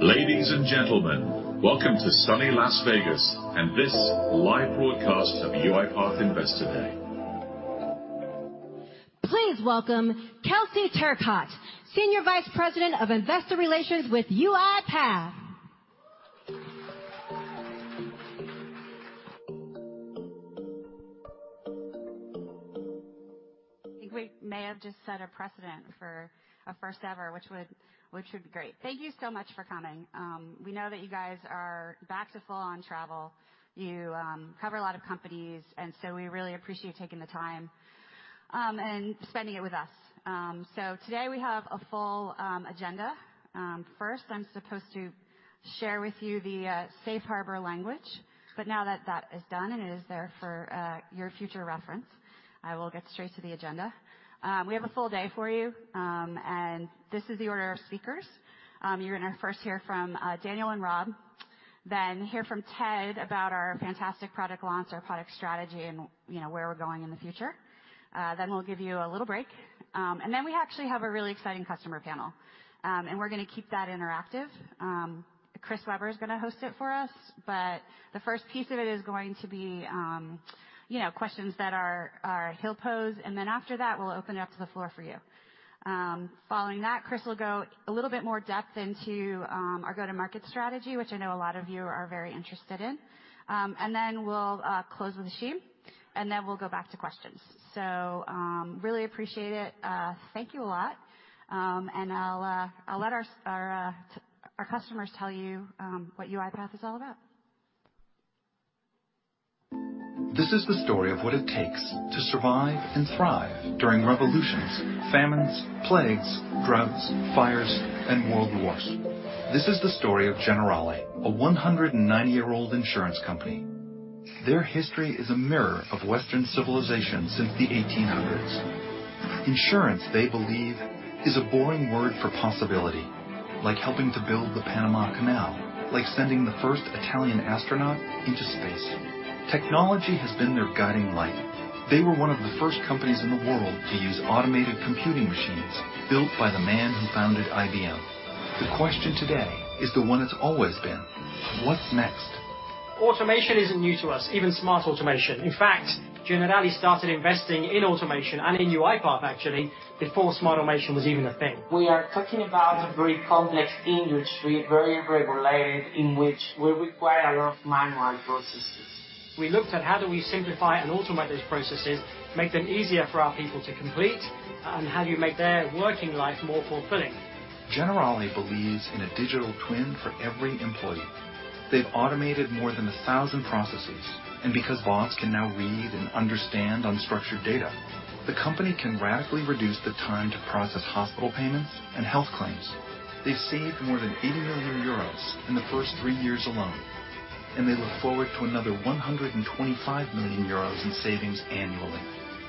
Ladies and gentlemen, welcome to sunny Las Vegas and this live broadcast of UiPath Investor Day. Please welcome Kelsey Turcotte, Senior Vice President of Investor Relations with UiPath. I think we may have just set a precedent for a first-ever, which would be great. Thank you so much for coming. We know that you guys are back to full-on travel. You cover a lot of companies, and so we really appreciate you taking the time and spending it with us. Today we have a full agenda. First, I'm supposed to share with you the safe harbor language. Now that that is done and it is there for your future reference, I will get straight to the agenda. We have a full day for you, and this is the order of speakers. You're gonna first hear from Daniel Dines and Rob Enslin, then hear from Ted Kummert about our fantastic product launch, our product strategy, and, you know, where we're going in the future. We'll give you a little break. We actually have a really exciting customer panel. We're gonna keep that interactive. Chris Weber is gonna host it for us, but the first piece of it is going to be, you know, questions that he'll pose, and then after that, we'll open it up to the floor for you. Following that, Chris will go a little bit more depth into our go-to-market strategy, which I know a lot of you are very interested in. We'll close with Ashim, and then we'll go back to questions. Really appreciate it. Thank you a lot. I'll let our customers tell you what UiPath is all about. This is the story of what it takes to survive and thrive during revolutions, famines, plagues, droughts, fires, and world wars. This is the story of Generali, a 190-year-old insurance company. Their history is a mirror of Western civilization since the 1800s. Insurance, they believe, is a boring word for possibility, like helping to build the Panama Canal, like sending the first Italian astronaut into space. Technology has been their guiding light. They were one of the first companies in the world to use automated computing machines built by the man who founded IBM. The question today is the one that's always been. What's next? Automation isn't new to us, even smart automation. In fact, Generali started investing in automation and in UiPath, actually, before smart automation was even a thing. We are talking about a very complex industry, very regulated, in which we require a lot of manual processes. We looked at how do we simplify and automate those processes, make them easier for our people to complete, and how do you make their working life more fulfilling. Generali believes in a digital twin for every employee. They've automated more than 1,000 processes, and because bots can now read and understand unstructured data, the company can radically reduce the time to process hospital payments and health claims. They've saved more than 80 million euros in the first three years alone, and they look forward to another 125 million euros in savings annually.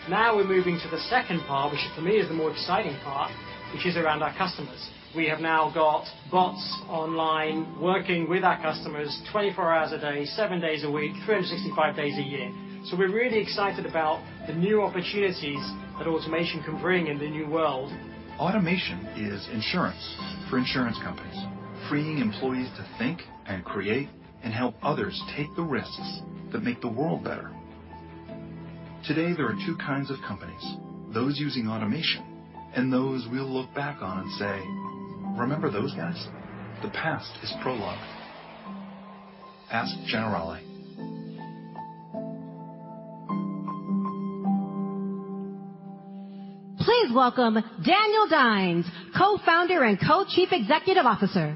Now we're moving to the second part, which for me is the more exciting part, which is around our customers. We have now got bots online, working with our customers 24 hours a day, 7 days a week, 365 days a year. We're really excited about the new opportunities that automation can bring in the new world. Automation is insurance for insurance companies, freeing employees to think and create and help others take the risks that make the world better. Today, there are two kinds of companies: those using automation and those we'll look back on and say, "Remember those guys?" The past is prologue. Ask Generali. Please welcome Daniel Dines, Co-Founder and Co-Chief Executive Officer.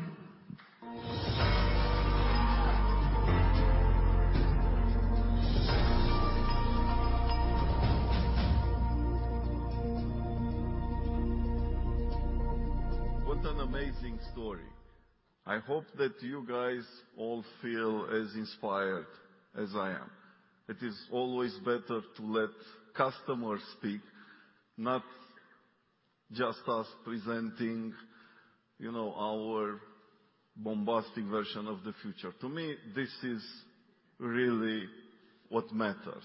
What an amazing story. I hope that you guys all feel as inspired as I am. It is always better to let customers speak, not just us presenting, you know, our bombastic version of the future. To me, this is really what matters.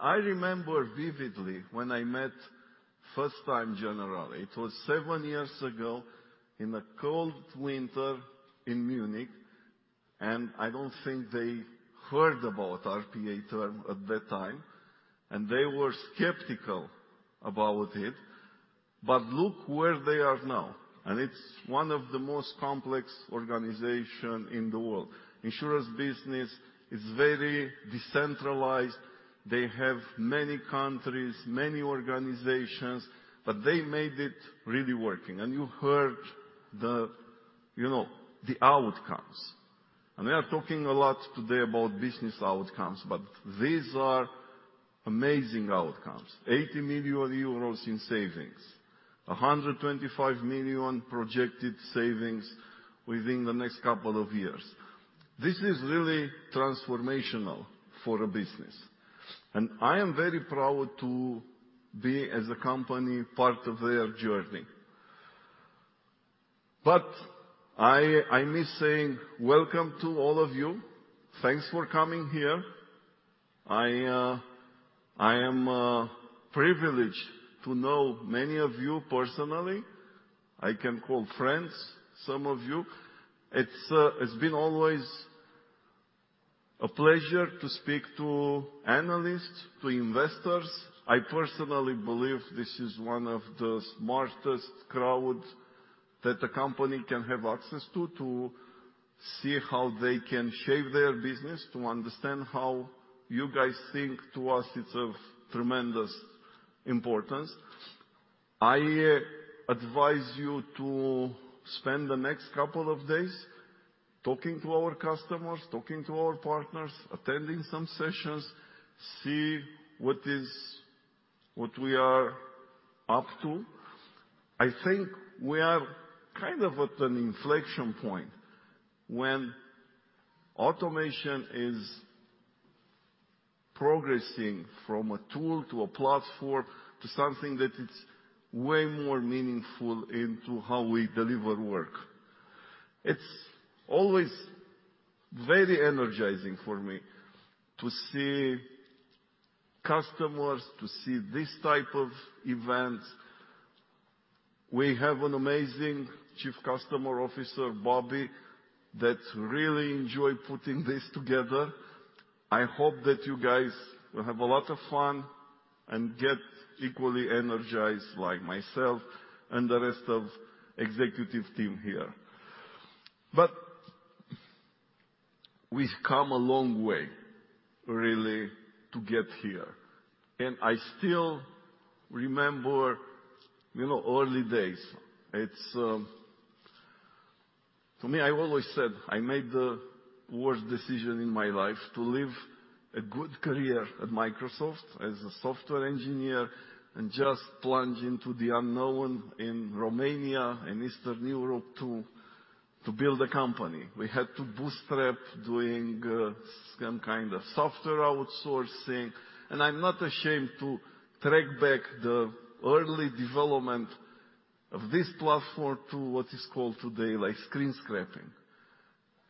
I remember vividly when I met first time Generali. It was seven years ago in a cold winter in Munich, and I don't think they heard about RPA term at that time, and they were skeptical about it. Look where they are now, and it's one of the most complex organization in the world. Insurance business is very decentralized. They have many countries, many organizations, but they made it really working. You heard the, you know, the outcomes. We are talking a lot today about business outcomes, but these are amazing outcomes. 80 million euros in savings. $125 million projected savings within the next couple of years. This is really transformational for a business, and I am very proud to be, as a company, part of their journey. I miss saying welcome to all of you. Thanks for coming here. I am privileged to know many of you personally. I can call friends, some of you. It's been always a pleasure to speak to analysts, to investors. I personally believe this is one of the smartest crowds that a company can have access to see how they can shape their business. To understand how you guys think, to us, it's of tremendous importance. I advise you to spend the next couple of days talking to our customers, talking to our partners, attending some sessions, see what we are up to. I think we are kind of at an inflection point when automation is progressing from a tool to a platform to something that it's way more meaningful into how we deliver work. It's always very energizing for me to see customers, to see this type of event. We have an amazing Chief Customer Officer, Bobby, that really enjoyed putting this together. I hope that you guys will have a lot of fun and get equally energized like myself and the rest of executive team here. We've come a long way, really, to get here, and I still remember, you know, early days. It's, to me, I've always said I made the worst decision in my life to leave a good career at Microsoft as a software engineer and just plunge into the unknown in Romania and Eastern Europe to build a company. We had to bootstrap doing some kind of software outsourcing, and I'm not ashamed to track back the early development of this platform to what is called today, like screen scraping.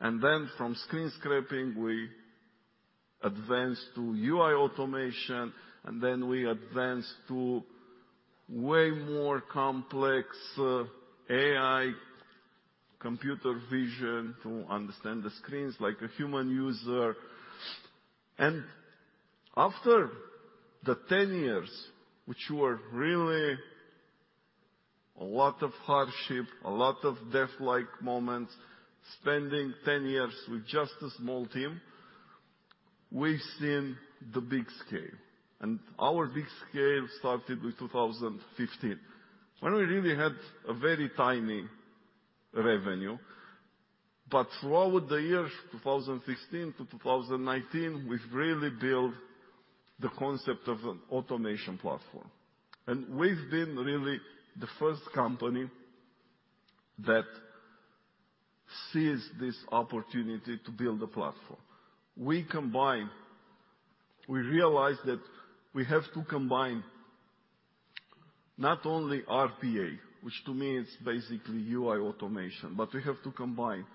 Then from screen scraping, we advanced to UI automation, and then we advanced to way more complex AI computer vision to understand the screens like a human user. After the 10 years, which were really a lot of hardship, a lot of death-like moments, spending 10 years with just a small team, we've seen the big scale. Our big scale started with 2015, when we really had a very tiny revenue. Throughout the years, 2016 to 2019, we've really built the concept of an automation platform. We've been really the first company that seize this opportunity to build a platform. We combine... We realized that we have to combine not only RPA, which to me is basically UI automation, but we have to combine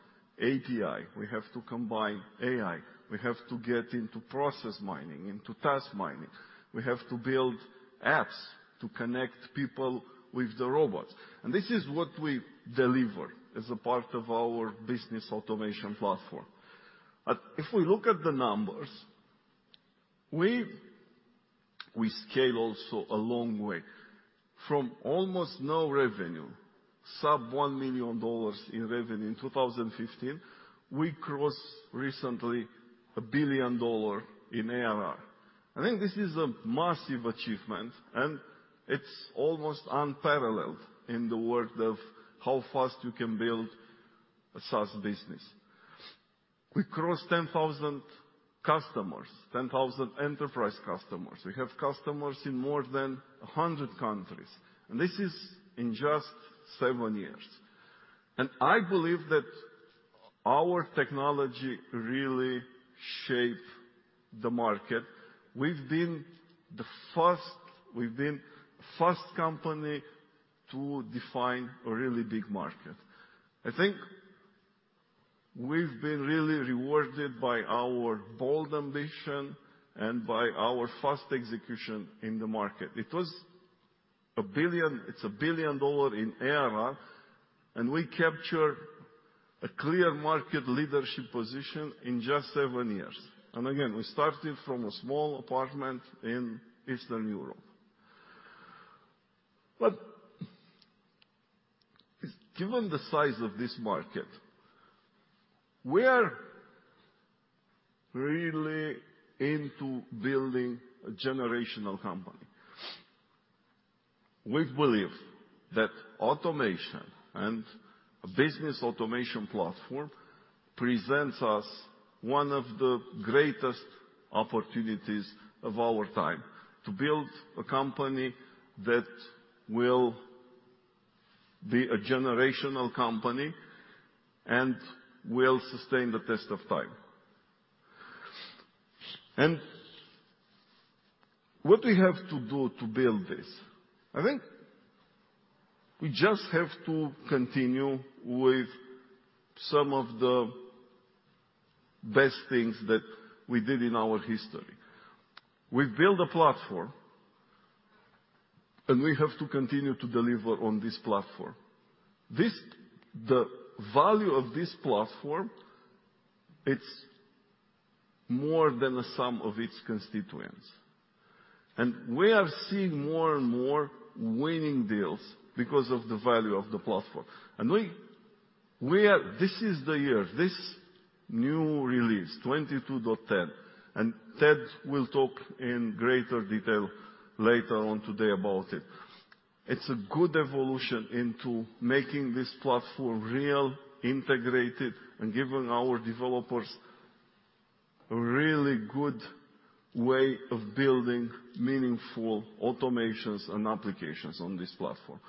API, we have to combine AI, we have to get into process mining, into task mining. We have to build apps to connect people with the robots. This is what we deliver as a part of our Business Automation Platform. If we look at the numbers, we've scaled a long way. From almost no revenue, sub $1 million in revenue in 2015, we crossed recently $1 billion in ARR. I think this is a massive achievement, and it's almost unparalleled in the world of how fast you can build a SaaS business. We crossed 10,000 customers, 10,000 enterprise customers. We have customers in more than 100 countries, and this is in just seven years. I believe that our technology really shaped the market. We've been the first company to define a really big market. I think we've been really rewarded by our bold ambition and by our fast execution in the market. It's $1 billion in ARR, and we capture a clear market leadership position in just seven years. Again, we started from a small apartment in Eastern Europe. Given the size of this market, we're really into building a generational company. We believe that automation and Business Automation Platform presents us one of the greatest opportunities of our time to build a company that will be a generational company and will sustain the test of time. What we have to do to build this, I think, we just have to continue with some of the best things that we did in our history. We've built a platform, and we have to continue to deliver on this platform. The value of this platform, it's more than the sum of its constituents. We are seeing more and more winning deals because of the value of the platform. We are. This is the year, this new release, 22.10, and Ted will talk in greater detail later on today about it. It's a good evolution into making this platform really integrated and giving our developers a really good way of building meaningful automations and applications on this platform.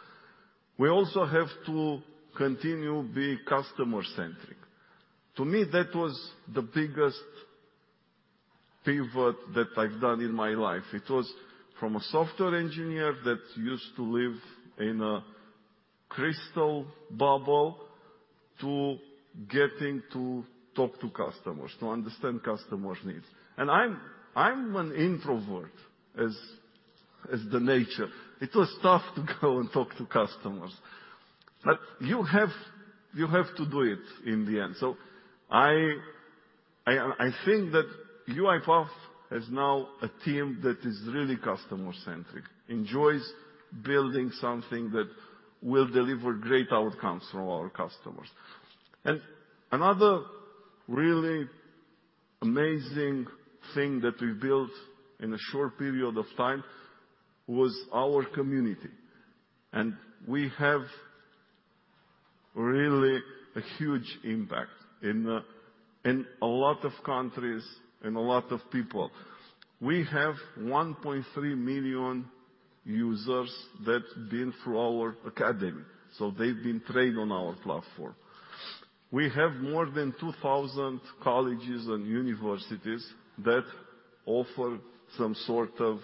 We also have to continue to be customer-centric. To me, that was the biggest pivot that I've done in my life. It was from a software engineer that used to live in a crystal bubble to getting to talk to customers, to understand customers' needs. I'm an introvert, as is the nature. It was tough to go and talk to customers, but you have to do it in the end. I think that UiPath has now a team that is really customer-centric, enjoys building something that will deliver great outcomes for our customers. Another really amazing thing that we built in a short period of time was our community. We have really a huge impact in a lot of countries, in a lot of people. We have 1.3 million users that's been through our academy, so they've been trained on our platform. We have more than 2,000 colleges and universities that offer some sort of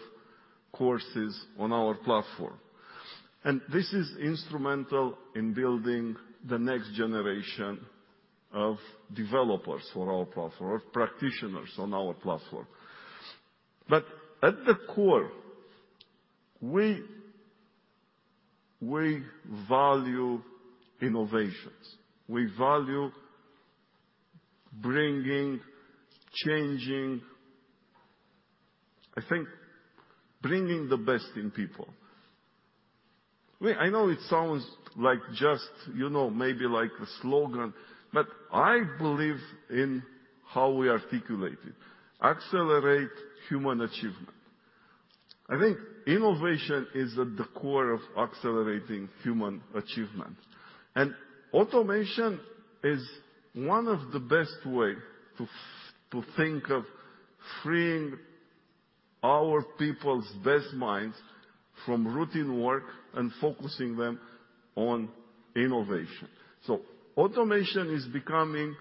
courses on our platform. This is instrumental in building the next generation of developers for our platform, or practitioners on our platform. At the core, we value innovations. We value bringing the best in people. I know it sounds like just, you know, maybe like a slogan, but I believe in how we articulate it. Accelerate human achievement. I think innovation is at the core of accelerating human achievement. Automation is one of the best way to think of freeing our people's best minds from routine work and focusing them on innovation. Automation is becoming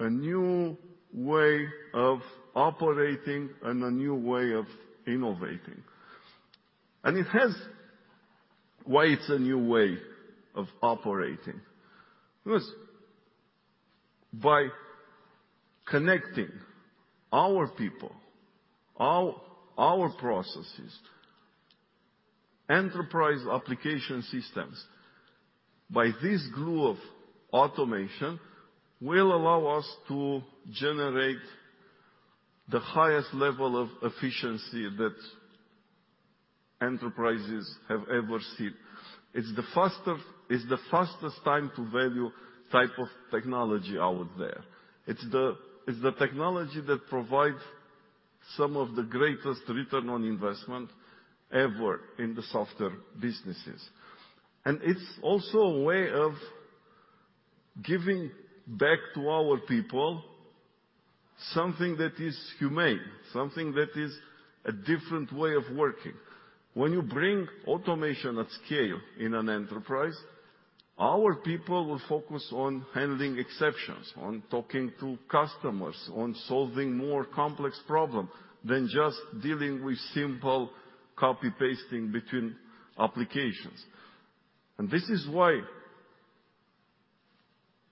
a new way of operating and a new way of innovating. It has ways and new way of operating. Because by connecting our people, our processes, enterprise application systems, by this glue of automation, will allow us to generate the highest level of efficiency that enterprises have ever seen. It's the fastest time to value type of technology out there. It's the technology that provides some of the greatest return on investment ever in the software businesses. It's also a way of giving back to our people something that is humane, something that is a different way of working. When you bring automation at scale in an enterprise, our people will focus on handling exceptions, on talking to customers, on solving more complex problem than just dealing with simple copy-pasting between applications. This is why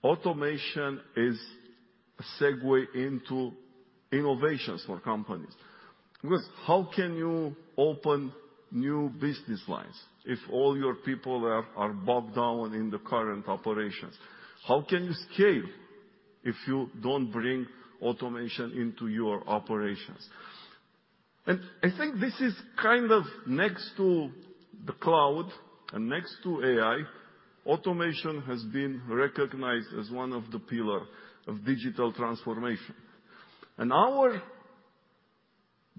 automation is a segue into innovations for companies. Because how can you open new business lines if all your people are bogged down in the current operations? How can you scale if you don't bring automation into your operations? I think this is kind of next to the cloud and next to AI, automation has been recognized as one of the pillar of digital transformation. Our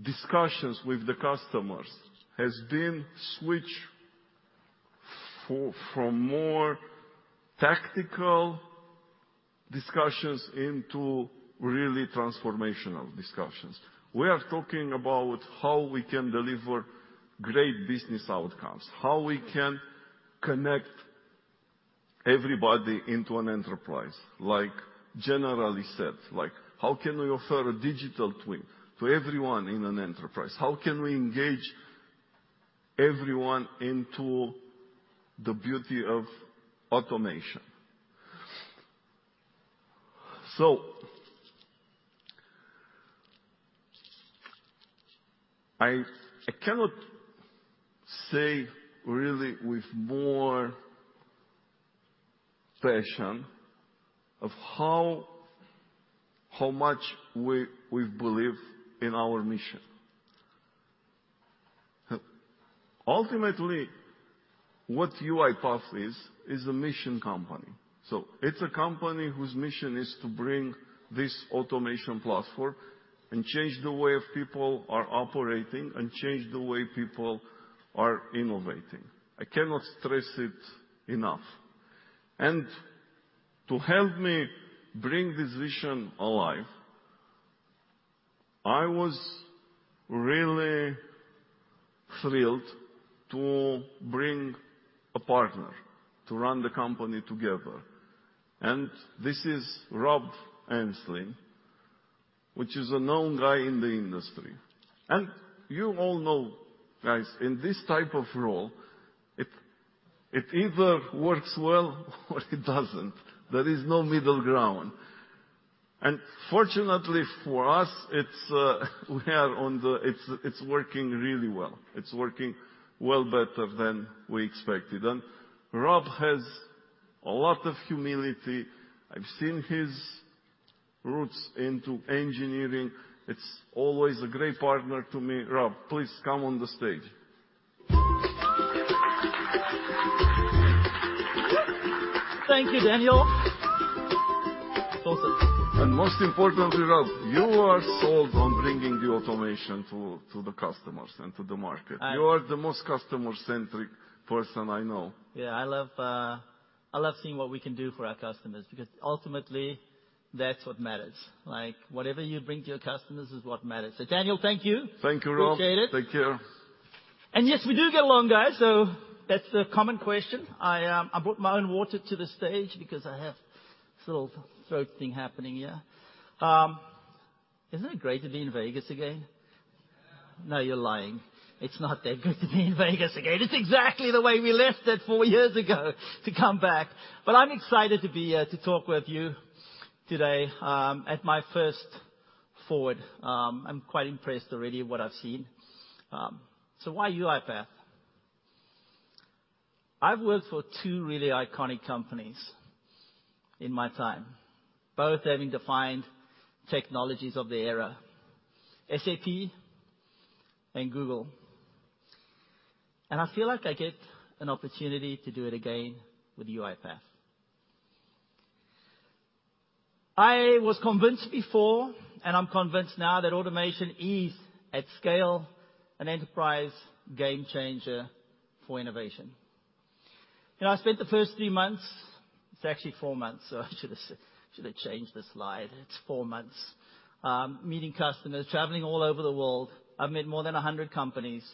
discussions with the customers have been switched from more tactical discussions into really transformational discussions. We are talking about how we can deliver great business outcomes, how we can connect everybody into an enterprise, like generally said, like how can we offer a digital twin to everyone in an enterprise? How can we engage everyone into the beauty of automation? I cannot say really with more passion how much we believe in our mission. Ultimately, what UiPath is a mission company. It's a company whose mission is to bring this automation platform and change the way of people are operating and change the way people are innovating. I cannot stress it enough. To help me bring this vision alive, I was really thrilled to bring a partner to run the company together. This is Rob Enslin, which is a known guy in the industry. You all know, guys, in this type of role, it either works well or it doesn't. There is no middle ground. Fortunately for us, it's working really well. It's working well better than we expected. Rob has a lot of humility. I've seen his roots into engineering. It's always a great partner to me. Rob, please come on the stage. Thank you, Daniel. Most importantly, Rob, you are sold on bringing the automation to the customers and to the market. I- You are the most customer-centric person I know. Yeah. I love seeing what we can do for our customers because ultimately, that's what matters. Like, whatever you bring to your customers is what matters. Daniel, thank you. Thank you, Rob. Appreciate it. Thank you. Yes, we do get along, guys. That's a common question. I brought my own water to the stage because I have this little throat thing happening here. Isn't it great to be in Vegas again? Yeah. No, you're lying. It's not that good to be in Vegas again. It's exactly the way we left it four years ago to come back. I'm excited to be here to talk with you today at my first Forward. I'm quite impressed already what I've seen. Why UiPath? I've worked for two really iconic companies in my time, both having defined technologies of the era, SAP and Google. I feel like I get an opportunity to do it again with UiPath. I was convinced before, and I'm convinced now that automation is at scale an enterprise game changer for innovation. You know, I spent the first three months. It's actually four months, so I should have changed the slide. It's four months meeting customers, traveling all over the world. I've met more than 100 companies,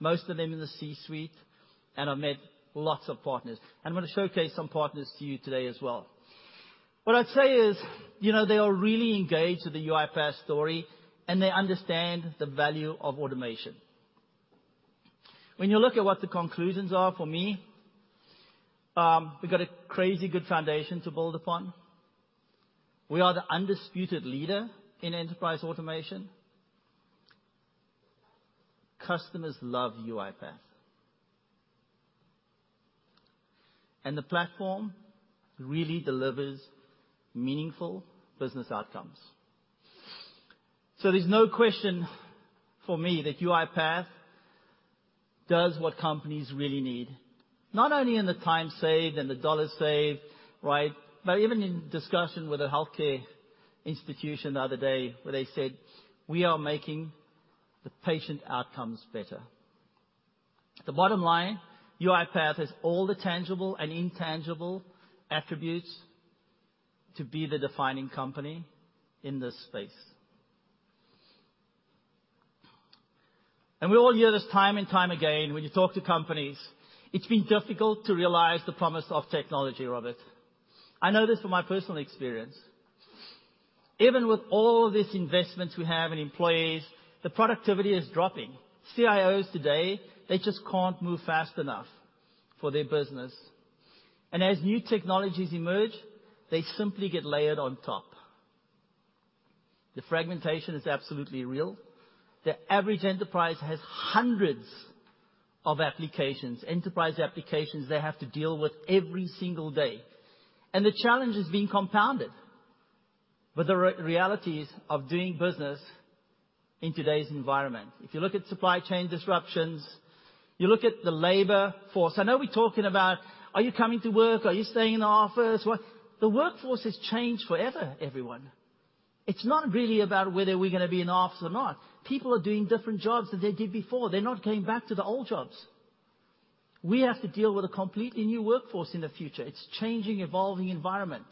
most of them in the C-suite, and I've met lots of partners. I'm gonna showcase some partners to you today as well. What I'd say is, you know, they are really engaged with the UiPath story and they understand the value of automation. When you look at what the conclusions are for me, we've got a crazy good foundation to build upon. We are the undisputed leader in enterprise automation. Customers love UiPath. The platform really delivers meaningful business outcomes. There's no question for me that UiPath does what companies really need. Not only in the time saved and the dollars saved, right? Even in discussion with a healthcare institution the other day where they said, "We are making the patient outcomes better." The bottom line, UiPath has all the tangible and intangible attributes to be the defining company in this space. We all hear this time and time again when you talk to companies. It's been difficult to realize the promise of technology, Rob. I know this from my personal experience. Even with all these investments we have in employees, the productivity is dropping. CIOs today, they just can't move fast enough for their business. As new technologies emerge, they simply get layered on top. The fragmentation is absolutely real. The average enterprise has hundreds of applications, enterprise applications they have to deal with every single day, and the challenge is being compounded with the realities of doing business in today's environment. If you look at supply chain disruptions, you look at the labor force. I know we're talking about are you coming to work? Are you staying in the office? The workforce has changed forever, everyone. It's not really about whether we're gonna be in the office or not. People are doing different jobs than they did before. They're not going back to the old jobs. We have to deal with a completely new workforce in the future. It's changing, evolving environment.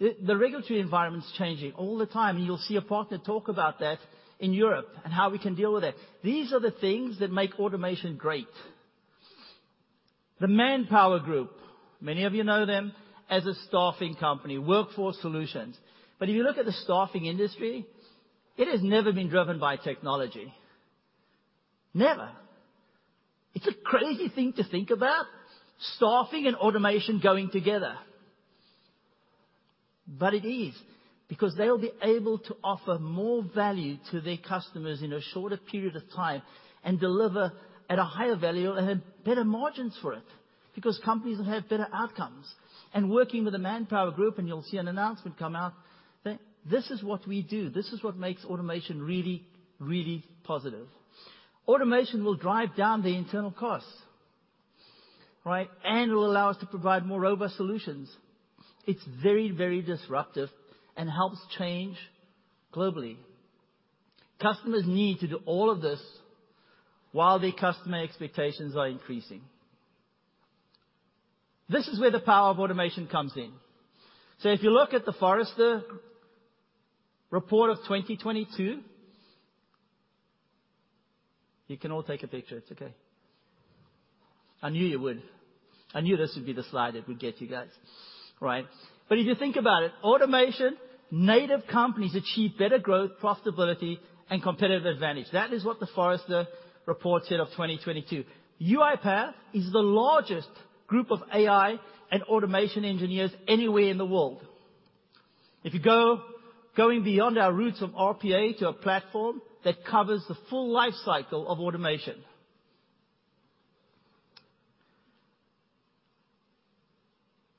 The regulatory environment's changing all the time. You'll see a partner talk about that in Europe and how we can deal with it. These are the things that make automation great. The ManpowerGroup, many of you know them as a staffing company, workforce solutions. But if you look at the staffing industry, it has never been driven by technology. Never. It's a crazy thing to think about staffing and automation going together. It is because they'll be able to offer more value to their customers in a shorter period of time and deliver at a higher value and better margins for it because companies will have better outcomes. Working with the ManpowerGroup, and you'll see an announcement come out, this is what we do. This is what makes automation really, really positive. Automation will drive down the internal costs, right? It will allow us to provide more robust solutions. It's very, very disruptive and helps change globally. Customers need to do all of this while their customer expectations are increasing. This is where the power of automation comes in. If you look at the Forrester report of 2022. You can all take a picture. It's okay. I knew you would. I knew this would be the slide that would get you guys, right. If you think about it, automation-native companies achieve better growth, profitability, and competitive advantage. That is what the Forrester report said of 2022. UiPath is the largest group of AI and automation engineers anywhere in the world. Going beyond our roots of RPA to a platform that covers the full life cycle of automation.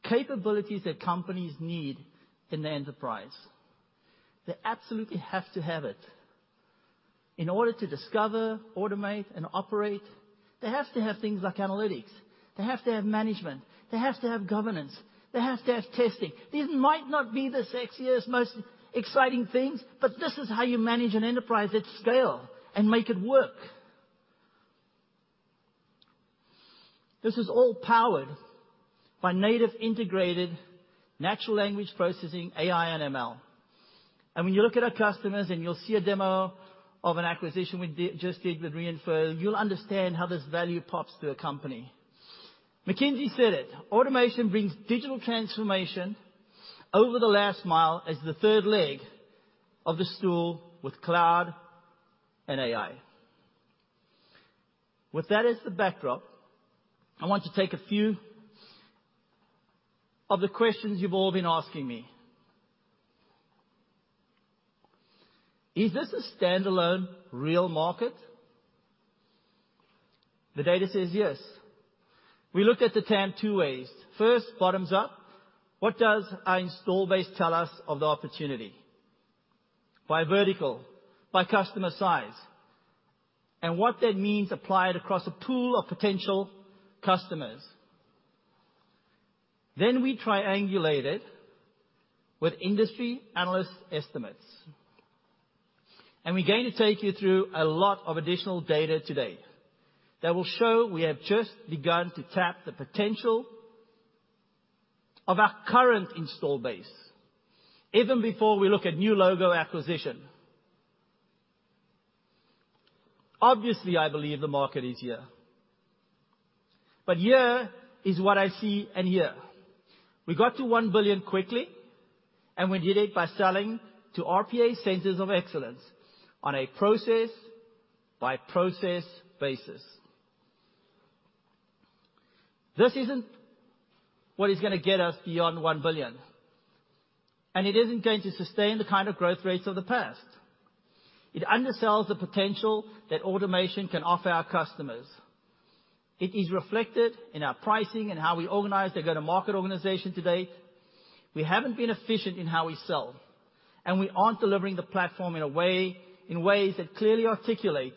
Capabilities that companies need in their enterprise. They absolutely have to have it. In order to discover, automate, and operate, they have to have things like analytics. They have to have management. They have to have governance. They have to have testing. These might not be the sexiest, most exciting things, but this is how you manage an enterprise at scale and make it work. This is all powered by native integrated natural language processing, AI, and ML. When you look at our customers, and you'll see a demo of an acquisition we just did with Re:infer, you'll understand how this value pops to a company. McKinsey said it. Automation brings digital transformation over the last mile as the third leg of the stool with cloud and AI. With that as the backdrop, I want to take a few of the questions you've all been asking me. Is this a standalone real market? The data says yes. We looked at the TAM two ways. First, bottoms up, what does our install base tell us of the opportunity? By vertical, by customer size, and what that means applied across a pool of potential customers. Then we triangulate it with industry analyst estimates. We're going to take you through a lot of additional data today that will show we have just begun to tap the potential of our current install base even before we look at new logo acquisition. Obviously, I believe the market is here. Here is what I see and hear. We got to 1 billion quickly, and we did it by selling to RPA centers of excellence on a process-by-process basis. This isn't what is gonna get us beyond 1 billion, and it isn't going to sustain the kind of growth rates of the past. It undersells the potential that automation can offer our customers. It is reflected in our pricing and how we organize the go-to-market organization today. We haven't been efficient in how we sell, and we aren't delivering the platform in a way, in ways that clearly articulate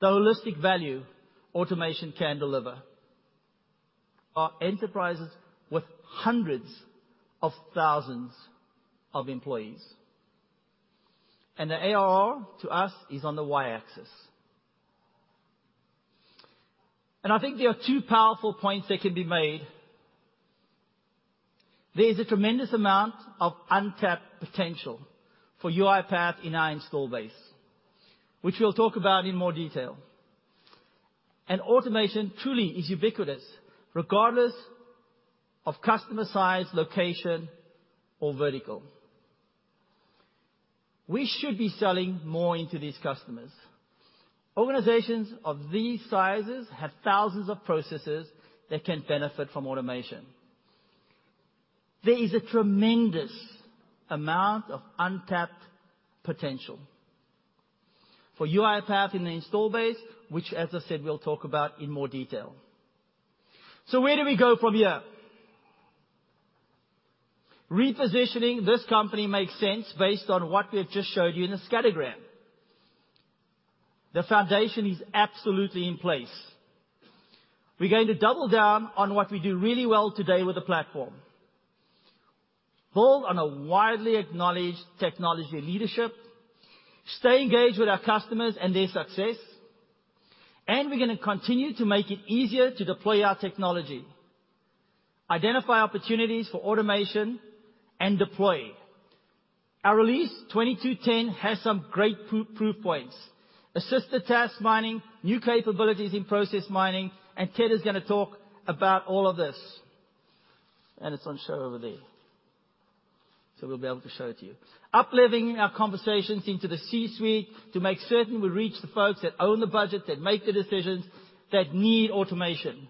the holistic value automation can deliver. Our enterprises with hundreds of thousands of employees. The ARR to us is on the Y-axis. I think there are two powerful points that can be made. There is a tremendous amount of untapped potential for UiPath in our install base, which we'll talk about in more detail. Automation truly is ubiquitous, regardless of customer size, location, or vertical. We should be selling more into these customers. Organizations of these sizes have thousands of processes that can benefit from automation. There is a tremendous amount of untapped potential for UiPath in the install base, which as I said, we'll talk about in more detail. Where do we go from here? Repositioning this company makes sense based on what we have just showed you in the scattergram. The foundation is absolutely in place. We're going to double down on what we do really well today with the platform. Build on a widely acknowledged technology leadership, stay engaged with our customers and their success. We're gonna continue to make it easier to deploy our technology, identify opportunities for automation, and deploy. Our release 22.10 has some great proof points. Assisted Task Mining, new capabilities in Process Mining, and Ted is gonna talk about all of this. It's on show over there. We'll be able to show it to you. Uplifting our conversations into the C-suite to make certain we reach the folks that own the budget, that make the decisions, that need automation.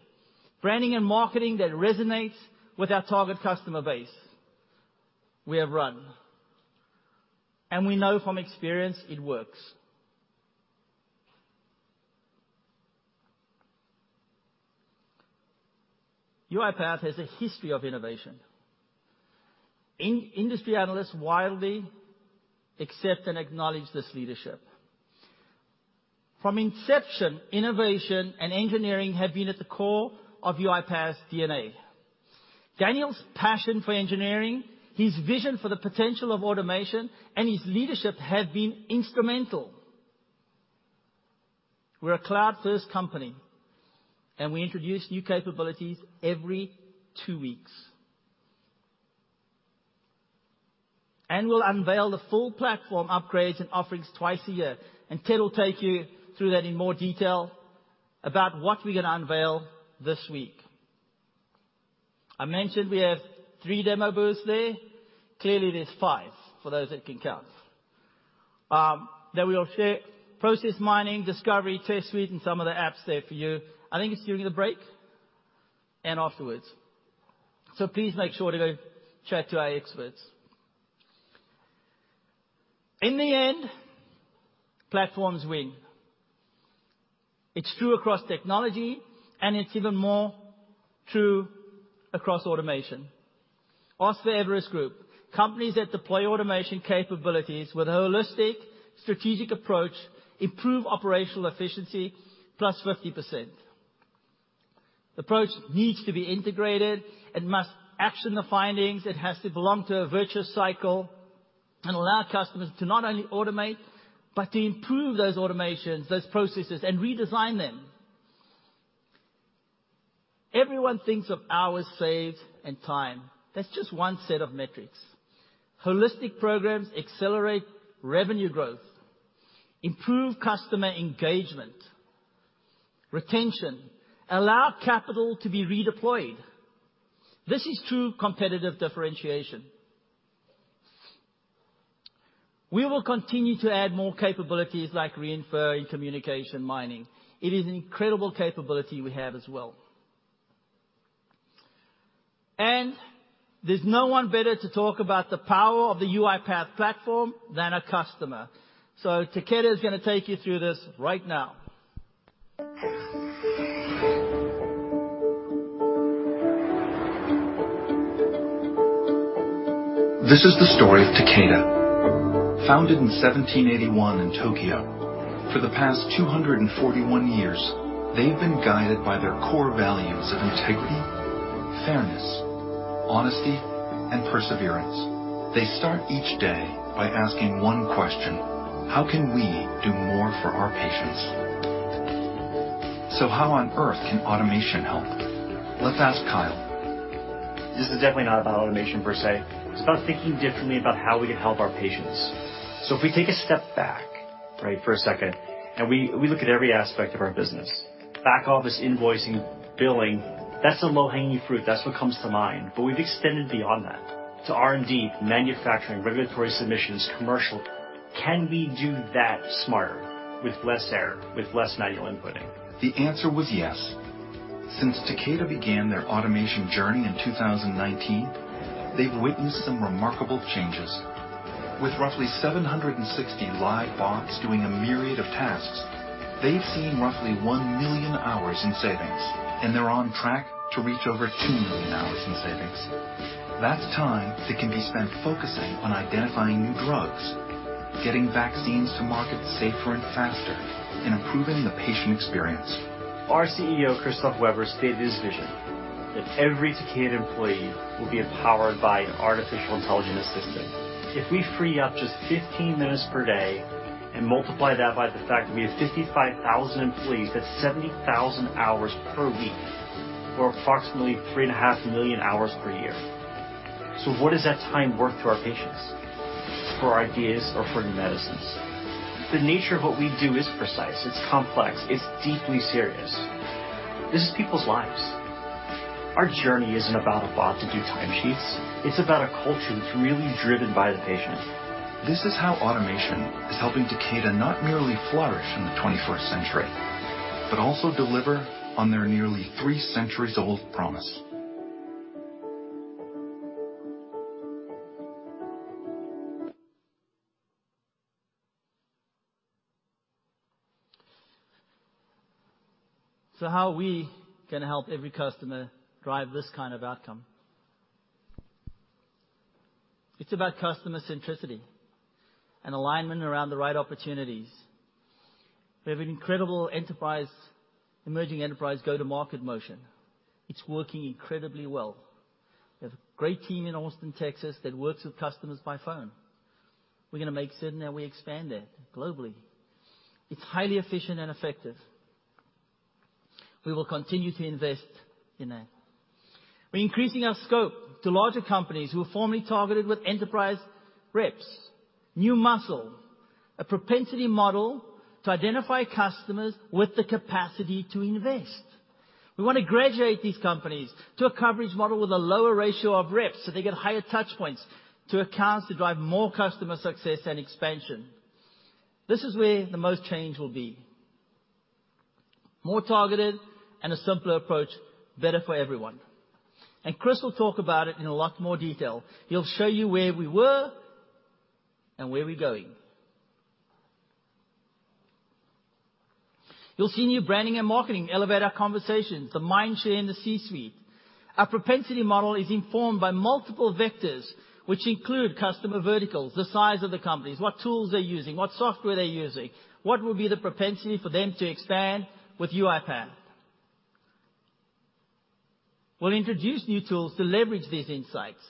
Branding and marketing that resonates with our target customer base. We have run, and we know from experience it works. UiPath has a history of innovation. Industry analysts widely accept and acknowledge this leadership. From inception, innovation, and engineering have been at the core of UiPath's DNA. Daniel's passion for engineering, his vision for the potential of automation, and his leadership have been instrumental. We're a cloud-first company, and we introduce new capabilities every two weeks. We'll unveil the full platform upgrades and offerings twice a year. Ted will take you through that in more detail about what we're gonna unveil this week. I mentioned we have three demo booths there. Clearly, there's five, for those that can count. That we'll share Process Mining, discovery, Test Suite, and some of the apps there for you. I think it's during the break and afterwards. Please make sure to go chat to our experts. In the end, platforms win. It's true across technology, and it's even more true across automation. Ask the Everest Group. Companies that deploy automation capabilities with a holistic strategic approach improve operational efficiency +50%. The approach needs to be integrated. It must action the findings. It has to belong to a virtuous cycle and allow customers to not only automate, but to improve those automations, those processes, and redesign them. Everyone thinks of hours saved and time. That's just one set of metrics. Holistic programs accelerate revenue growth, improve customer engagement, retention, allow capital to be redeployed. This is true competitive differentiation. We will continue to add more capabilities like Re:infer in communications mining. It is an incredible capability we have as well. There's no one better to talk about the power of the UiPath platform than a customer. Takeda is gonna take you through this right now. This is the story of Takeda. Founded in 1781 in Tokyo. For the past 241 years, they've been guided by their core values of integrity, fairness, honesty, and perseverance. They start each day by asking one question: How can we do more for our patients? How on earth can automation help? Let's ask Kyle. This is definitely not about automation per se. It's about thinking differently about how we can help our patients. If we take a step back, right, for a second, and we look at every aspect of our business. Back office invoicing, billing. That's the low-hanging fruit. That's what comes to mind. But we've extended beyond that to R&D, manufacturing, regulatory submissions, commercial. Can we do that smarter with less error, with less manual inputting? The answer was yes. Since Takeda began their automation journey in 2019, they've witnessed some remarkable changes. With roughly 760 live bots doing a myriad of tasks, they've seen roughly 1 million hours in savings, and they're on track to reach over 2 million hours in savings. That's time that can be spent focusing on identifying new drugs, getting vaccines to market safer and faster, and improving the patient experience. Our CEO, Christophe Weber, stated his vision that every Takeda employee will be empowered by an artificial intelligence system. If we free up just 15 minutes per day and multiply that by the fact that we have 55,000 employees, that's 70,000 hours per week, or approximately 3.5 million hours per year. What is that time worth to our patients for ideas or for new medicines? The nature of what we do is precise, it's complex, it's deeply serious. This is people's lives. Our journey isn't about a bot to do time sheets. It's about a culture that's really driven by the patient. This is how automation is helping Takeda not merely flourish in the 21st century, but also deliver on their nearly three centuries old promise. How are we gonna help every customer drive this kind of outcome? It's about customer centricity and alignment around the right opportunities. We have an incredible enterprise, emerging enterprise go-to-market motion. It's working incredibly well. We have a great team in Austin, Texas, that works with customers by phone. We're gonna make certain that we expand that globally. It's highly efficient and effective. We will continue to invest in that. We're increasing our scope to larger companies who were formerly targeted with enterprise reps. New muscle, a propensity model to identify customers with the capacity to invest. We wanna graduate these companies to a coverage model with a lower ratio of reps, so they get higher touch points to accounts to drive more customer success and expansion. This is where the most change will be. More targeted and a simpler approach, better for everyone. Chris will talk about it in a lot more detail. He'll show you where we were and where we're going. You'll see new branding and marketing elevate our conversations, the mind share in the C-suite. Our propensity model is informed by multiple vectors, which include customer verticals, the size of the companies, what tools they're using, what software they're using, what will be the propensity for them to expand with UiPath. We'll introduce new tools to leverage these insights.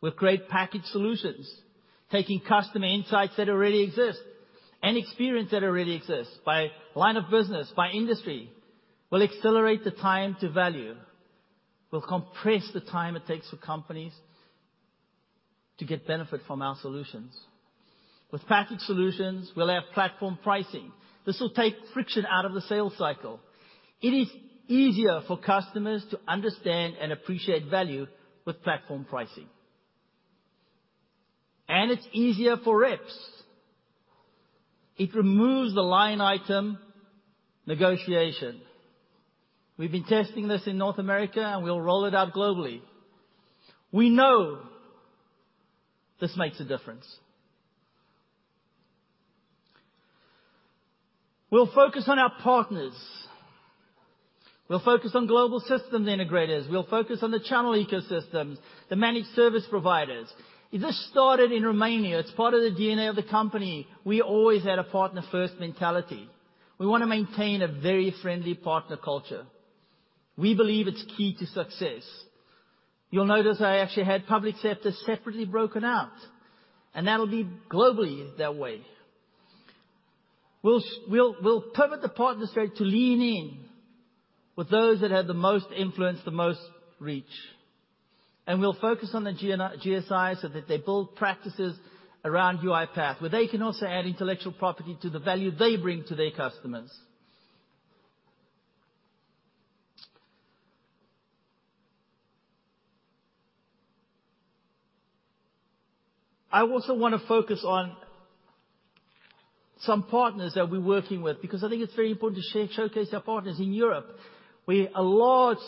We'll create package solutions, taking customer insights that already exist and experience that already exists by line of business, by industry. We'll accelerate the time to value. We'll compress the time it takes for companies to get benefit from our solutions. With package solutions, we'll have platform pricing. This will take friction out of the sales cycle. It is easier for customers to understand and appreciate value with platform pricing. It's easier for reps. It removes the line item negotiation. We've been testing this in North America, and we'll roll it out globally. We know this makes a difference. We'll focus on our partners. We'll focus on global system integrators. We'll focus on the channel ecosystems, the managed service providers. This started in Romania. It's part of the DNA of the company. We always had a partner first mentality. We wanna maintain a very friendly partner culture. We believe it's key to success. You'll notice I actually had public sector separately broken out, and that'll be globally that way. We'll pivot the partner strategy to lean in with those that have the most influence, the most reach. We'll focus on the GSIs so that they build practices around UiPath, where they can also add intellectual property to the value they bring to their customers. I also wanna focus on some partners that we're working with because I think it's very important to showcase our partners in Europe, where a large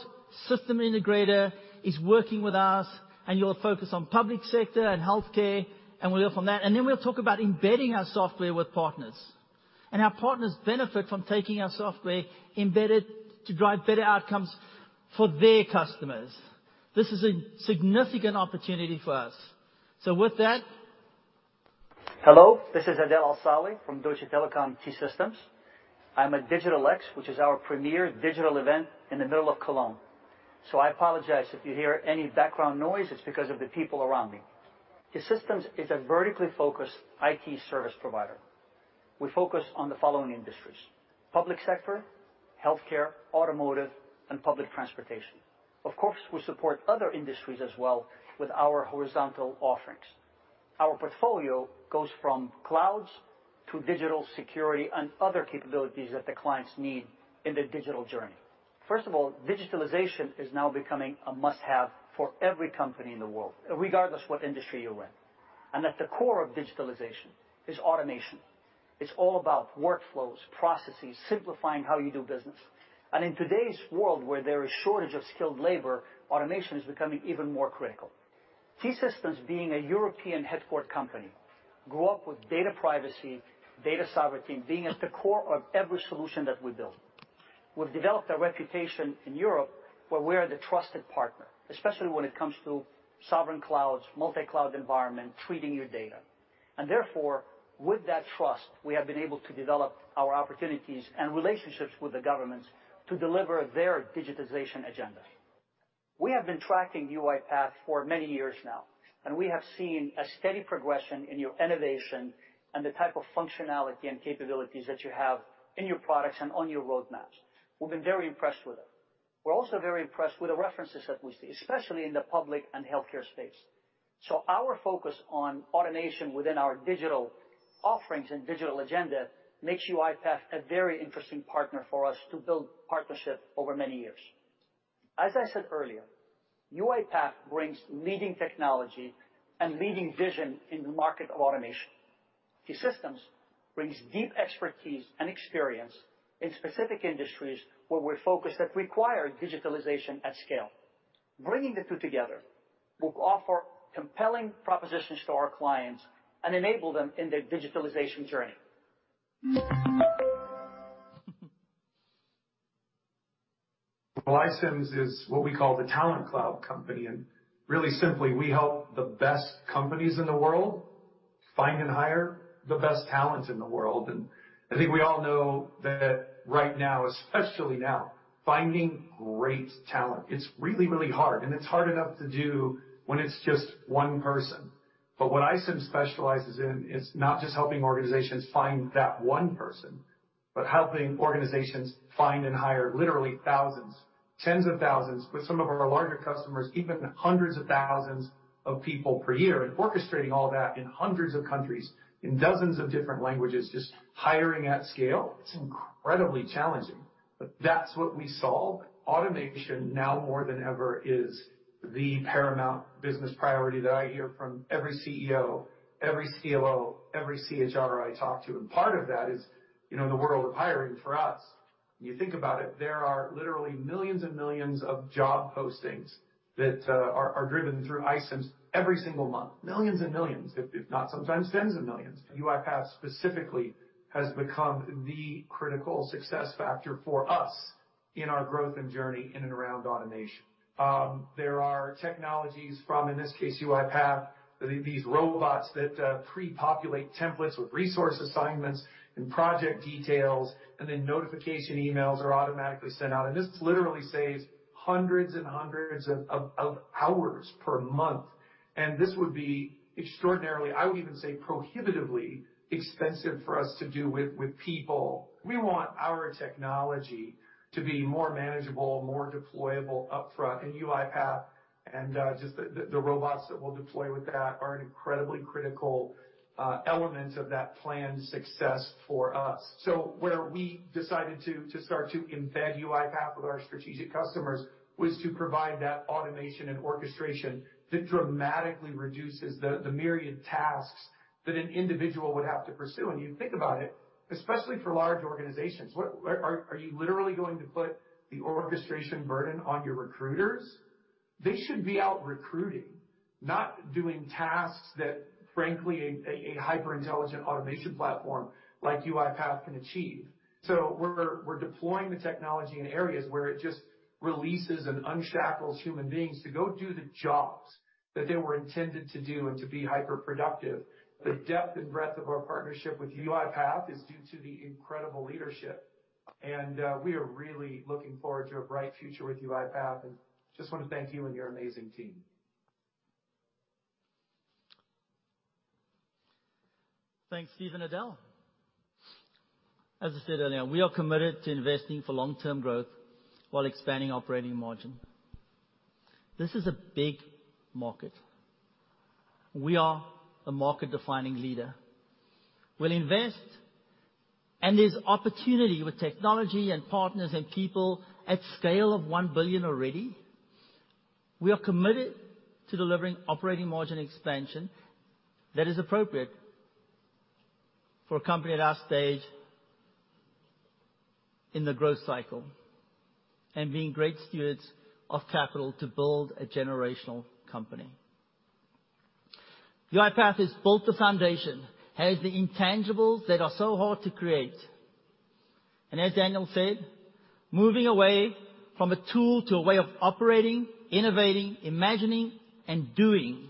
system integrator is working with us, and you'll focus on public sector and healthcare, and we'll hear from that. Then we'll talk about embedding our software with partners. Our partners benefit from taking our software embedded to drive better outcomes for their customers. This is a significant opportunity for us. With that. Hello, this is Adel Al-Saleh from Deutsche Telekom T-Systems. I'm at Digital X, which is our premier digital event in the middle of Cologne. I apologize if you hear any background noise, it's because of the people around me. T-Systems is a vertically focused IT service provider. We focus on the following industries, public sector, healthcare, automotive, and public transportation. Of course, we support other industries as well with our horizontal offerings. Our portfolio goes from clouds to digital security and other capabilities that the clients need in their digital journey. First of all, digitalization is now becoming a must-have for every company in the world, regardless what industry you're in. At the core of digitalization is automation. It's all about workflows, processes, simplifying how you do business. In today's world where there is shortage of skilled labor, automation is becoming even more critical. T-Systems being a European headquarters company, grew up with data privacy, data sovereignty being at the core of every solution that we build. We've developed a reputation in Europe, where we are the trusted partner, especially when it comes to sovereign clouds, multi-cloud environment, treating your data. Therefore, with that trust, we have been able to develop our opportunities and relationships with the governments to deliver their digitization agenda. We have been tracking UiPath for many years now, and we have seen a steady progression in your innovation and the type of functionality and capabilities that you have in your products and on your roadmaps. We've been very impressed with it. We're also very impressed with the references that we see, especially in the public and healthcare space. Our focus on automation within our digital offerings and digital agenda makes UiPath a very interesting partner for us to build partnership over many years. As I said earlier, UiPath brings leading technology and leading vision in the market of automation. T-Systems brings deep expertise and experience in specific industries where we're focused that require digitalization at scale. Bringing the two together will offer compelling propositions to our clients and enable them in their digitalization journey. Well, iCIMS is what we call the talent cloud company, and really simply, we help the best companies in the world find and hire the best talent in the world. I think we all know that right now, especially now, finding great talent, it's really, really hard, and it's hard enough to do when it's just one person. What iCIMS specializes in is not just helping organizations find that one person, but helping organizations find and hire literally thousands, tens of thousands, with some of our larger customers, even hundreds of thousands of people per year. Orchestrating all that in hundreds of countries, in dozens of different languages, just hiring at scale, it's incredibly challenging. That's what we solve. Automation, now more than ever, is the paramount business priority that I hear from every CEO, every COO, every CHRO I talk to. Part of that is, you know, the world of hiring for us. When you think about it, there are literally millions and millions of job postings that are driven through iCIMS every single month. Millions and millions, if not sometimes tens of millions. UiPath specifically has become the critical success factor for us in our growth and journey in and around automation. There are technologies from, in this case, UiPath. These robots that prepopulate templates with resource assignments and project details, and then notification emails are automatically sent out. This literally saves hundreds and hundreds of hours per month. This would be extraordinarily, I would even say, prohibitively expensive for us to do with people. We want our technology to be more manageable, more deployable upfront. and just the robots that we'll deploy with that are an incredibly critical element of that planned success for us. Where we decided to start to embed UiPath with our strategic customers was to provide that automation and orchestration that dramatically reduces the myriad tasks that an individual would have to pursue. When you think about it, especially for large organizations, are you literally going to put the orchestration burden on your recruiters? They should be out recruiting, not doing tasks that frankly a hyper-intelligent automation platform like UiPath can achieve. We're deploying the technology in areas where it just releases and unshackles human beings to go do the jobs that they were intended to do and to be hyper-productive. The depth and breadth of our partnership with UiPath is due to the incredible leadership. We are really looking forward to a bright future with UiPath. Just wanna thank you and your amazing team. Thanks, Steve, Adel. As I said earlier, we are committed to investing for long-term growth while expanding operating margin. This is a big market. We are a market-defining leader. We'll invest, and there's opportunity with technology and partners and people at scale of 1 billion already. We are committed to delivering operating margin expansion that is appropriate for a company at our stage in the growth cycle, and being great stewards of capital to build a generational company. UiPath has built a foundation, has the intangibles that are so hard to create. As Daniel said, moving away from a tool to a way of operating, innovating, imagining, and doing.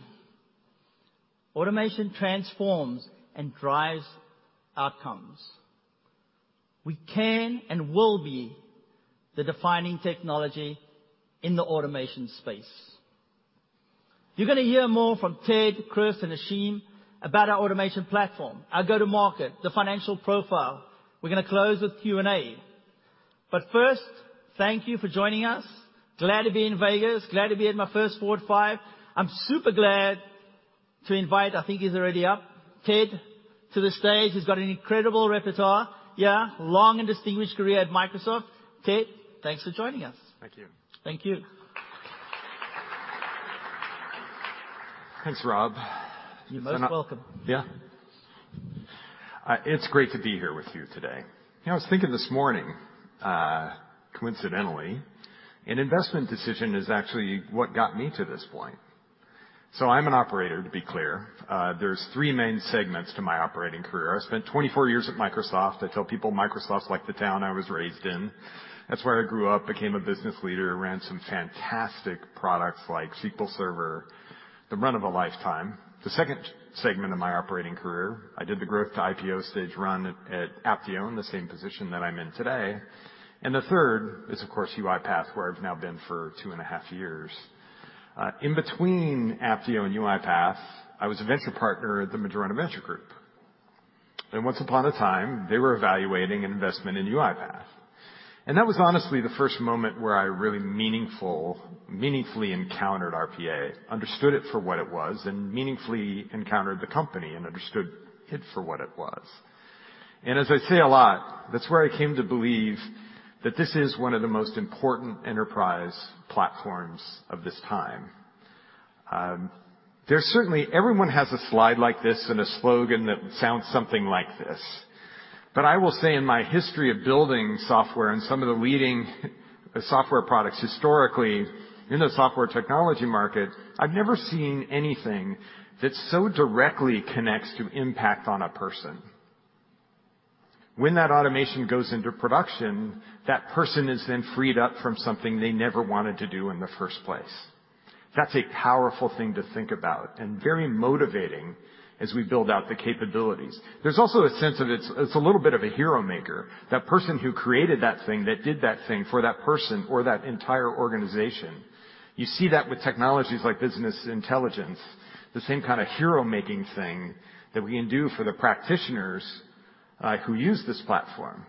Automation transforms and drives outcomes. We can and will be the defining technology in the automation space. You're gonna hear more from Ted, Chris, and Ashim about our automation platform, our go-to-market, the financial profile. We're gonna close with Q&A. First, thank you for joining us. Glad to be in Vegas. Glad to be at my first FORWARD 5. I'm super glad to invite, I think he's already up, Ted to the stage. He's got an incredible reputation. Yeah, long and distinguished career at Microsoft. Ted, thanks for joining us. Thank you. Thank you. Thanks, Rob. You're most welcome. Yeah. It's great to be here with you today. You know, I was thinking this morning, coincidentally, an investment decision is actually what got me to this point. I'm an operator, to be clear. There's three main segments to my operating career. I spent 24 years at Microsoft. I tell people Microsoft's like the town I was raised in. That's where I grew up, became a business leader, ran some fantastic products like SQL Server, the run of a lifetime. The second segment of my operating career, I did the growth to IPO stage run at Apptio in the same position that I'm in today. The third is, of course, UiPath, where I've now been for two and a half years. In between Apptio and UiPath, I was a venture partner at the Madrona Venture Group. Once upon a time, they were evaluating an investment in UiPath. That was honestly the first moment where I really meaningfully encountered RPA, understood it for what it was, and meaningfully encountered the company and understood it for what it was. As I say a lot, that's where I came to believe that this is one of the most important enterprise platforms of this time. Everyone has a slide like this and a slogan that sounds something like this. I will say in my history of building software and some of the leading software products historically in the software technology market, I've never seen anything that so directly connects to impact on a person. When that automation goes into production, that person is then freed up from something they never wanted to do in the first place. That's a powerful thing to think about and very motivating as we build out the capabilities. There's also a sense of it's a little bit of a hero maker. That person who created that thing, that did that thing for that person or that entire organization. You see that with technologies like business intelligence, the same kinda hero-making thing that we can do for the practitioners who use this platform.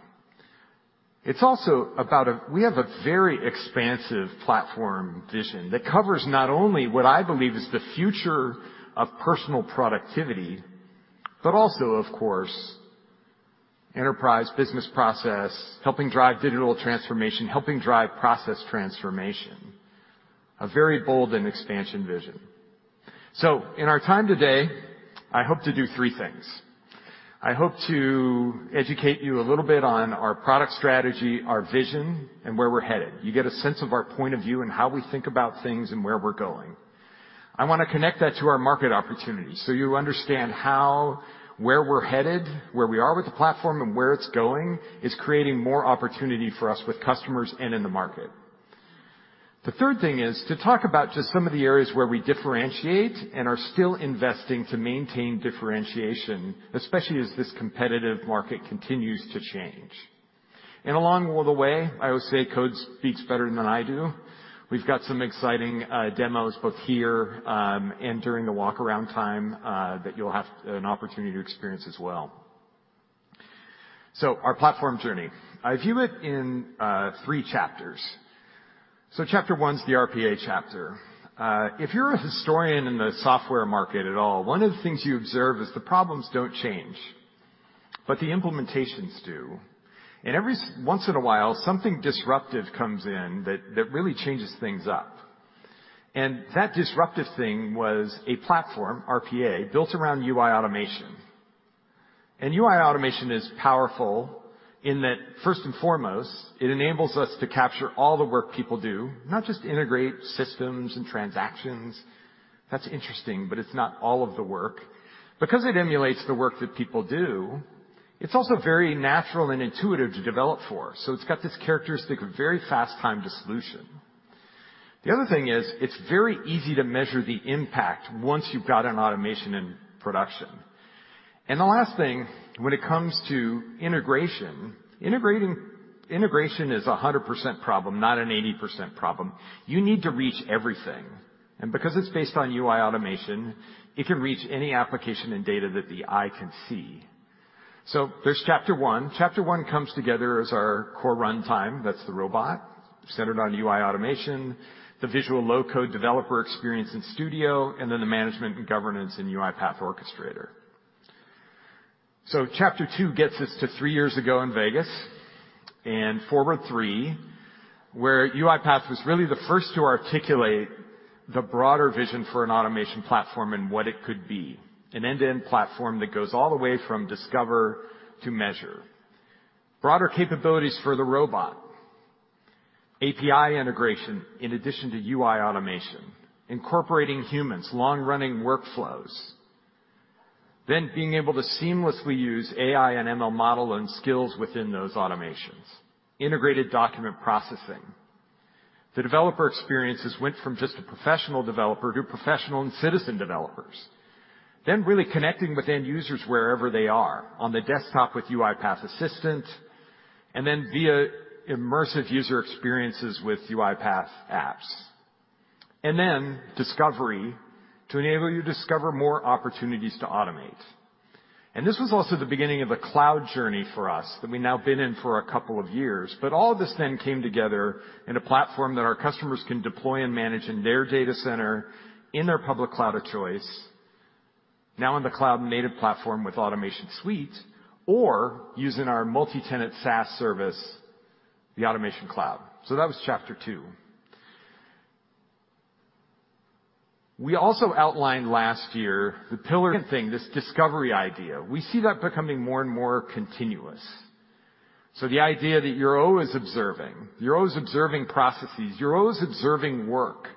It's also about. We have a very expansive platform vision that covers not only what I believe is the future of personal productivity, but also, of course, enterprise business process, helping drive digital transformation, helping drive process transformation. A very bold and expansive vision. In our time today, I hope to do three things. I hope to educate you a little bit on our product strategy, our vision, and where we're headed. You get a sense of our point of view and how we think about things and where we're going. I wanna connect that to our market opportunity so you understand how, where we're headed, where we are with the platform, and where it's going, is creating more opportunity for us with customers and in the market. The third thing is to talk about just some of the areas where we differentiate and are still investing to maintain differentiation, especially as this competitive market continues to change. Along all the way, I always say code speaks better than I do. We've got some exciting demos, both here, and during the walk-around time, that you'll have an opportunity to experience as well. Our platform journey. I view it in three chapters. Chapter one's the RPA chapter. If you're a historian in the software market at all, one of the things you observe is the problems don't change, but the implementations do. Every once in a while, something disruptive comes in that really changes things up. That disruptive thing was a platform, RPA, built around UI automation. UI automation is powerful in that, first and foremost, it enables us to capture all the work people do, not just integrate systems and transactions. That's interesting, but it's not all of the work. Because it emulates the work that people do, it's also very natural and intuitive to develop for. It's got this characteristic of very fast time to solution. The other thing is, it's very easy to measure the impact once you've got an automation in production. The last thing, when it comes to integration is a 100% problem, not an 80% problem. You need to reach everything. Because it's based on UI automation, it can reach any application and data that the eye can see. There's chapter one. Chapter one comes together as our core runtime. That's the robot centered on UI automation, the visual low-code developer experience in Studio, and then the management and governance in UiPath Orchestrator. Chapter two gets us to three years ago in Vegas and FORWARD III, where UiPath was really the first to articulate the broader vision for an automation platform and what it could be. An end-to-end platform that goes all the way from discover to measure. Broader capabilities for the robot. API integration in addition to UI automation. Incorporating humans, long-running workflows. Being able to seamlessly use AI and ML model and skills within those automations. Integrated document processing. The developer experiences went from just a professional developer to professional and citizen developers. Really connecting with end users wherever they are on the desktop with UiPath Assistant, and then via immersive user experiences with UiPath Apps. Discovery to enable you to discover more opportunities to automate. This was also the beginning of a cloud journey for us that we've now been in for a couple of years. All of this then came together in a platform that our customers can deploy and manage in their data center, in their public cloud of choice. Now in the cloud-native platform with Automation Suite or using our multi-tenant SaaS service, the Automation Cloud. That was chapter two. We also outlined last year the pillar, this discovery idea. We see that becoming more and more continuous. The idea that you're always observing. You're always observing processes, you're always observing work,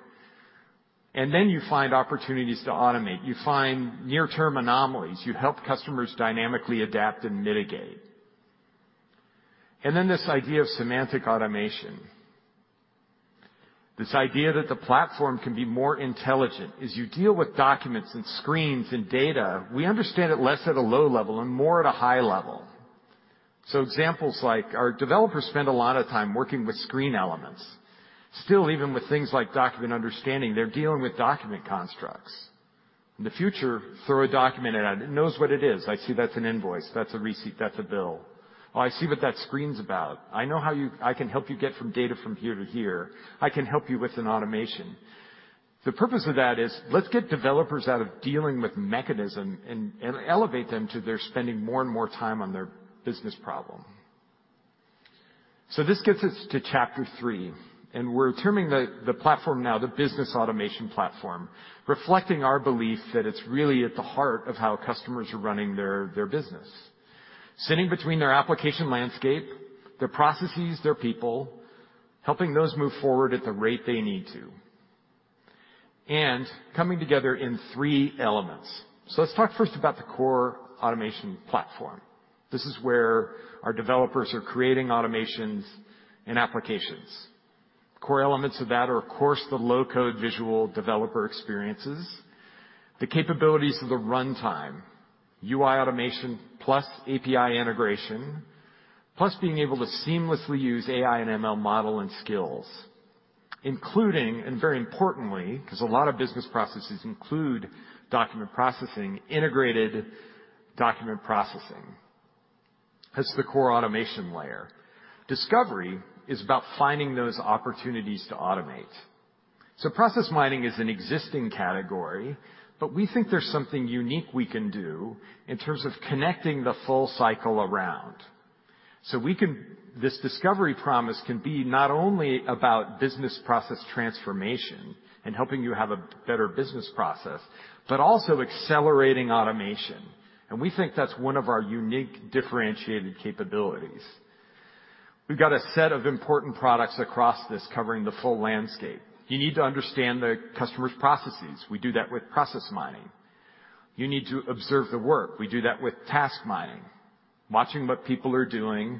and then you find opportunities to automate. You find near-term anomalies. You help customers dynamically adapt and mitigate. This idea of semantic automation. This idea that the platform can be more intelligent. As you deal with documents and screens and data, we understand it less at a low level and more at a high level. Examples like our developers spend a lot of time working with screen elements. Still, even with things like Document Understanding, they're dealing with document constructs. In the future, throw a document at it. It knows what it is. I see that's an invoice. That's a receipt. That's a bill. Oh, I see what that screen's about. I know how you. I can help you get data from here to here. I can help you with an automation. The purpose of that is let's get developers out of dealing with the mechanics and elevate them to spending more and more time on their business problem. This gets us to chapter three, and we're terming the platform now the Business Automation Platform, reflecting our belief that it's really at the heart of how customers are running their business. Sitting between their application landscape, their processes, their people, helping those move forward at the rate they need to. Coming together in three elements. Let's talk first about the core automation platform. This is where our developers are creating automations and applications. Core elements of that are, of course, the low-code visual developer experiences. The capabilities of the runtime, UI automation plus API integration, plus being able to seamlessly use AI and ML model and skills. Including, and very importantly, 'cause a lot of business processes include document processing, integrated document processing. That's the core automation layer. Discovery is about finding those opportunities to automate. Process mining is an existing category, but we think there's something unique we can do in terms of connecting the full cycle around. This discovery promise can be not only about business process transformation and helping you have a better business process, but also accelerating automation. We think that's one of our unique differentiated capabilities. We've got a set of important products across this covering the full landscape. You need to understand the customer's processes. We do that with process mining. You need to observe the work. We do that with Task Mining, watching what people are doing.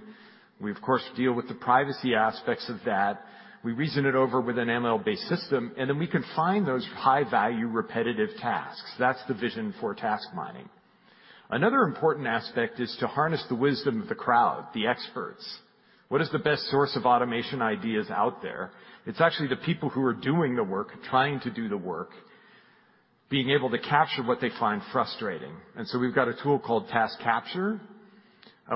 We of course deal with the privacy aspects of that. We reason it over with an ML-based system, and then we can find those high-value, repetitive tasks. That's the vision for Task Mining. Another important aspect is to harness the wisdom of the crowd, the experts. What is the best source of automation ideas out there? It's actually the people who are doing the work, trying to do the work, being able to capture what they find frustrating. We've got a tool called Task Capture,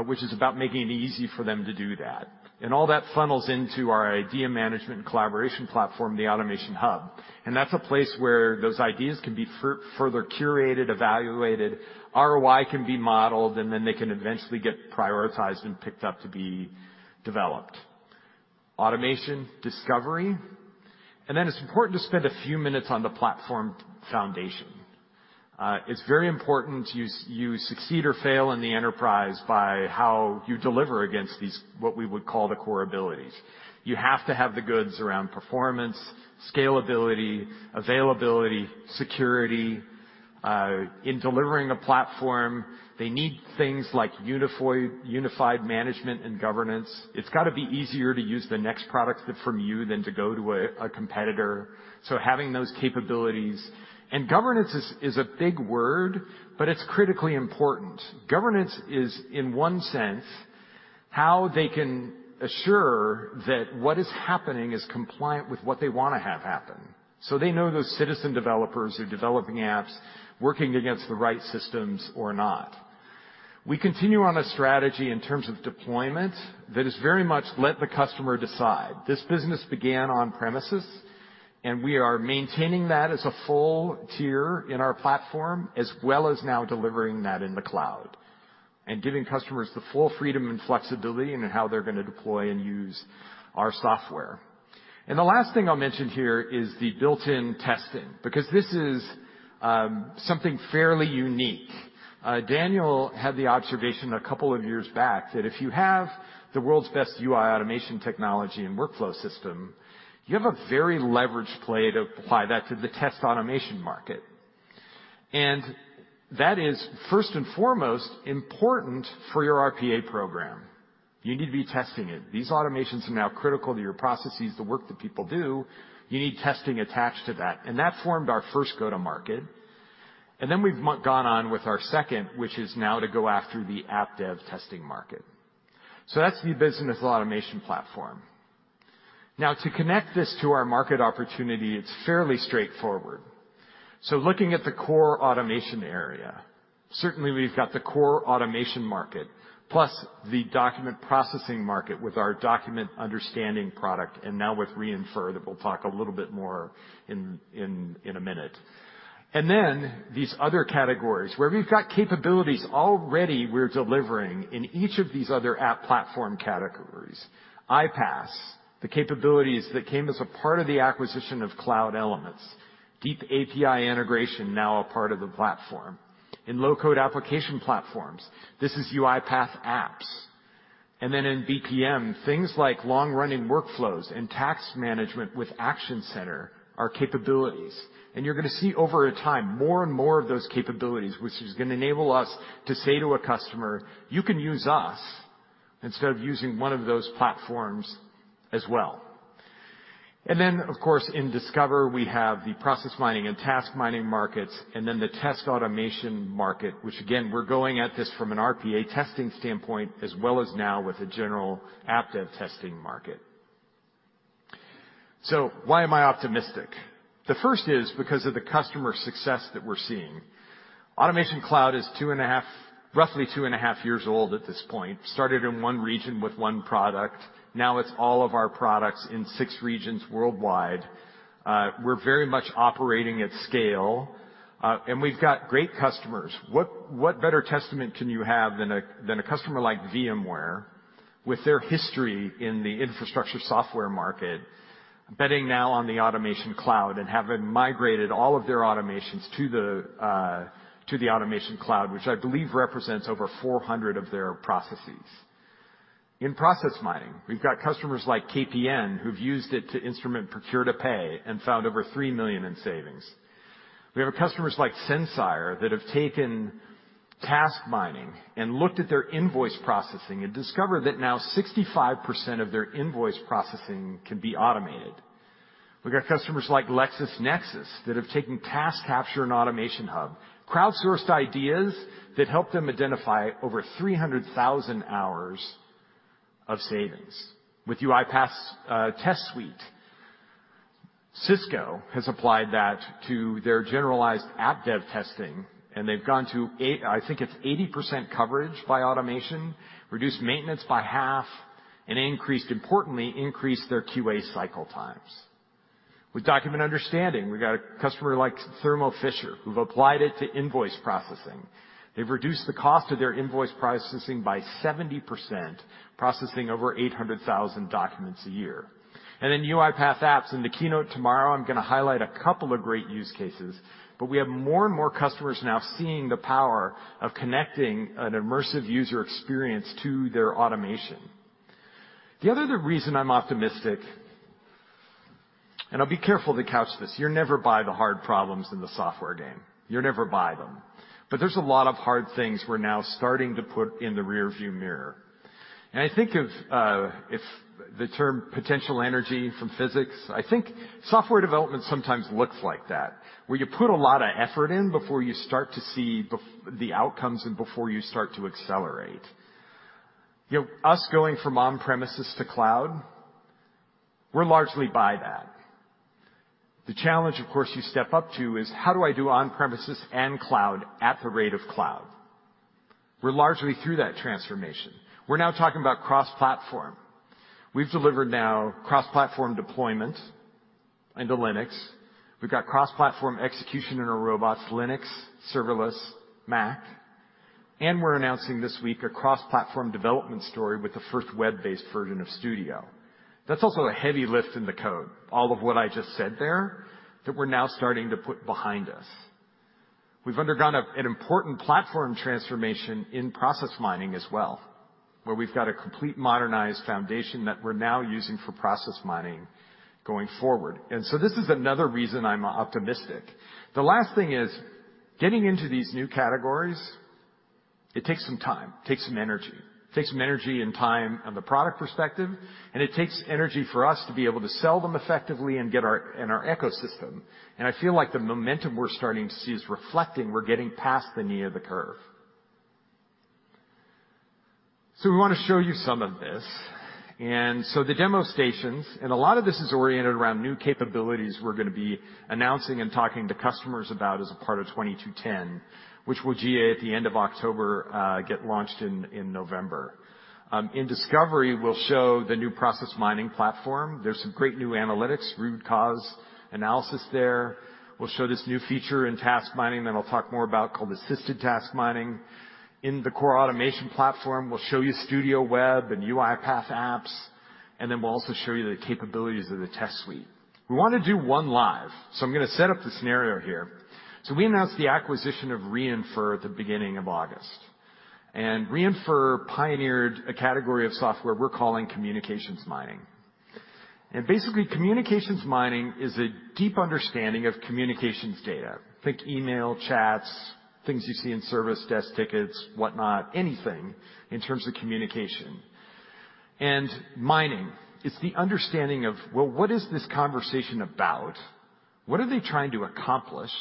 which is about making it easy for them to do that. All that funnels into our idea management and collaboration platform, the Automation Hub. That's a place where those ideas can be further curated, evaluated, ROI can be modeled, and then they can eventually get prioritized and picked up to be developed. Automation discovery. It's important to spend a few minutes on the platform foundation. It's very important you succeed or fail in the enterprise by how you deliver against these, what we would call the core abilities. You have to have the goods around performance, scalability, availability, security. In delivering a platform, they need things like unified management and governance. It's gotta be easier to use the next product but from you than to go to a competitor. So having those capabilities. Governance is a big word, but it's critically important. Governance is, in one sense, how they can assure that what is happening is compliant with what they wanna have happen. They know those citizen developers who are developing apps, working against the right systems or not. We continue on a strategy in terms of deployment that is very much let the customer decide. This business began on premises, and we are maintaining that as a full tier in our platform, as well as now delivering that in the cloud and giving customers the full freedom and flexibility in how they're gonna deploy and use our software. The last thing I'll mention here is the built-in testing, because this is something fairly unique. Daniel had the observation a couple of years back that if you have the world's best UI automation technology and workflow system, you have a very leveraged play to apply that to the test automation market. That is, first and foremost, important for your RPA program. You need to be testing it. These automations are now critical to your processes, the work that people do. You need testing attached to that. That formed our first go-to-market. We've gone on with our second, which is now to go after the app dev testing market. That's the Business Automation Platform. Now, to connect this to our market opportunity, it's fairly straightforward. Looking at the core automation area, certainly we've got the core automation market, plus the document processing market with our Document Understanding product, and now with Re:infer that we'll talk a little bit more in a minute. These other categories where we've got capabilities already we're delivering in each of these other app platform categories. iPaaS, the capabilities that came as a part of the acquisition of Cloud Elements. Deep API integration, now a part of the platform. In low-code application platforms, this is UiPath Apps. In BPM, things like long-running workflows and task management with Action Center are capabilities. You're gonna see over time, more and more of those capabilities, which is gonna enable us to say to a customer, "You can use us instead of using one of those platforms as well." Of course, in Discover, we have the Process Mining and Task Mining markets, and then the test automation market, which again, we're going at this from an RPA testing standpoint as well as now with a general app dev testing market. Why am I optimistic? The first is because of the customer success that we're seeing. Automation Cloud is 2.5, roughly 2.5 years old at this point. Started in one region with one product. Now it's all of our products in six regions worldwide. We're very much operating at scale, and we've got great customers. What better testament can you have than a customer like VMware with their history in the infrastructure software market, betting now on the Automation Cloud and having migrated all of their automations to the Automation Cloud, which I believe represents over 400 of their processes. In Process Mining, we've got customers like KPN who've used it to instrument procure to pay and found over $3 million in savings. We have customers like Sensire that have taken Task Mining and looked at their invoice processing and discovered that now 65% of their invoice processing can be automated. We've got customers like LexisNexis that have taken Task Capture and Automation Hub, crowdsourced ideas that help them identify over 300,000 hours of savings. With UiPath's Test Suite, Cisco has applied that to their generalized automated dev testing, and they've gone to I think it's 80% coverage by automation, reduced maintenance by half, and increased their QA cycle times. With Document Understanding, we've got a customer like Thermo Fisher who've applied it to invoice processing. They've reduced the cost of their invoice processing by 70%, processing over 800,000 documents a year. UiPath Apps. In the keynote tomorrow, I'm gonna highlight a couple of great use cases, but we have more and more customers now seeing the power of connecting an immersive user experience to their automation. The other reason I'm optimistic, and I'll be careful to couch this. You're never past the hard problems in the software game. You're never past them. There's a lot of hard things we're now starting to put in the rearview mirror. I think of if the term potential energy from physics. I think software development sometimes looks like that, where you put a lot of effort in before you start to see the outcomes and before you start to accelerate. You know, us going from on-premises to cloud, we're largely past that. The challenge, of course, you step up to is how do I do on-premises and cloud at the rate of cloud? We're largely through that transformation. We're now talking about cross-platform. We've delivered now cross-platform deployment into Linux. We've got cross-platform execution in our robots, Linux, serverless, Mac. We're announcing this week a cross-platform development story with the first web-based version of Studio. That's also a heavy lift in the code. All of what I just said there, that we're now starting to put behind us. We've undergone an important platform transformation in Process Mining as well, where we've got a complete modernized foundation that we're now using for Process Mining going forward. This is another reason I'm optimistic. The last thing is getting into these new categories. It takes some time and energy. It takes some energy and time on the product perspective, and it takes energy for us to be able to sell them effectively and get our ecosystem. I feel like the momentum we're starting to see is reflecting we're getting past the knee of the curve. We wanna show you some of this. The demo stations, and a lot of this is oriented around new capabilities we're gonna be announcing and talking to customers about as a part of 2022.10, which will GA at the end of October, get launched in November. In discovery, we'll show the new Process Mining platform. There's some great new analytics, root cause analysis there. We'll show this new feature in Task Mining that I'll talk more about called Assisted Task Mining. In the core automation platform, we'll show you Studio Web and UiPath Apps, and then we'll also show you the capabilities of the Test Suite. We wanna do one live, so I'm gonna set up the scenario here. We announced the acquisition of Re:infer at the beginning of August. Re:infer pioneered a category of software we're calling communications mining. Basically, communications mining is a deep understanding of communications data. Think email, chats, things you see in service desk tickets, whatnot, anything in terms of communication. Mining is the understanding of, well, what is this conversation about? What are they trying to accomplish?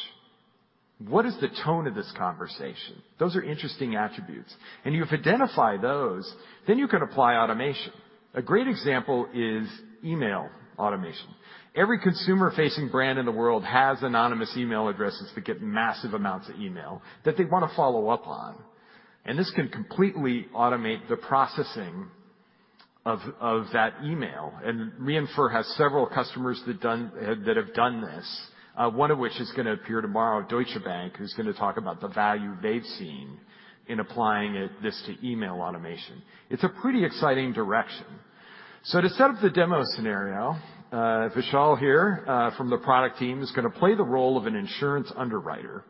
What is the tone of this conversation? Those are interesting attributes. If you've identified those, then you can apply automation. A great example is email automation. Every consumer-facing brand in the world has anonymous email addresses that get massive amounts of email that they wanna follow up on. This can completely automate the processing of that email. Re:infer has several customers that have done this, one of which is gonna appear tomorrow, Deutsche Bank, who's gonna talk about the value they've seen in applying this to email automation. It's a pretty exciting direction. To set up the demo scenario, Vishal here, from the product team, is gonna play the role of an insurance underwriter.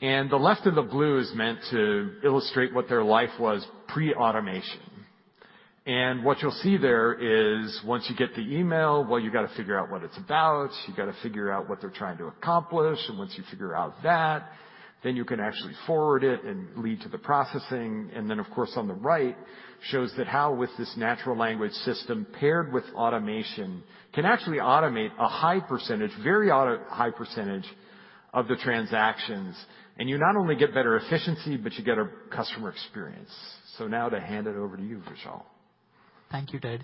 The left in the blue is meant to illustrate what their life was pre-automation. What you'll see there is once you get the email, well, you gotta figure out what it's about. You gotta figure out what they're trying to accomplish. Once you figure out that, then you can actually forward it and lead to the processing. Then, of course, on the right shows how with this natural language system paired with automation, can actually automate a high percentage of the transactions. You not only get better efficiency, but you get a customer experience. Now to hand it over to you, Vishal. Thank you, Ted.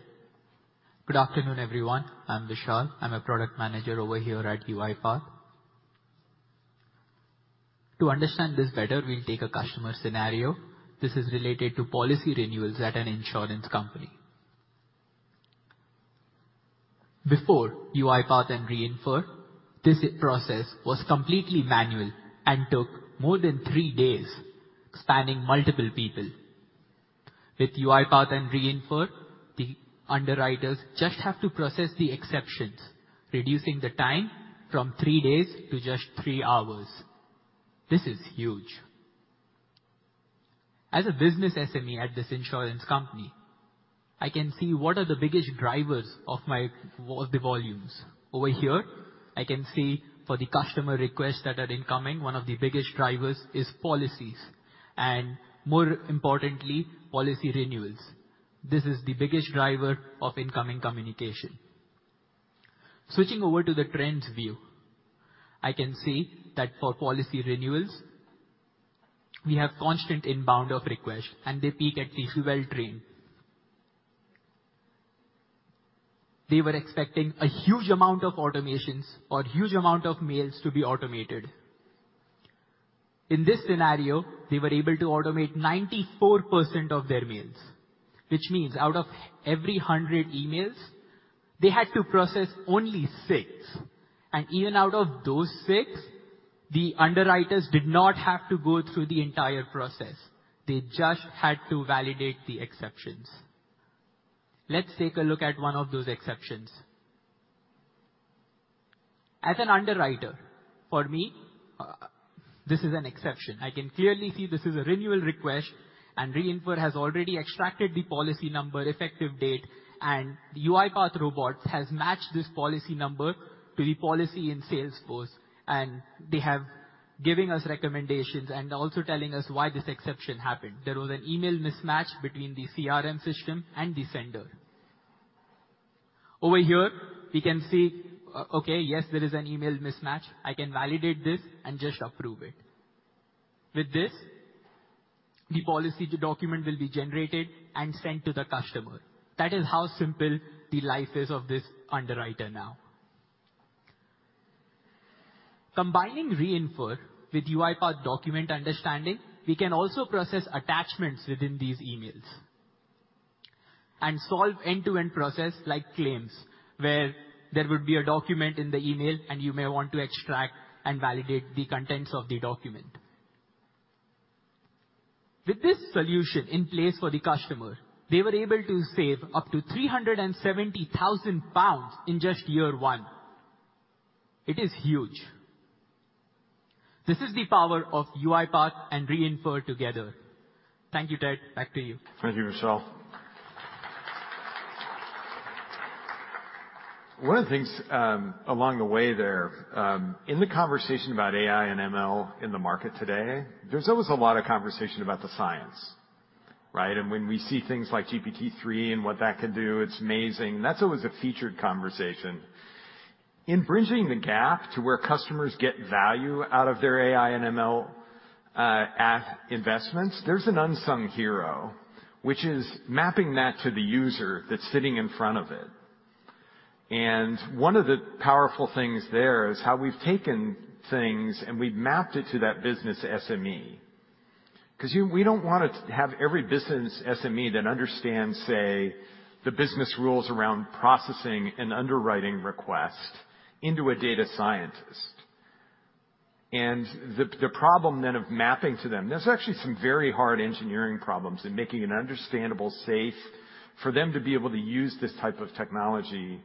Good afternoon, everyone. I'm Vishal. I'm a product manager over here at UiPath. To understand this better, we'll take a customer scenario. This is related to policy renewals at an insurance company. Before UiPath and Re:infer, this process was completely manual and took more than three days, spanning multiple people. With UiPath and Re:infer, the underwriters just have to process the exceptions, reducing the time from three days to just three hours. This is huge. As a business SME at this insurance company, I can see what are the biggest drivers of the volumes. Over here, I can see for the customer requests that are incoming, one of the biggest drivers is policies, and more importantly, policy renewals. This is the biggest driver of incoming communication. Switching over to the trends view, I can see that for policy renewals. We have constant inbound of requests, and they peak at the renewal timeframe. They were expecting a huge amount of automations or huge amount of mails to be automated. In this scenario, they were able to automate 94% of their mails, which means out of every 100 emails, they had to process only six. Even out of those six, the underwriters did not have to go through the entire process. They just had to validate the exceptions. Let's take a look at one of those exceptions. As an underwriter, for me, this is an exception. I can clearly see this is a renewal request, and Re:infer has already extracted the policy number, effective date, and the UiPath robots has matched this policy number to the policy in Salesforce, and they have giving us recommendations and also telling us why this exception happened. There was an email mismatch between the CRM system and the sender. Over here we can see, okay, yes, there is an email mismatch. I can validate this and just approve it. With this, the policy to document will be generated and sent to the customer. That is how simple the life is of this underwriter now. Combining Re:infer with UiPath Document Understanding, we can also process attachments within these emails and solve end-to-end process like claims, where there would be a document in the email and you may want to extract and validate the contents of the document. With this solution in place for the customer, they were able to save up to 370,000 pounds in just year one. It is huge. This is the power of UiPath and Re:infer together. Thank you, Ted. Back to you. Thank you, Vishal. One of the things along the way there in the conversation about AI and ML in the market today, there's always a lot of conversation about the science, right? When we see things like GPT-3 and what that can do, it's amazing. That's always a featured conversation. In bridging the gap to where customers get value out of their AI and ML investments, there's an unsung hero which is mapping that to the user that's sitting in front of it. One of the powerful things there is how we've taken things, and we've mapped it to that business SME. 'Cause we don't wanna have every business SME that understands, say, the business rules around processing an underwriting request into a data scientist. The problem then of mapping to them, there's actually some very hard engineering problems in making it understandable, safe for them to be able to use this type of technology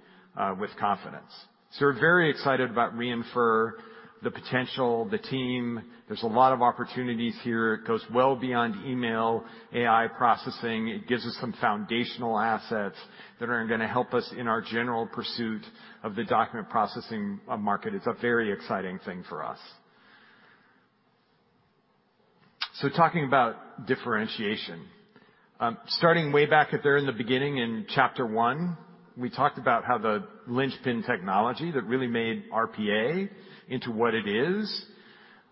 with confidence. We're very excited about Re:infer, the potential, the team. There's a lot of opportunities here. It goes well beyond email, AI processing. It gives us some foundational assets that are gonna help us in our general pursuit of the document processing market. It's a very exciting thing for us. Talking about differentiation. Starting way back there in the beginning in chapter one, we talked about how the linchpin technology that really made RPA into what it is,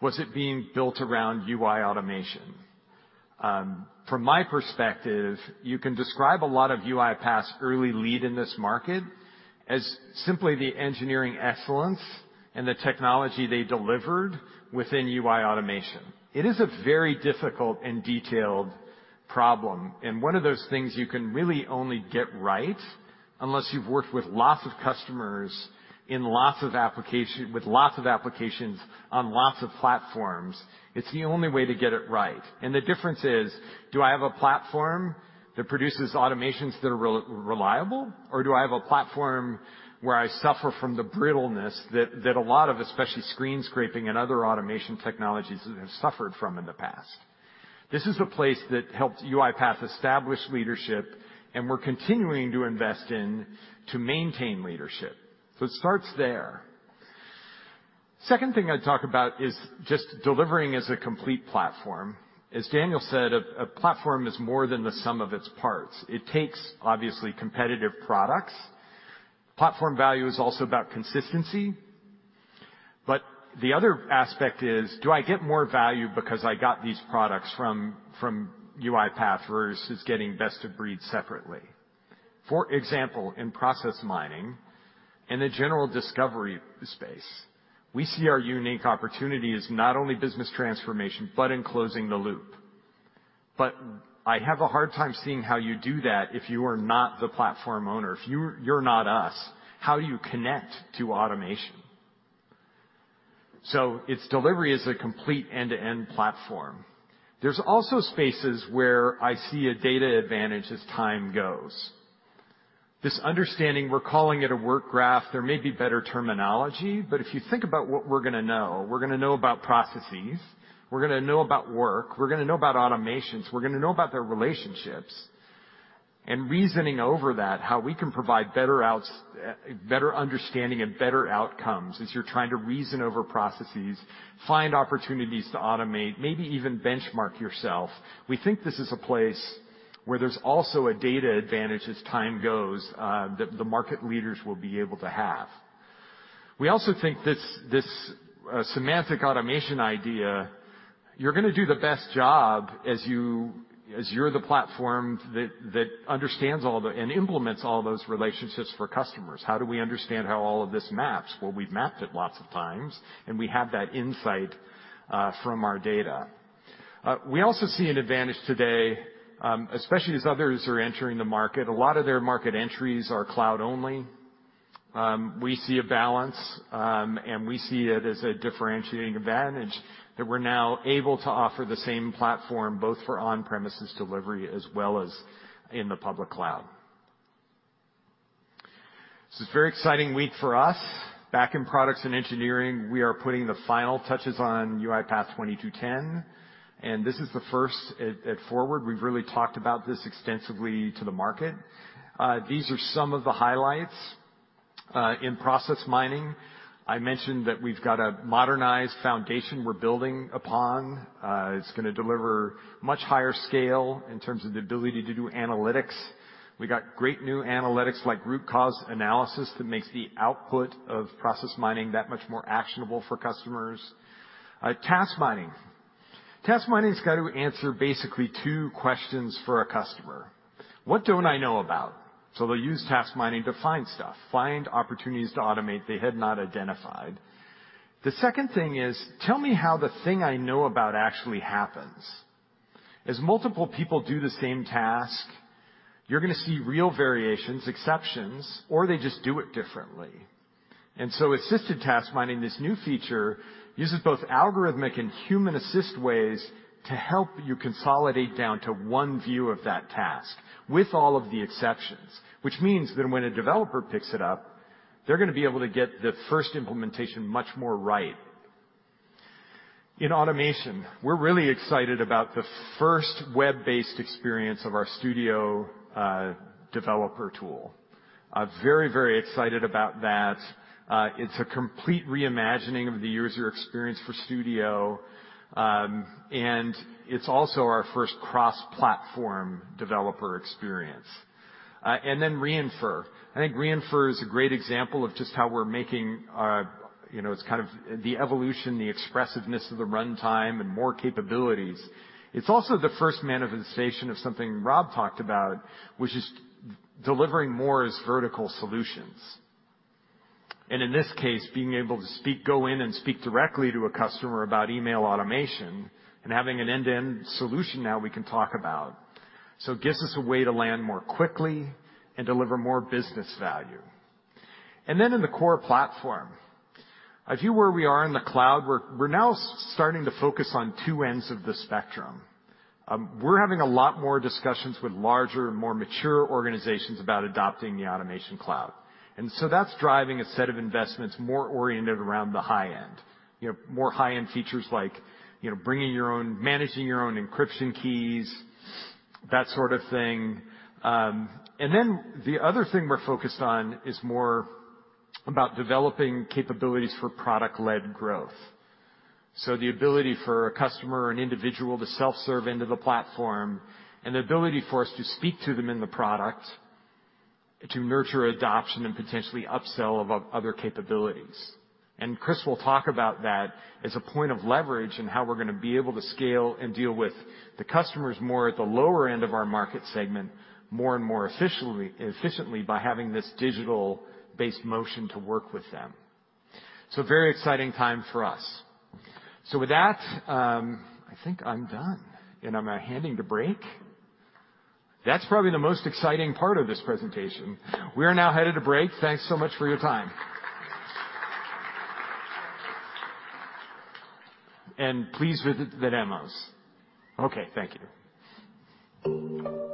was it being built around UI automation. From my perspective, you can describe a lot of UiPath's early lead in this market as simply the engineering excellence and the technology they delivered within UI automation. It is a very difficult and detailed problem, and one of those things you can really only get right unless you've worked with lots of customers with lots of applications on lots of platforms. It's the only way to get it right. And the difference is, do I have a platform that produces automations that are reliable, or do I have a platform where I suffer from the brittleness that a lot of especially screen scraping and other automation technologies have suffered from in the past? This is a place that helped UiPath establish leadership and we're continuing to invest in to maintain leadership. It starts there. Second thing I'd talk about is just delivering as a complete platform. As Daniel said, a platform is more than the sum of its parts. It takes, obviously, competitive products. Platform value is also about consistency. The other aspect is, do I get more value because I got these products from UiPath versus getting best of breed separately? For example, in Process Mining, in the general discovery space, we see our unique opportunity as not only business transformation, but in closing the loop. I have a hard time seeing how you do that if you are not the platform owner. If you're not us, how do you connect to automation? It's delivery as a complete end-to-end platform. There's also spaces where I see a data advantage as time goes. This understanding, we're calling it a work graph. There may be better terminology, but if you think about what we're gonna know, we're gonna know about processes, we're gonna know about work, we're gonna know about automations, we're gonna know about their relationships. Reasoning over that, how we can provide better understanding and better outcomes as you're trying to reason over processes, find opportunities to automate, maybe even benchmark yourself. We think this is a place where there's also a data advantage as time goes, that the market leaders will be able to have. We also think this semantic automation idea, you're gonna do the best job as you're the platform that understands all the and implements all those relationships for customers. How do we understand how all of this maps? Well, we've mapped it lots of times, and we have that insight from our data. We also see an advantage today, especially as others are entering the market. A lot of their market entries are cloud only. We see a balance, and we see it as a differentiating advantage that we're now able to offer the same platform both for on-premises delivery as well as in the public cloud. This is a very exciting week for us. Back in products and engineering, we are putting the final touches on UiPath 22.10, and this is the first at FORWARD. We've really talked about this extensively to the market. These are some of the highlights. In Process Mining, I mentioned that we've got a modernized foundation we're building upon. It's gonna deliver much higher scale in terms of the ability to do analytics. We got great new analytics like root cause analysis that makes the output of Process Mining that much more actionable for customers. Task Mining's got to answer basically two questions for a customer. What don't I know about? They'll use Task Mining to find stuff, find opportunities to automate they had not identified. The second thing is, tell me how the thing I know about actually happens. As multiple people do the same task, you're gonna see real variations, exceptions, or they just do it differently. Assisted Task Mining, this new feature, uses both algorithmic and human assist ways to help you consolidate down to one view of that task with all of the exceptions. Which means that when a developer picks it up, they're gonna be able to get the first implementation much more right. In automation, we're really excited about the first web-based experience of our Studio developer tool. I'm very, very excited about that. It's a complete reimagining of the user experience for Studio. It's also our first cross-platform developer experience. Re:infer. I think Re:infer is a great example of just how we're making, you know, it's kind of the evolution, the expressiveness of the runtime and more capabilities. It's also the first manifestation of something Rob talked about, which is delivering more as vertical solutions. In this case, being able to go in and speak directly to a customer about email automation and having an end-to-end solution now we can talk about. It gives us a way to land more quickly and deliver more business value. In the core platform, a view where we are in the cloud, we're now starting to focus on two ends of the spectrum. We're having a lot more discussions with larger, more mature organizations about adopting the Automation Cloud. That's driving a set of investments more oriented around the high end. You know, more high-end features like, you know, managing your own encryption keys, that sort of thing. The other thing we're focused on is more about developing capabilities for product-led growth. The ability for a customer or an individual to self-serve into the platform and the ability for us to speak to them in the product to nurture adoption and potentially upsell of other capabilities. Chris will talk about that as a point of leverage and how we're gonna be able to scale and deal with the customers more at the lower end of our market segment, more and more efficiently by having this digital-based motion to work with them. Very exciting time for us. With that, I think I'm done, and I'm handing to break. That's probably the most exciting part of this presentation. We are now headed to break. Thanks so much for your time. Please visit the demos. Okay. Thank you.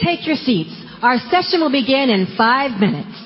Please take your seats. Our session will begin in five minutes.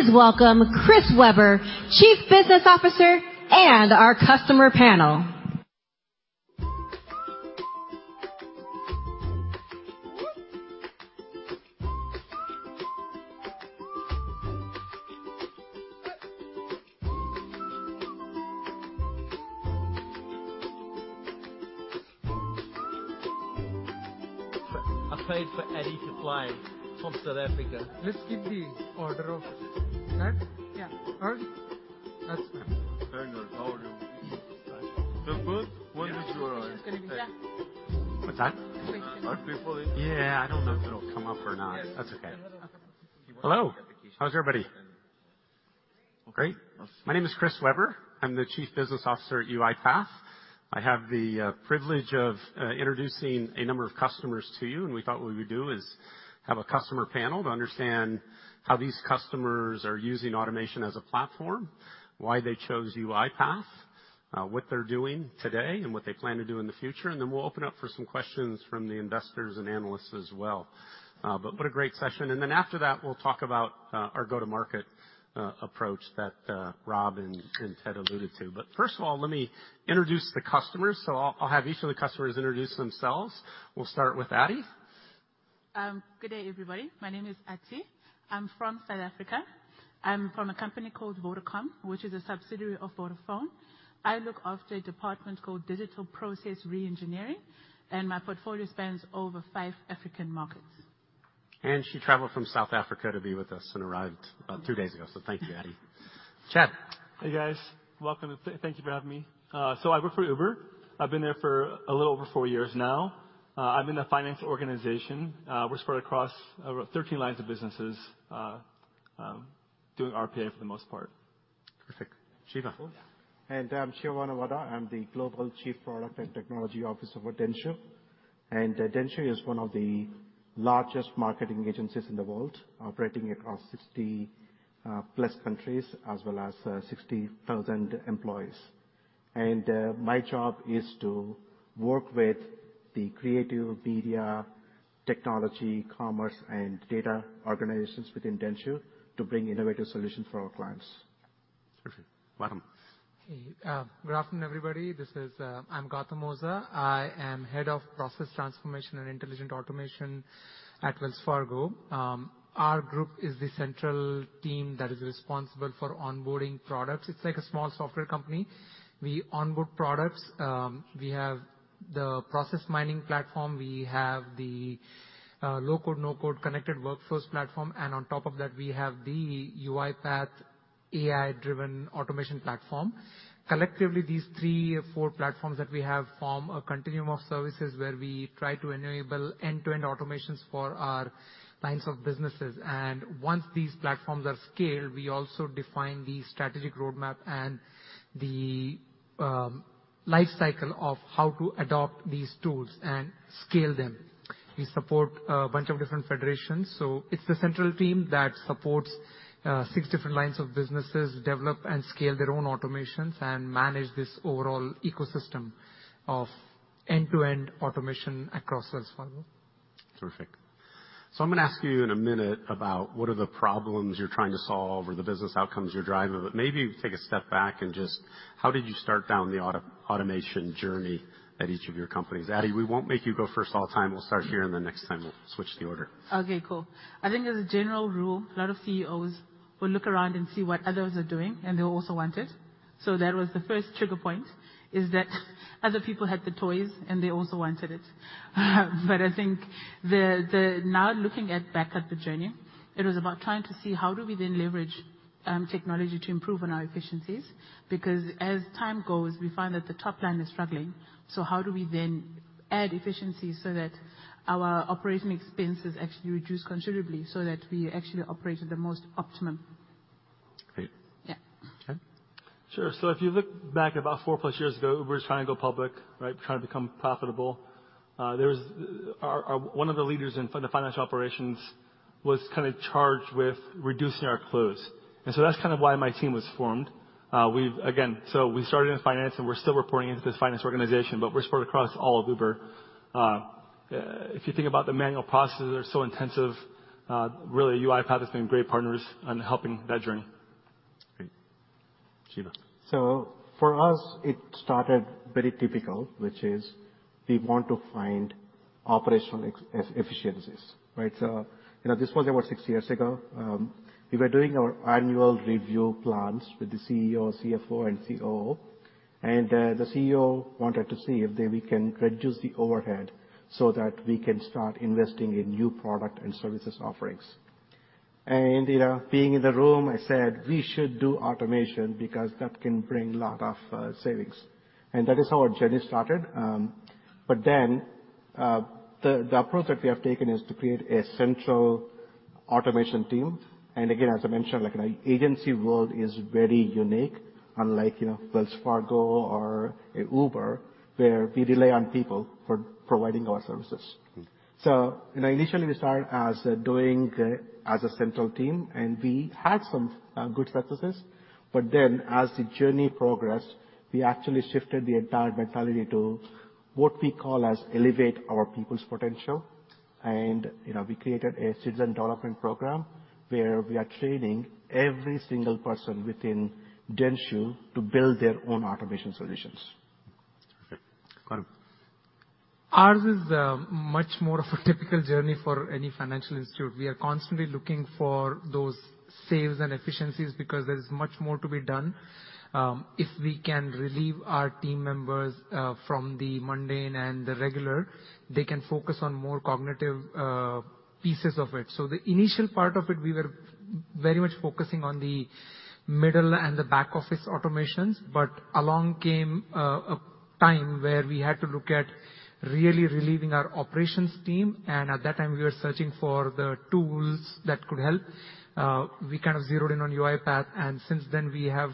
Please welcome Chris Weber, Chief Business Officer, and our customer panel. I paid for Adi to fly from South Africa. Let's keep the order of that? Yeah. That's better. Andrew, how are you? The first one is your- Yeah. This is gonna be there. What's that? Thank you. Yeah. I don't know if it'll come up or not. That's okay. Hello. How is everybody? Great. My name is Chris Weber. I'm the Chief Business Officer at UiPath. I have the privilege of introducing a number of customers to you. We thought what we would do is have a customer panel to understand how these customers are using automation as a platform, why they chose UiPath, what they're doing today, and what they plan to do in the future. Then we'll open up for some questions from the investors and analysts as well. What a great session. Then after that, we'll talk about our go-to-market approach that Rob and Ted alluded to. First of all, let me introduce the customers. So I'll have each of the customers introduce themselves. We'll start with Adi. Good day, everybody. My name is Adi. I'm from South Africa. I'm from a company called Vodacom, which is a subsidiary of Vodafone. I look after a department called Digital Process Re-engineering, and my portfolio spans over five African markets. She traveled from South Africa to be with us and arrived about two days ago. Thank you, Adi. Chad. Hey, guys. Welcome. Thank you for having me. I work for Uber. I've been there for a little over four years now. I'm in the finance organization. We're spread across over 13 lines of businesses, doing RPA for the most part. Perfect. Shiva. I'm Shiva Vannavada. I'm the Global Chief Product and Technology Officer for dentsu. Dentsu is one of the largest marketing agencies in the world operating across 60+ countries as well as 60,000 employees. My job is to work with the creative media, technology, commerce, and data organizations within dentsu to bring innovative solutions for our clients. Perfect. Gautam. Hey. Good afternoon, everybody. This is, I'm Gautam Oza. I am Head of Process Transformation and Intelligent Automation at Wells Fargo. Our group is the central team that is responsible for onboarding products. It's like a small software company. We onboard products. We have the process mining platform, we have the low-code/no-code connected workforce platform, and on top of that, we have the UiPath AI-driven automation platform. Collectively, these three or four platforms that we have form a continuum of services where we try to enable end-to-end automations for our lines of businesses. Once these platforms are scaled, we also define the strategic roadmap and the life cycle of how to adopt these tools and scale them. We support a bunch of different federations, so it's the central team that supports six different lines of businesses, develop and scale their own automations and manage this overall ecosystem of end-to-end automation across Wells Fargo. Terrific. I'm gonna ask you in a minute about what are the problems you're trying to solve or the business outcomes you're driving. Maybe take a step back and just how did you start down the automation journey at each of your companies? Adi, we won't make you go first all the time. We'll start here, and the next time we'll switch the order. Okay, cool. I think as a general rule, a lot of CEOs will look around and see what others are doing, and they'll also want it. That was the first trigger point, is that other people had the toys, and they also wanted it. I think the now looking back at the journey, it was about trying to see how do we then leverage technology to improve on our efficiencies. Because as time goes, we find that the top line is struggling. How do we then add efficiencies so that our operating expenses actually reduce considerably so that we actually operate at the most optimum? Great. Yeah. Ken? Sure. If you look back about 4+ years ago, Uber was trying to go public, right? Trying to become profitable. There was one of the leaders in the financial operations was kind of charged with reducing our close. That's kind of why my team was formed. We've again, so we started in finance, and we're still reporting into this finance organization, but we're spread across all of Uber. If you think about the manual processes are so intensive, really, UiPath has been great partners on helping that journey. Great. Shiva? For us, it started very typical, which is we want to find operational inefficiencies, right? You know, this was about six years ago. We were doing our annual review plans with the CEO, CFO and COO. The CEO wanted to see if we can reduce the overhead so that we can start investing in new product and services offerings. You know, being in the room, I said, "We should do automation because that can bring lot of savings." That is how our journey started. The approach that we have taken is to create a central automation team. Again, as I mentioned, like an agency world is very unique, unlike, you know, Wells Fargo or Uber, where we rely on people for providing our services. Mm-hmm. Initially, we started as doing as a central team, and we had some good successes. As the journey progressed, we actually shifted the entire mentality to what we call as elevate our people's potential. You know, we created a citizen development program where we are training every single person within dentsu to build their own automation solutions. Gautam? Ours is much more of a typical journey for any financial institution. We are constantly looking for those saves and efficiencies because there is much more to be done. If we can relieve our team members from the mundane and the regular, they can focus on more cognitive pieces of it. The initial part of it, we were very much focusing on the middle and the back office automations. Along came a time where we had to look at really relieving our operations team, and at that time we were searching for the tools that could help. We kind of zeroed in on UiPath, and since then we have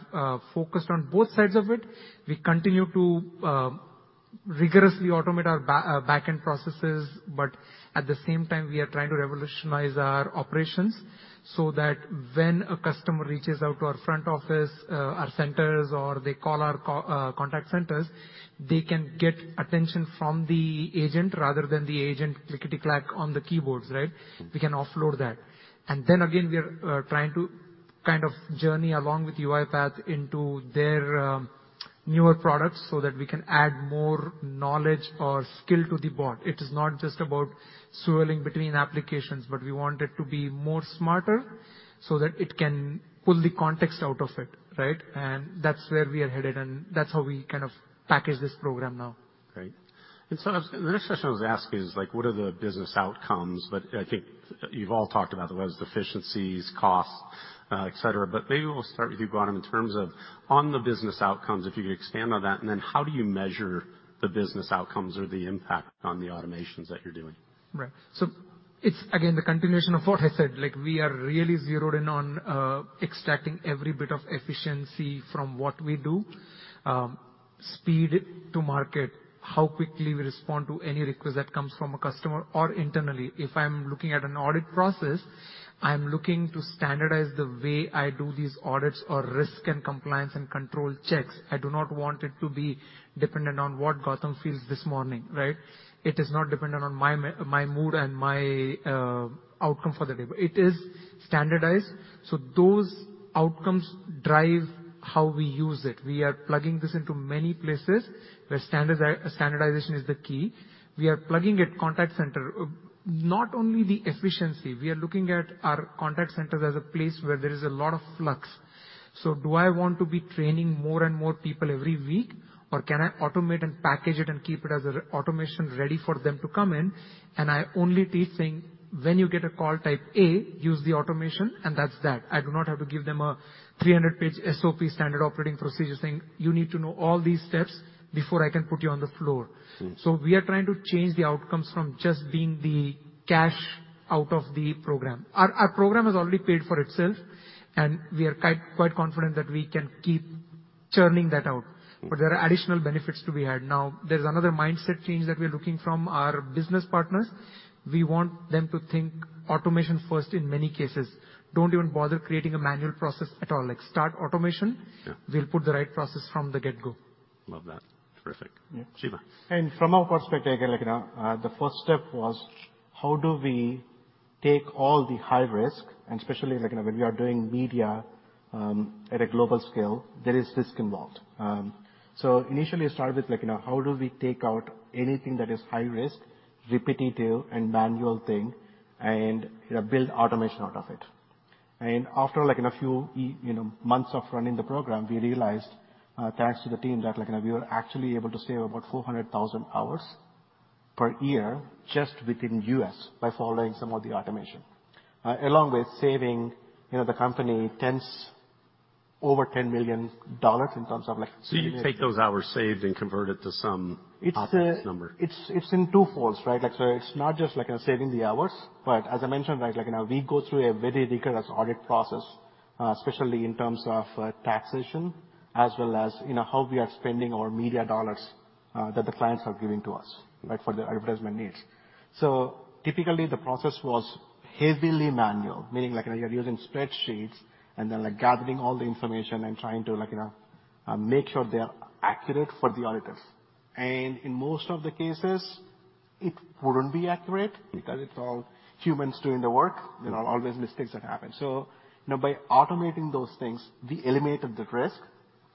focused on both sides of it. We continue to rigorously automate our back-end processes. At the same time, we are trying to revolutionize our operations so that when a customer reaches out to our front office, our centers or they call our contact centers, they can get attention from the agent rather than the agent clickety-clack on the keyboards, right? We can offload that. Then again, we are trying to kind of journey along with UiPath into their newer products so that we can add more knowledge or skill to the bot. It is not just about switching between applications, but we want it to be more smarter so that it can pull the context out of it, right? That's where we are headed, and that's how we kind of package this program now. Great. The next question I was gonna ask is like what are the business outcomes? I think you've all talked about them. There was efficiencies, costs, et cetera. Maybe we'll start with you, Gautam, in terms of on the business outcomes, if you could expand on that, and then how do you measure the business outcomes or the impact on the automations that you're doing? Right. It's again, the continuation of what I said. Like we are really zeroed in on extracting every bit of efficiency from what we do. Speed to market, how quickly we respond to any request that comes from a customer or internally. If I'm looking at an audit process, I'm looking to standardize the way I do these audits or risk and compliance and control checks. I do not want it to be dependent on what Gautam feels this morning, right? It is not dependent on my mood and my outcome for the day. It is standardized, so those outcomes drive- How we use it. We are plugging this into many places where standardization is the key. We are plugging at contact center, not only the efficiency, we are looking at our contact centers as a place where there is a lot of flux. Do I want to be training more and more people every week, or can I automate and package it and keep it as a automation ready for them to come in? I only teaching when you get a call type A, use the automation, and that's that. I do not have to give them a 300-page SOP, standard operating procedure, saying, "You need to know all these steps before I can put you on the floor. Mm. We are trying to change the outcomes from just being the cash out of the program. Our program has already paid for itself, and we are quite confident that we can keep churning that out. Mm. There are additional benefits to be had. Now, there's another mindset change that we're looking for from our business partners. We want them to think automation first in many cases. Don't even bother creating a manual process at all. Like, start automation. Yeah. We'll put the right process from the get-go. Love that. Terrific. Yeah. Shiva. From our perspective, again, like the first step was how do we take all the high risk, and especially like, you know, when we are doing media, at a global scale, there is risk involved. Initially it started with like, you know, how do we take out anything that is high risk, repetitive and manual thing and build automation out of it. After like a few you know, months of running the program, we realized, thanks to the team, that like we were actually able to save about 400,000 hours per year just within U.S. by following some of the automation. Along with saving, you know, the company tens over $10 million in terms of like You take those hours saved and convert it to some OpEx number. It's in two folds, right? Like, so it's not just like saving the hours, but as I mentioned, like, you know, we go through a very rigorous audit process, especially in terms of taxation as well as, you know, how we are spending our media dollars, that the clients are giving to us. Mm-hmm. Like for their advertisement needs. Typically, the process was heavily manual, meaning like, you're using spreadsheets and then like gathering all the information and trying to like, you know, make sure they are accurate for the auditors. In most of the cases, it wouldn't be accurate because it's all humans doing the work. Mm-hmm. There are always mistakes that happen. You know, by automating those things, we eliminated the risk.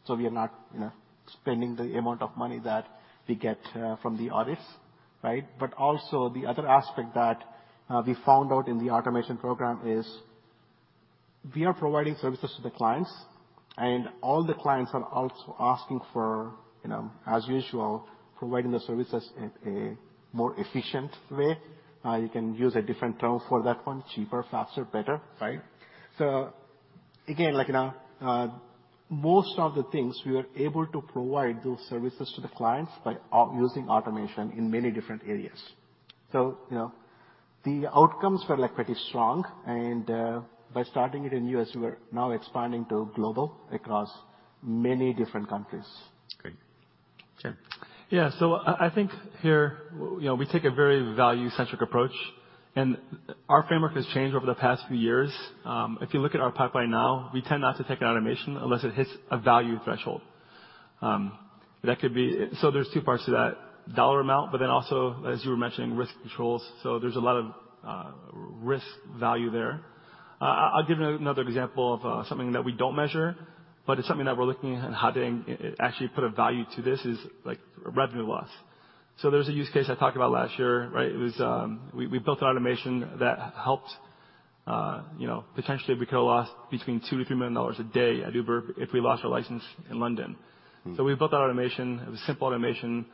You know, spending the amount of money that we get from the audits, right? Also the other aspect that we found out in the automation program is we are providing services to the clients, and all the clients are also asking for, you know, as usual, providing the services in a more efficient way. You can use a different term for that one, cheaper, faster, better, right? Again, like, you know, most of the things we were able to provide those services to the clients by using automation in many different areas. You know, the outcomes were like pretty strong and by starting it in U.S., we're now expanding to global across many different countries. Great. Chad. I think here, you know, we take a very value-centric approach, and our framework has changed over the past few years. If you look at our pipeline now, we tend not to take automation unless it hits a value threshold. That could be. There's two parts to that, dollar amount, but then also, as you were mentioning, risk controls. There's a lot of risk value there. I'll give another example of something that we don't measure, but it's something that we're looking at how to actually put a value to this, like revenue loss. There's a use case I talked about last year, right? It was. We built an automation that helped, you know, potentially we could have lost between $2 million-$3 million a day at Uber if we lost our license in London. Mm. We built that automation. It was a simple automation.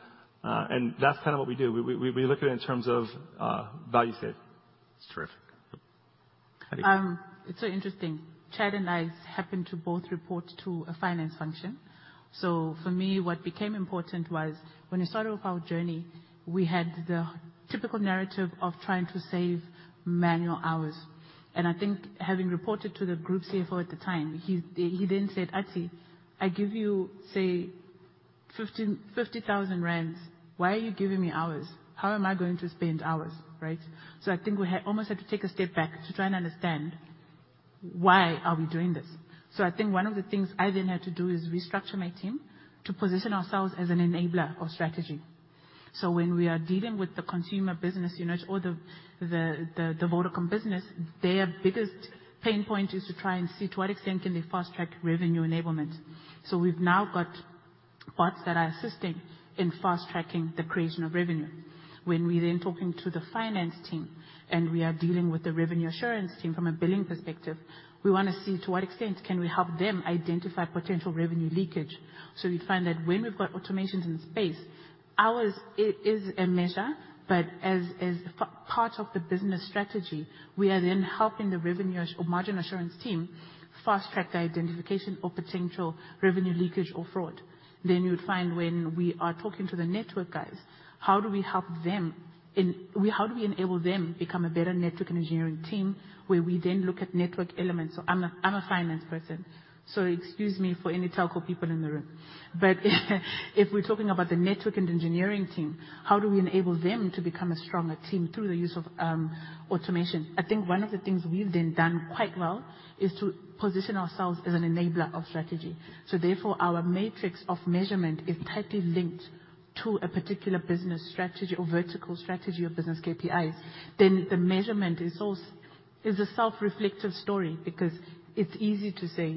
That's kinda what we do. We look at it in terms of value save. That's terrific. Adi. It's so interesting. Chad and I happen to both report to a finance function. For me, what became important was when we started off our journey, we had the typical narrative of trying to save manual hours. I think having reported to the group CFO at the time, he then said, "Adi, I give you, say 15-50,000 rand. Why are you giving me hours? How am I going to spend hours?" Right? I think we almost had to take a step back to try and understand why are we doing this. I think one of the things I then had to do is restructure my team to position ourselves as an enabler of strategy. When we are dealing with the consumer business unit or the Vodafone business, their biggest pain point is to try and see to what extent can they fast-track revenue enablement. We've now got parts that are assisting in fast-tracking the creation of revenue. When we're then talking to the finance team, and we are dealing with the revenue assurance team from a billing perspective, we wanna see to what extent can we help them identify potential revenue leakage. We find that when we've got automations in place, hours is a measure, but as part of the business strategy, we are then helping the revenue assurance or margin assurance team fast-track the identification of potential revenue leakage or fraud. You'd find when we are talking to the network guys, how do we help them in How do we enable them become a better network and engineering team, where we then look at network elements. I'm a finance person, so excuse me for any telco people in the room. If we're talking about the network and engineering team, how do we enable them to become a stronger team through the use of automation? I think one of the things we've then done quite well is to position ourselves as an enabler of strategy. Our matrix of measurement is tightly linked to a particular business strategy or vertical strategy of business KPIs. The measurement is a self-reflective story because it's easy to say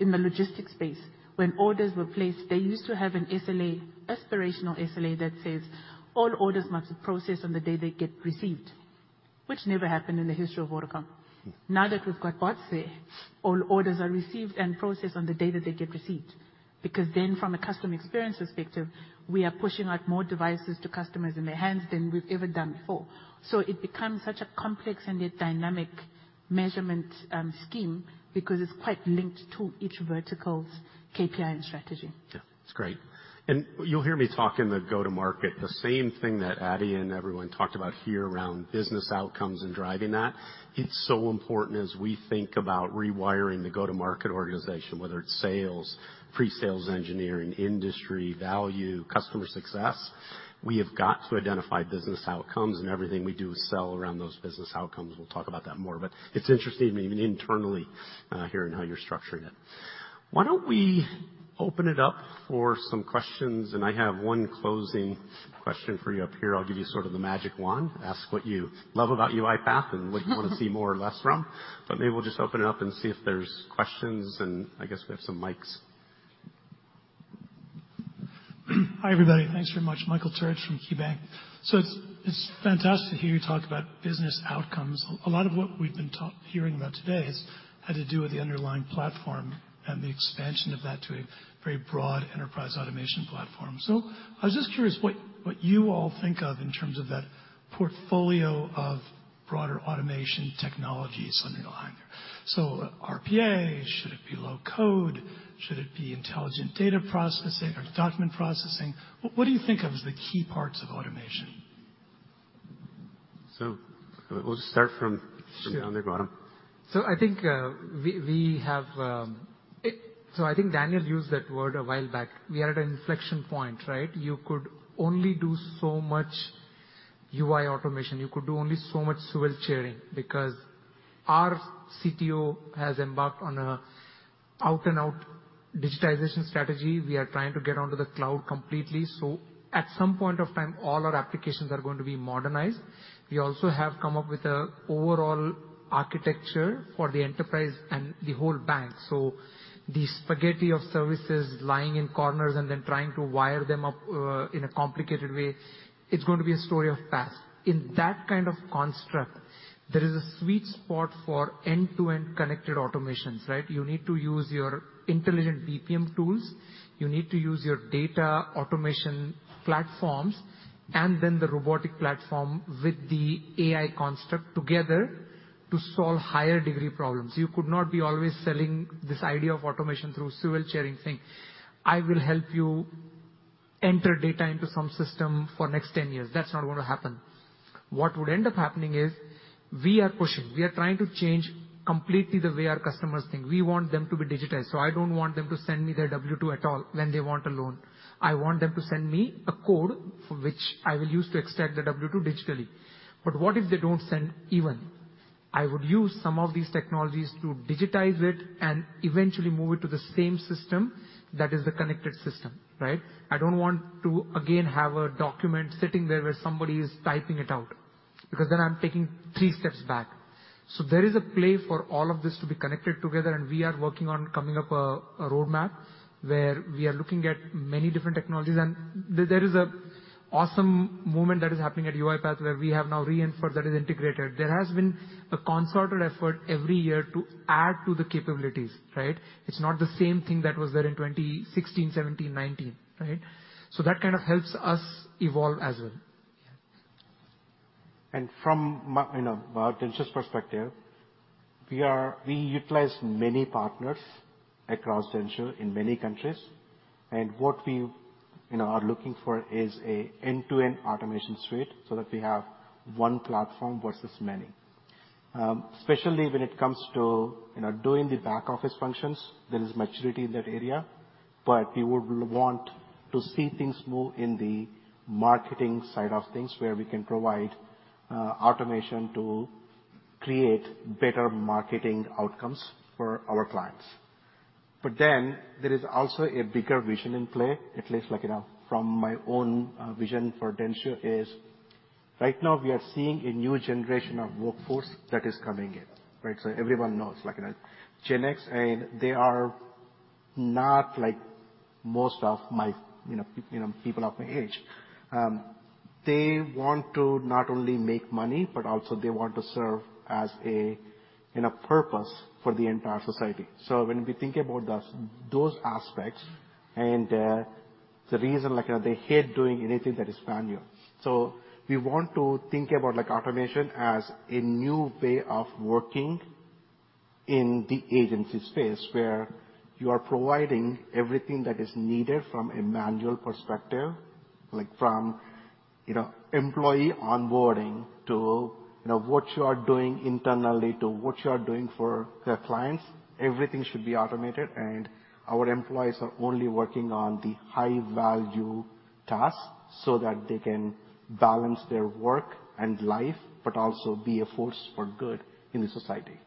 in the logistics space, when orders were placed, they used to have an SLA, aspirational SLA that says all orders must process on the day they get received. Which never happened in the history of Vodacom. Now that we've got bots there, all orders are received and processed on the day that they get received. Because then from a customer experience perspective, we are pushing out more devices to customers in their hands than we've ever done before. It becomes such a complex and yet dynamic measurement, scheme because it's quite linked to each vertical's KPI and strategy. Yeah, it's great. You'll hear me talk in the go-to-market the same thing that Adi and everyone talked about here around business outcomes and driving that. It's so important as we think about rewiring the go-to-market organization, whether it's sales, pre-sales engineering, industry value, customer success. We have got to identify business outcomes, and everything we do is sell around those business outcomes. We'll talk about that more, but it's interesting even internally, hearing how you're structuring it. Why don't we open it up for some questions? I have one closing question for you up here. I'll give you sort of the magic wand. Ask what you love about UiPath and what you want to see more or less from. Maybe we'll just open it up and see if there's questions, and I guess we have some mics. Hi, everybody. Thanks very much. Michael Turits from KeyBanc. It's fantastic to hear you talk about business outcomes. A lot of what we've been hearing about today has had to do with the underlying platform and the expansion of that to a very broad enterprise automation platform. I was just curious what you all think of in terms of that portfolio of broader automation technologies underlying there. RPA, should it be low-code? Should it be intelligent data processing or document processing? What do you think of as the key parts of automation? We'll just start from down the bottom. Sure. I think Daniel used that word a while back. We are at an inflection point, right? You could only do so much UI automation. You could do only so much screen scraping because our CTO has embarked on an out and out digitization strategy. We are trying to get onto the cloud completely. At some point of time, all our applications are going to be modernized. We also have come up with an overall architecture for the enterprise and the whole bank. The spaghetti of services lying in corners and then trying to wire them up in a complicated way. It's going to be a thing of the past. In that kind of construct, there is a sweet spot for end-to-end connected automations, right? You need to use your intelligent BPM tools. You need to use your data automation platforms and then the robotic platform with the AI construct together to solve higher degree problems. You could not be always selling this idea of automation through civil sharing thing. I will help you enter data into some system for next 10 years. That's not gonna happen. What would end up happening is we are pushing, we are trying to change completely the way our customers think. We want them to be digitized. I don't want them to send me their W-2 at all when they want a loan. I want them to send me a code which I will use to extract the W-2 digitally. What if they don't send even? I would use some of these technologies to digitize it and eventually move it to the same system that is the connected system, right? I don't want to again have a document sitting there where somebody is typing it out, because then I'm taking three steps back. There is a play for all of this to be connected together, and we are working on coming up a roadmap where we are looking at many different technologies. There is an awesome movement that is happening at UiPath, where we have now Re:infer that is integrated. There has been a concerted effort every year to add to the capabilities, right? It's not the same thing that was there in 2016, 2017, 2019, right? That kind of helps us evolve as well. Yeah. You know, about dentsu's perspective, we utilize many partners across dentsu in many countries. What we, you know, are looking for is an end-to-end automation suite so that we have one platform versus many. Especially when it comes to, you know, doing the back office functions. There is maturity in that area. We would want to see things move in the marketing side of things where we can provide automation to create better marketing outcomes for our clients. There is also a bigger vision in play. At least like, you know, from my own vision for dentsu is right now we are seeing a new generation of workforce that is coming in, right? Everyone knows like Gen X, and they are not like most of my, you know, people of my age. They want to not only make money, but also they want to serve as a, you know, purpose for the entire society. When we think about those aspects and the reason, like, they hate doing anything that is manual. We want to think about like automation as a new way of working in the agency space where you are providing everything that is needed from a manual perspective, like from, you know, employee onboarding to, you know, what you are doing internally, to what you are doing for your clients. Everything should be automated, and our employees are only working on the high-value tasks so that they can balance their work and life, but also be a force for good in the society.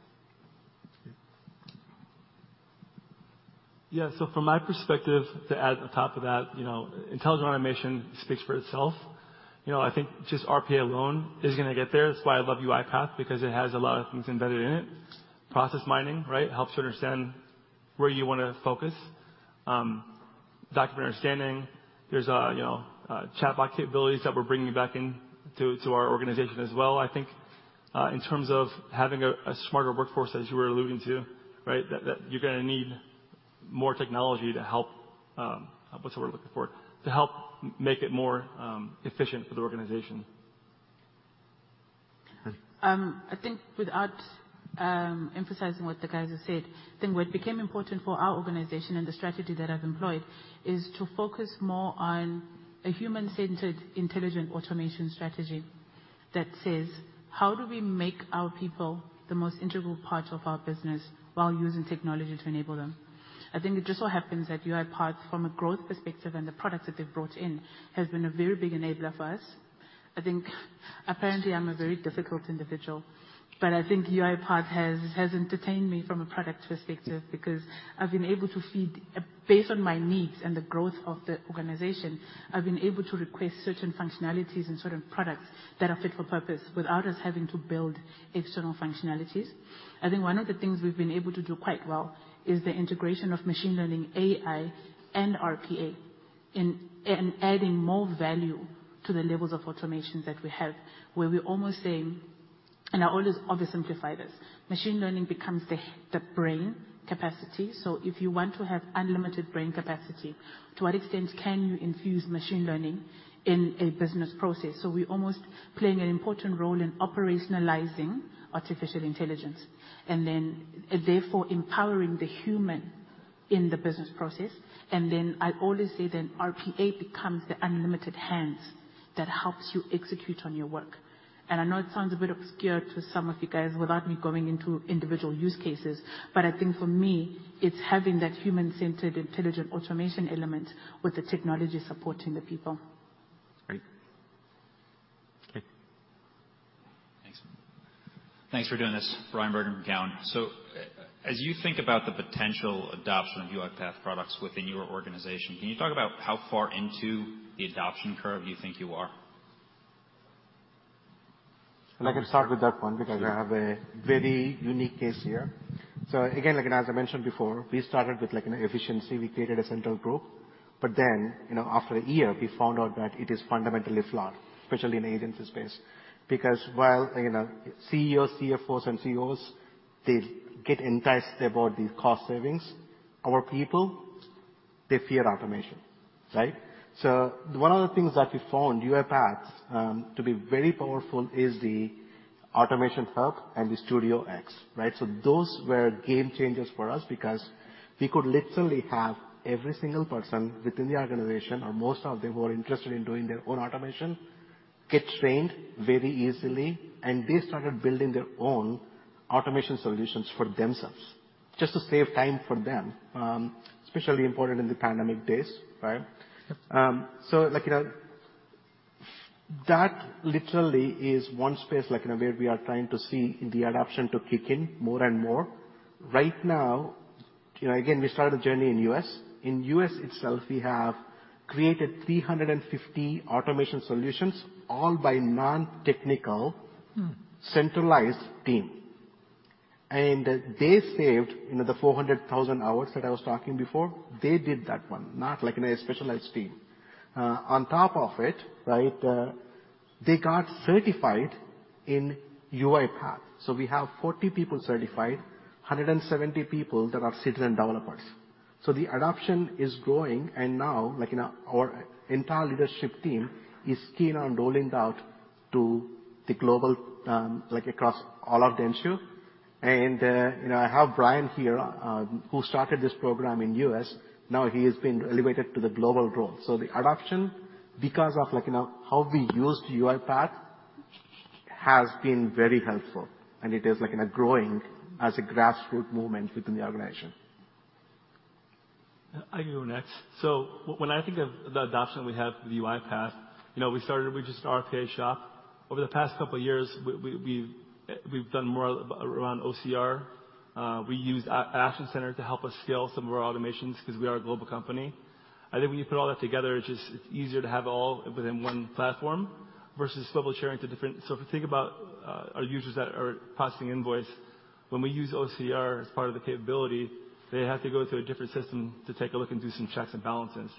Yeah. Yeah. From my perspective to add on top of that, you know, intelligent automation speaks for itself. You know, I think just RPA alone isn't gonna get there. That's why I love UiPath, because it has a lot of things embedded in it. Process Mining, right? Helps you understand where you wanna focus. Document Understanding. There's, you know, chatbot capabilities that we're bringing back in to our organization as well. I think, in terms of having a smarter workforce, as you were alluding to, right? That you're gonna need more technology to help, that's what we're looking for. To help make it more efficient for the organization. I think without emphasizing what the guys have said, I think what became important for our organization and the strategy that I've employed is to focus more on a human-centered intelligent automation strategy that says, "How do we make our people the most integral part of our business while using technology to enable them?" I think it just so happens that UiPath, from a growth perspective and the products that they've brought in, has been a very big enabler for us. I think apparently I'm a very difficult individual, but I think UiPath has entertained me from a product perspective because based on my needs and the growth of the organization, I've been able to request certain functionalities and certain products that are fit for purpose without us having to build external functionalities. I think one of the things we've been able to do quite well is the integration of machine learning, AI and RPA in and adding more value to the levels of automations that we have. Where we're almost saying, and I always oversimplify this, machine learning becomes the brain capacity. If you want to have unlimited brain capacity, to what extent can you infuse machine learning in a business process? We're almost playing an important role in operationalizing artificial intelligence and then therefore empowering the human in the business process. I always say then RPA becomes the unlimited hands that helps you execute on your work. I know it sounds a bit obscure to some of you guys without me going into individual use cases, but I think for me it's having that human-centered intelligent automation element with the technology supporting the people. Great. Thanks. Thanks for doing this. Bryan Bergin from Cowen. As you think about the potential adoption of UiPath products within your organization, can you talk about how far into the adoption curve you think you are? I can start with that one because I have a very unique case here. Again, like, as I mentioned before, we started with like an efficiency. We created a central group. Then, you know, after a year we found out that it is fundamentally flawed, especially in agency space. Because while, you know, CEOs, CFOs and COOs, they get enticed about the cost savings, our people, they fear automation, right? One of the things that we found UiPath to be very powerful is the Automation Hub and the StudioX, right? Those were game changers for us because we could literally have every single person within the organization or most of them who are interested in doing their own automation, get trained very easily. They started building their own automation solutions for themselves just to save time for them. Especially important in the pandemic days, right? Like, you know, that literally is one space like, you know, where we are trying to see the adoption to kick in more and more. Right now, you know, again, we started a journey in U.S. In U.S. itself, we have created 350 automation solutions all by non-technical centralized team. They saved, you know, the 400,000 hours that I was talking before. They did that one, not like a specialized team. On top of it, right, they got certified in UiPath. So we have 40 people certified, 170 people that are citizen developers. So the adoption is growing. Now, like, you know, our entire leadership team is keen on rolling out to the global, like across all of the issues. You know, I have Brian here, who started this program in U.S. Now he has been elevated to the global role. The adoption because of like, you know, how we used UiPath has been very helpful. It is like, you know, growing as a grassroots movement within the organization. I can go next. When I think of the adoption we have with UiPath, you know, we started with just RPA shop. Over the past couple of years, we've done more around OCR. We used Action Center to help us scale some of our automations 'cause we are a global company. I think when you put all that together, it's easier to have all within one platform versus double sharing to different. If you think about our users that are processing invoice, when we use OCR as part of the capability, they have to go to a different system to take a look and do some checks and balances.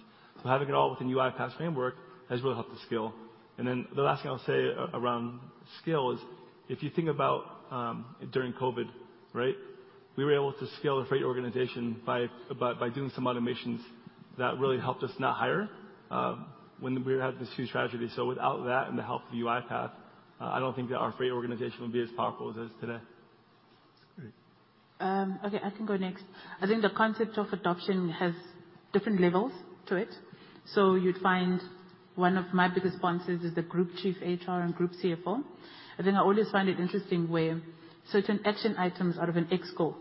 Having it all within UiPath's framework has really helped the scale. The last thing I'll say around scale is if you think about during COVID, right? We were able to scale the freight organization by doing some automations that really helped us not hire when we had this huge tragedy. Without that and the help of UiPath, I don't think that our freight organization would be as powerful as it is today. That's great. Okay, I can go next. I think the concept of adoption has different levels to it. You'd find one of my biggest sponsors is the Group Chief HR and Group CFO. I think I always find it interesting where certain action items out of an ExCo.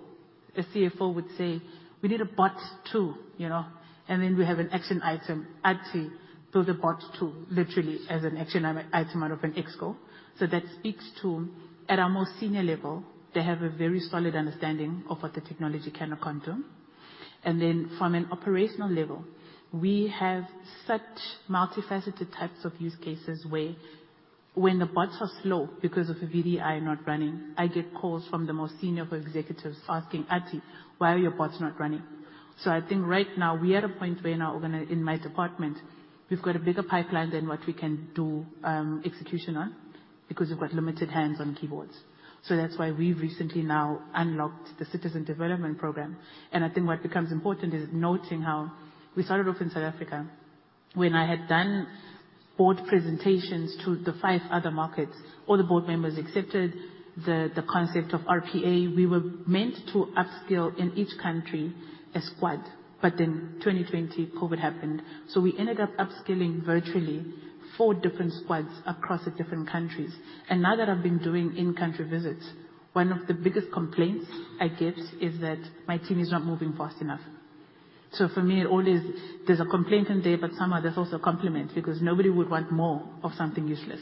A CFO would say, "We need a bot too," you know? Then we have an action item, IT, build a bot tool literally as an action item out of an ExCo. That speaks to at our most senior level, they have a very solid understanding of what the technology can or can't do. From an operational level, we have such multifaceted types of use cases, when the bots are slow because of a VDI not running, I get calls from the most senior of executives asking, "Adi, why are your bots not running?" I think right now we are at a point. In my department, we've got a bigger pipeline than what we can do execution on because we've got limited hands on keyboards. That's why we recently now unlocked the citizen development program. I think what becomes important is noting how we started off in South Africa. When I had done board presentations to the five other markets, all the board members accepted the concept of RPA. We were meant to upskill in each country a squad. 2020, COVID happened, so we ended up upskilling virtually four different squads across the different countries. Now that I've been doing in-country visits, one of the biggest complaints I get is that my team is not moving fast enough. For me, it always. There's a complaint in there, but somehow there's also a compliment because nobody would want more of something useless.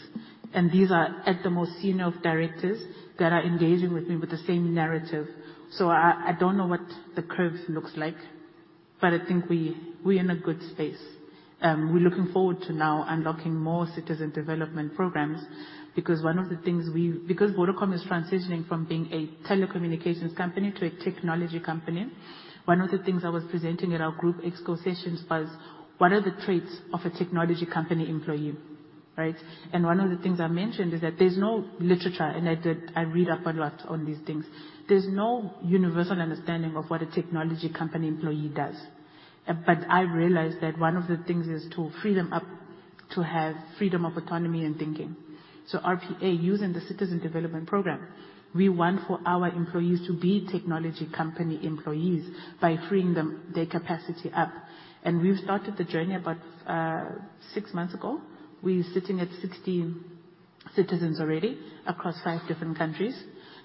These are at the most senior of directors that are engaging with me with the same narrative. I don't know what the curve looks like, but I think we're in a good space. We're looking forward to now unlocking more citizen development programs because one of the things we Because Vodacom is transitioning from being a telecommunications company to a technology company, one of the things I was presenting at our group expo sessions was. What are the traits of a technology company employee, right? One of the things I mentioned is that there's no literature. I read up a lot on these things. There's no universal understanding of what a technology company employee does. But I realized that one of the things is to free them up to have freedom of autonomy and thinking. RPA, using the citizen development program, we want for our employees to be technology company employees by freeing them, their capacity up. We've started the journey about six months ago. We're sitting at 60 citizens already across 5 different countries.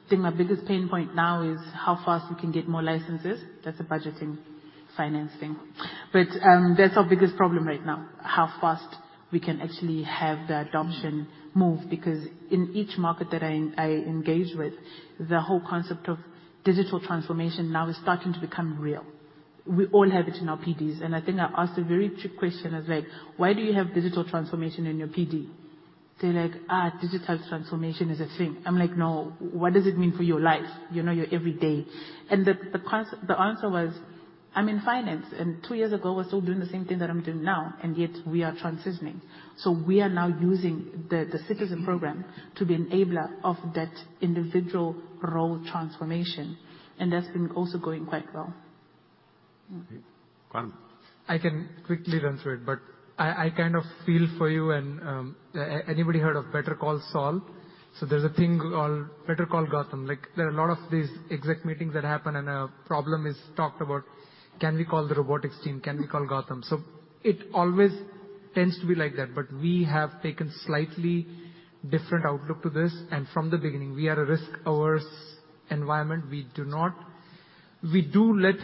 I think my biggest pain point now is how fast we can get more licenses. That's a budgeting finance thing. That's our biggest problem right now, how fast we can actually have the adoption move. Because in each market that I engage with, the whole concept of digital transformation now is starting to become real. We all have it in our PDs, and I think I asked a very tricky question. I was like, "Why do you have digital transformation in your PD?" They're like, "Digital transformation is a thing." I'm like, "No, what does it mean for your life? You know, your every day?" The answer was, "I'm in finance, and two years ago, I was still doing the same thing that I'm doing now, and yet we are transitioning." We are now using the citizen program to be enabler of that individual role transformation, and that's also been going quite well. Okay. Gautam? I can quickly run through it, but I kind of feel for you and anybody heard of Better Call Saul? There's a thing called Better Call Gautam. Like, there are a lot of these exec meetings that happen and a problem is talked about. Can we call the robotics team? Can we call Gautam? It always tends to be like that, but we have taken slightly different outlook to this. From the beginning, we are a risk-averse environment. We do let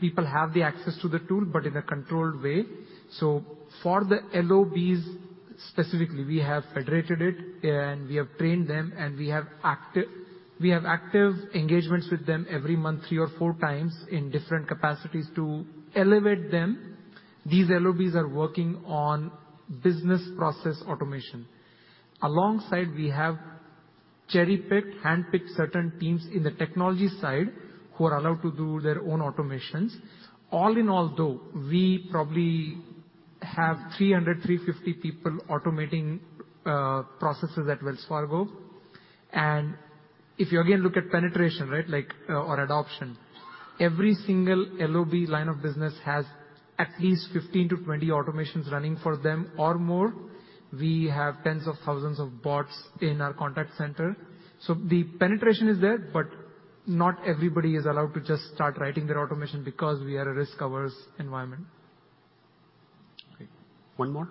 people have the access to the tool, but in a controlled way. For the LOBs specifically, we have federated it and we have trained them, and we have active engagements with them every month, three or four times in different capacities to elevate them. These LOBs are working on business process automation. Alongside, we have cherry-picked, handpicked certain teams in the technology side who are allowed to do their own automations. All in all, though, we probably have 300-350 people automating processes at Wells Fargo. If you again look at penetration, right? Like, or adoption, every single LOB line of business has at least 15-20 automations running for them or more. We have tens of thousands of bots in our contact center. The penetration is there, but not everybody is allowed to just start writing their automation because we are a risk-averse environment. Okay. One more.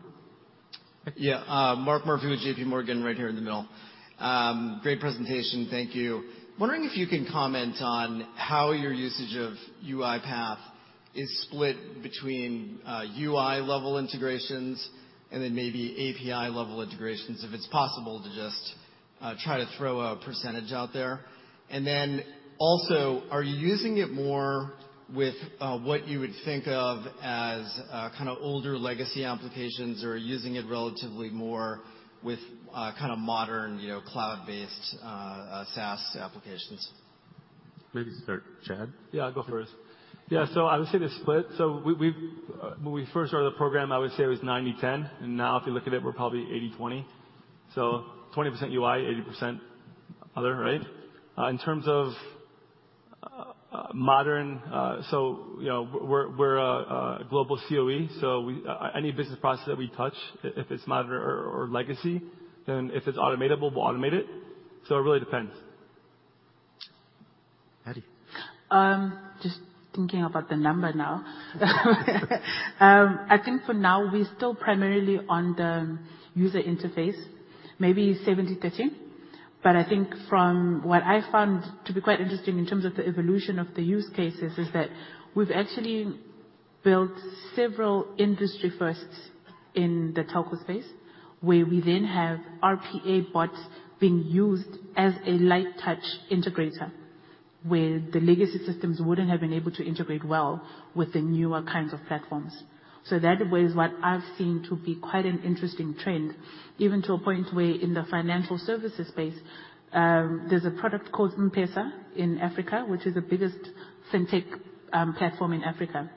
Yeah. Mark Murphy with JPMorgan, right here in the middle. Great presentation. Thank you. Wondering if you can comment on how your usage of UiPath is split between UI-level integrations and then maybe API-level integrations, if it's possible to just try to throw a percentage out there. Then also, are you using it more with what you would think of as kinda older legacy applications or using it relatively more with kinda modern, you know, cloud-based SaaS applications? Maybe start Chad. I'll go first. I would say the split. When we first started the program, I would say it was 90%-10%, and now if you look at it, we're probably 80%-20%. 20% UI, 80% other, right? In terms of modern, you know, we're a global COE, so any business process that we touch, if it's modern or legacy, then if it's automatable, we'll automate it. It really depends. Adi. I think for now, we're still primarily on the user interface, maybe 70%-30%. I think from what I found to be quite interesting in terms of the evolution of the use cases is that we've actually built several industry firsts in the telco space, where we then have RPA bots being used as a light touch integrator, where the legacy systems wouldn't have been able to integrate well with the newer kinds of platforms. That was what I've seen to be quite an interesting trend, even to a point where in the financial services space, there's a product called M-PESA in Africa, which is the biggest fintech platform in Africa.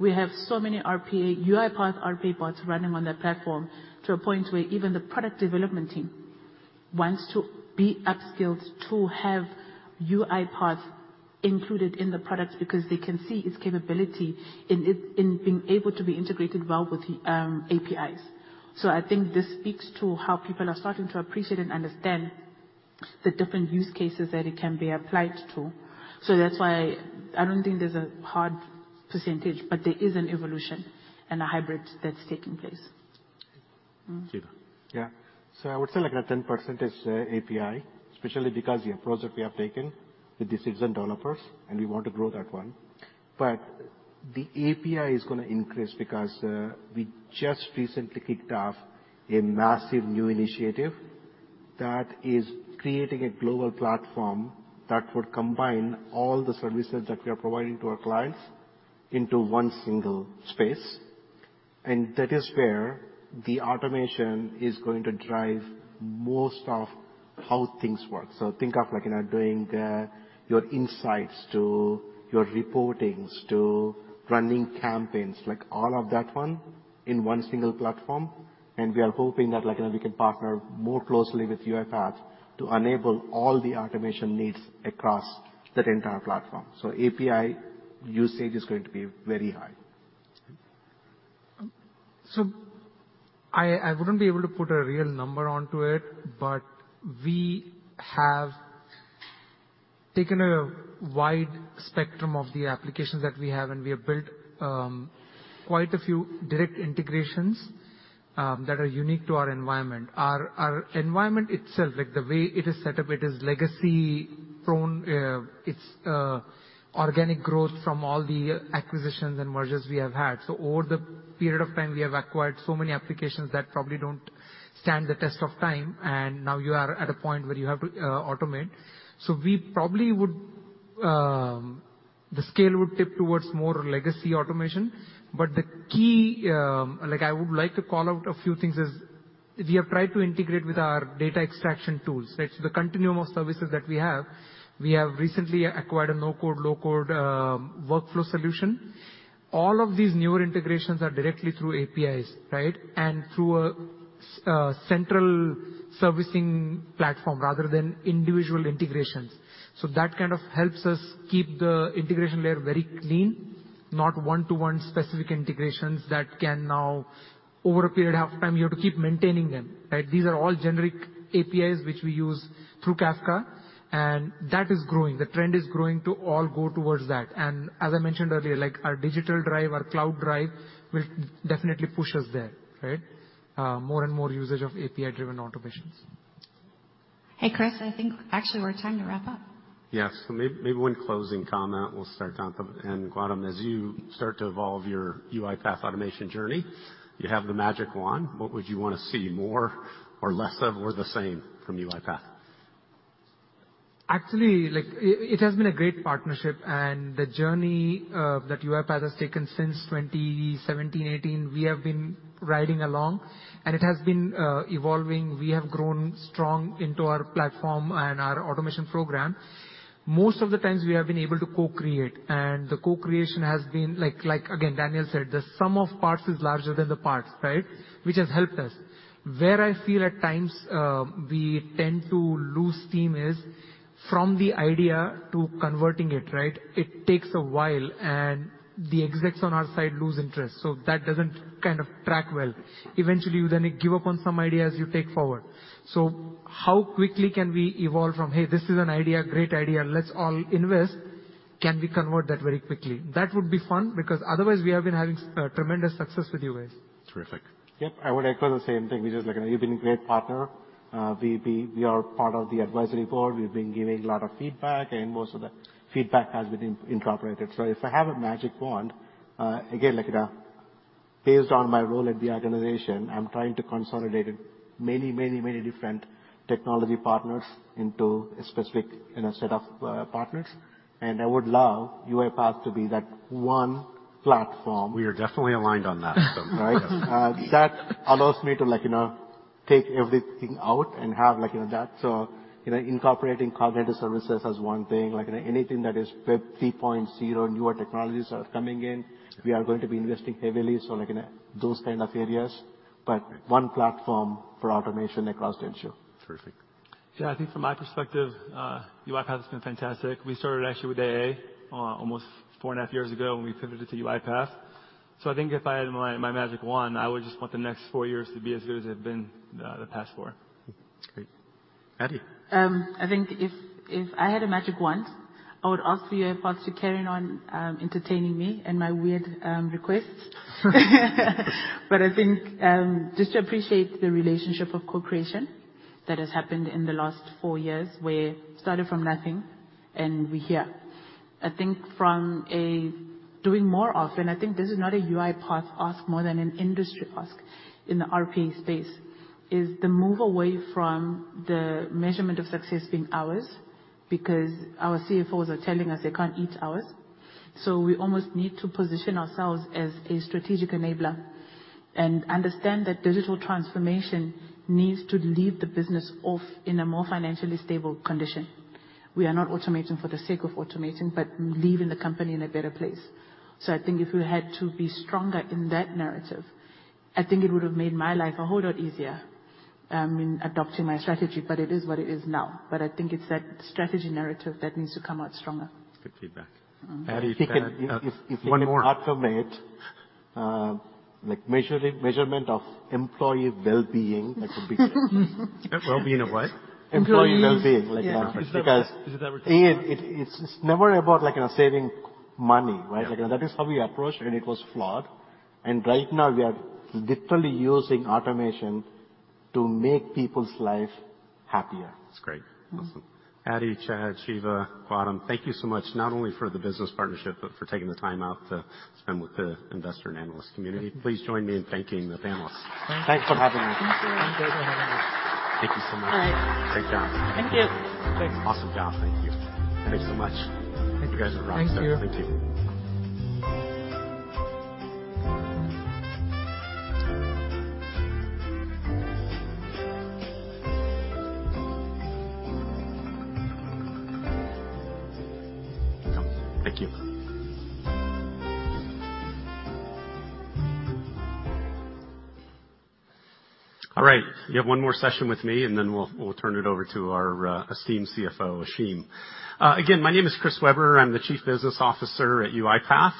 We have so many UiPath RPA bots running on that platform to a point where even the product development team wants to be upskilled to have UiPath included in the products because they can see its capability in being able to be integrated well with APIs. I think this speaks to how people are starting to appreciate and understand the different use cases that it can be applied to. That's why I don't think there's a hard percentage, but there is an evolution and a hybrid that's taking place. Yeah. I would say like a 10% API, especially because the approach that we have taken with citizen developers, and we want to grow that one. The API is gonna increase because we just recently kicked off a massive new initiative that is creating a global platform that would combine all the services that we are providing to our clients into one single space. That is where the automation is going to drive most of how things work. Think of like, you know, doing your insights to your reporting, to running campaigns, like all of that in one single platform. We are hoping that, like, you know, we can partner more closely with UiPath to enable all the automation needs across that entire platform. API usage is going to be very high. I wouldn't be able to put a real number onto it, but we have taken a wide spectrum of the applications that we have, and we have built quite a few direct integrations that are unique to our environment. Our environment itself, like the way it is set up, it is legacy prone. It's organic growth from all the acquisitions and mergers we have had. Over the period of time, we have acquired so many applications that probably don't stand the test of time, and now you are at a point where you have to automate. We probably would, the scale would tip towards more legacy automation. But the key, like I would like to call out a few things is we have tried to integrate with our data extraction tools. That's the continuum of services that we have. We have recently acquired a no-code/low-code workflow solution. All of these newer integrations are directly through APIs, right? Through a central servicing platform rather than individual integrations. That kind of helps us keep the integration layer very clean, not one-to-one specific integrations that can now, over a period of time, you have to keep maintaining them, right? These are all generic APIs which we use through Kafka, and that is growing. The trend is growing to all go towards that. As I mentioned earlier, like our digital drive, our cloud drive will definitely push us there, right? More and more usage of API-driven automations. Hey, Chris, I think actually it's time to wrap up. Yes. So maybe one closing comment, we'll start, Gautam. Gautam, as you start to evolve your UiPath automation journey, you have the magic wand. What would you wanna see more or less of or the same from UiPath? Actually, like, it has been a great partnership. The journey that UiPath has taken since 2017, 2018, we have been riding along, and it has been evolving. We have grown strong into our platform and our automation program. Most of the times we have been able to co-create, and the co-creation has been like again, Daniel said, the sum of parts is larger than the parts, right? Which has helped us. Where I feel at times we tend to lose steam is from the idea to converting it, right? It takes a while, and the execs on our side lose interest. That doesn't kind of track well. Eventually, you then give up on some ideas you take forward. How quickly can we evolve from, "Hey, this is an idea, great idea, let's all invest." Can we convert that very quickly? That would be fun because otherwise we have been having tremendous success with you guys. Terrific. Yep. I would echo the same thing. You've been a great partner. We are part of the advisory board. We've been giving a lot of feedback, and most of the feedback has been incorporated. If I have a magic wand, again, like based on my role in the organization, I'm trying to consolidate many different technology partners into a specific, you know, set of partners. I would love UiPath to be that one platform. We are definitely aligned on that. Right. That allows me to like, you know, take everything out and have like, you know that. You know, incorporating cognitive services as one thing, like anything that is Web 3.0, newer technologies are coming in, we are going to be investing heavily. Like in those kind of areas, but one platform for automation across the issue. Terrific. Yeah. I think from my perspective, UiPath has been fantastic. We started actually with AA almost four and a half years ago when we pivoted to UiPath. I think if I had my magic wand, I would just want the next four years to be as good as they've been the past four. Great. Adi? I think if I had a magic wand, I would ask UiPath to carry on entertaining me and my weird requests. I think just to appreciate the relationship of co-creation that has happened in the last four years, where we started from nothing and we're here. I think this is not a UiPath ask more than an industry ask in the RPA space, is the move away from the measurement of success being hours, because our CFOs are telling us they can't eat hours. We almost need to position ourselves as a strategic enabler and understand that digital transformation needs to leave the business better off in a more financially stable condition. We are not automating for the sake of automating but leaving the company in a better place. I think if we had to be stronger in that narrative, I think it would have made my life a whole lot easier, in adopting my strategy, but it is what it is now. I think it's that strategy narrative that needs to come out stronger. Good feedback. Adi- One more. If you can automate, like measurement of employee well-being, that would be great. Well-being of what? Employee well-being. Is it that retirement? It's never about, like, you know, saving money, right? Like that is how we approached it, and it was flawed. Right now, we are literally using automation to make people's life happier. That's great. Awesome. Adi, Chad, Shiva, Gautam, thank you so much, not only for the business partnership, but for taking the time out to spend with the investor and analyst community. Please join me in thanking the panelists. Thanks for having me. Thank you. Thank you so much. All right. Great job. Thank you. Awesome job. Thank you. Thank you so much. You guys rock. Thank you. Thank you. All right, you have one more session with me, and then we'll turn it over to our esteemed CFO, Ashim. Again, my name is Chris Weber. I'm the Chief Business Officer at UiPath.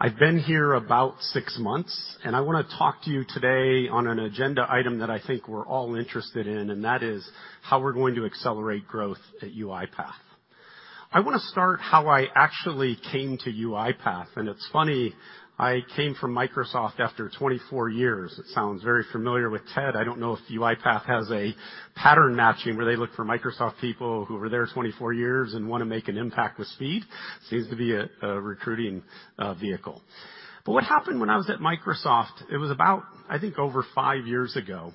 I've been here about six months, and I wanna talk to you today on an agenda item that I think we're all interested in, and that is how we're going to accelerate growth at UiPath. I wanna start how I actually came to UiPath, and it's funny, I came from Microsoft after 24 years. It sounds very familiar with Ted. I don't know if UiPath has a pattern matching where they look for Microsoft people who were there 24 years and wanna make an impact with speed. Seems to be a recruiting vehicle. What happened when I was at Microsoft, it was about, I think, over five years ago.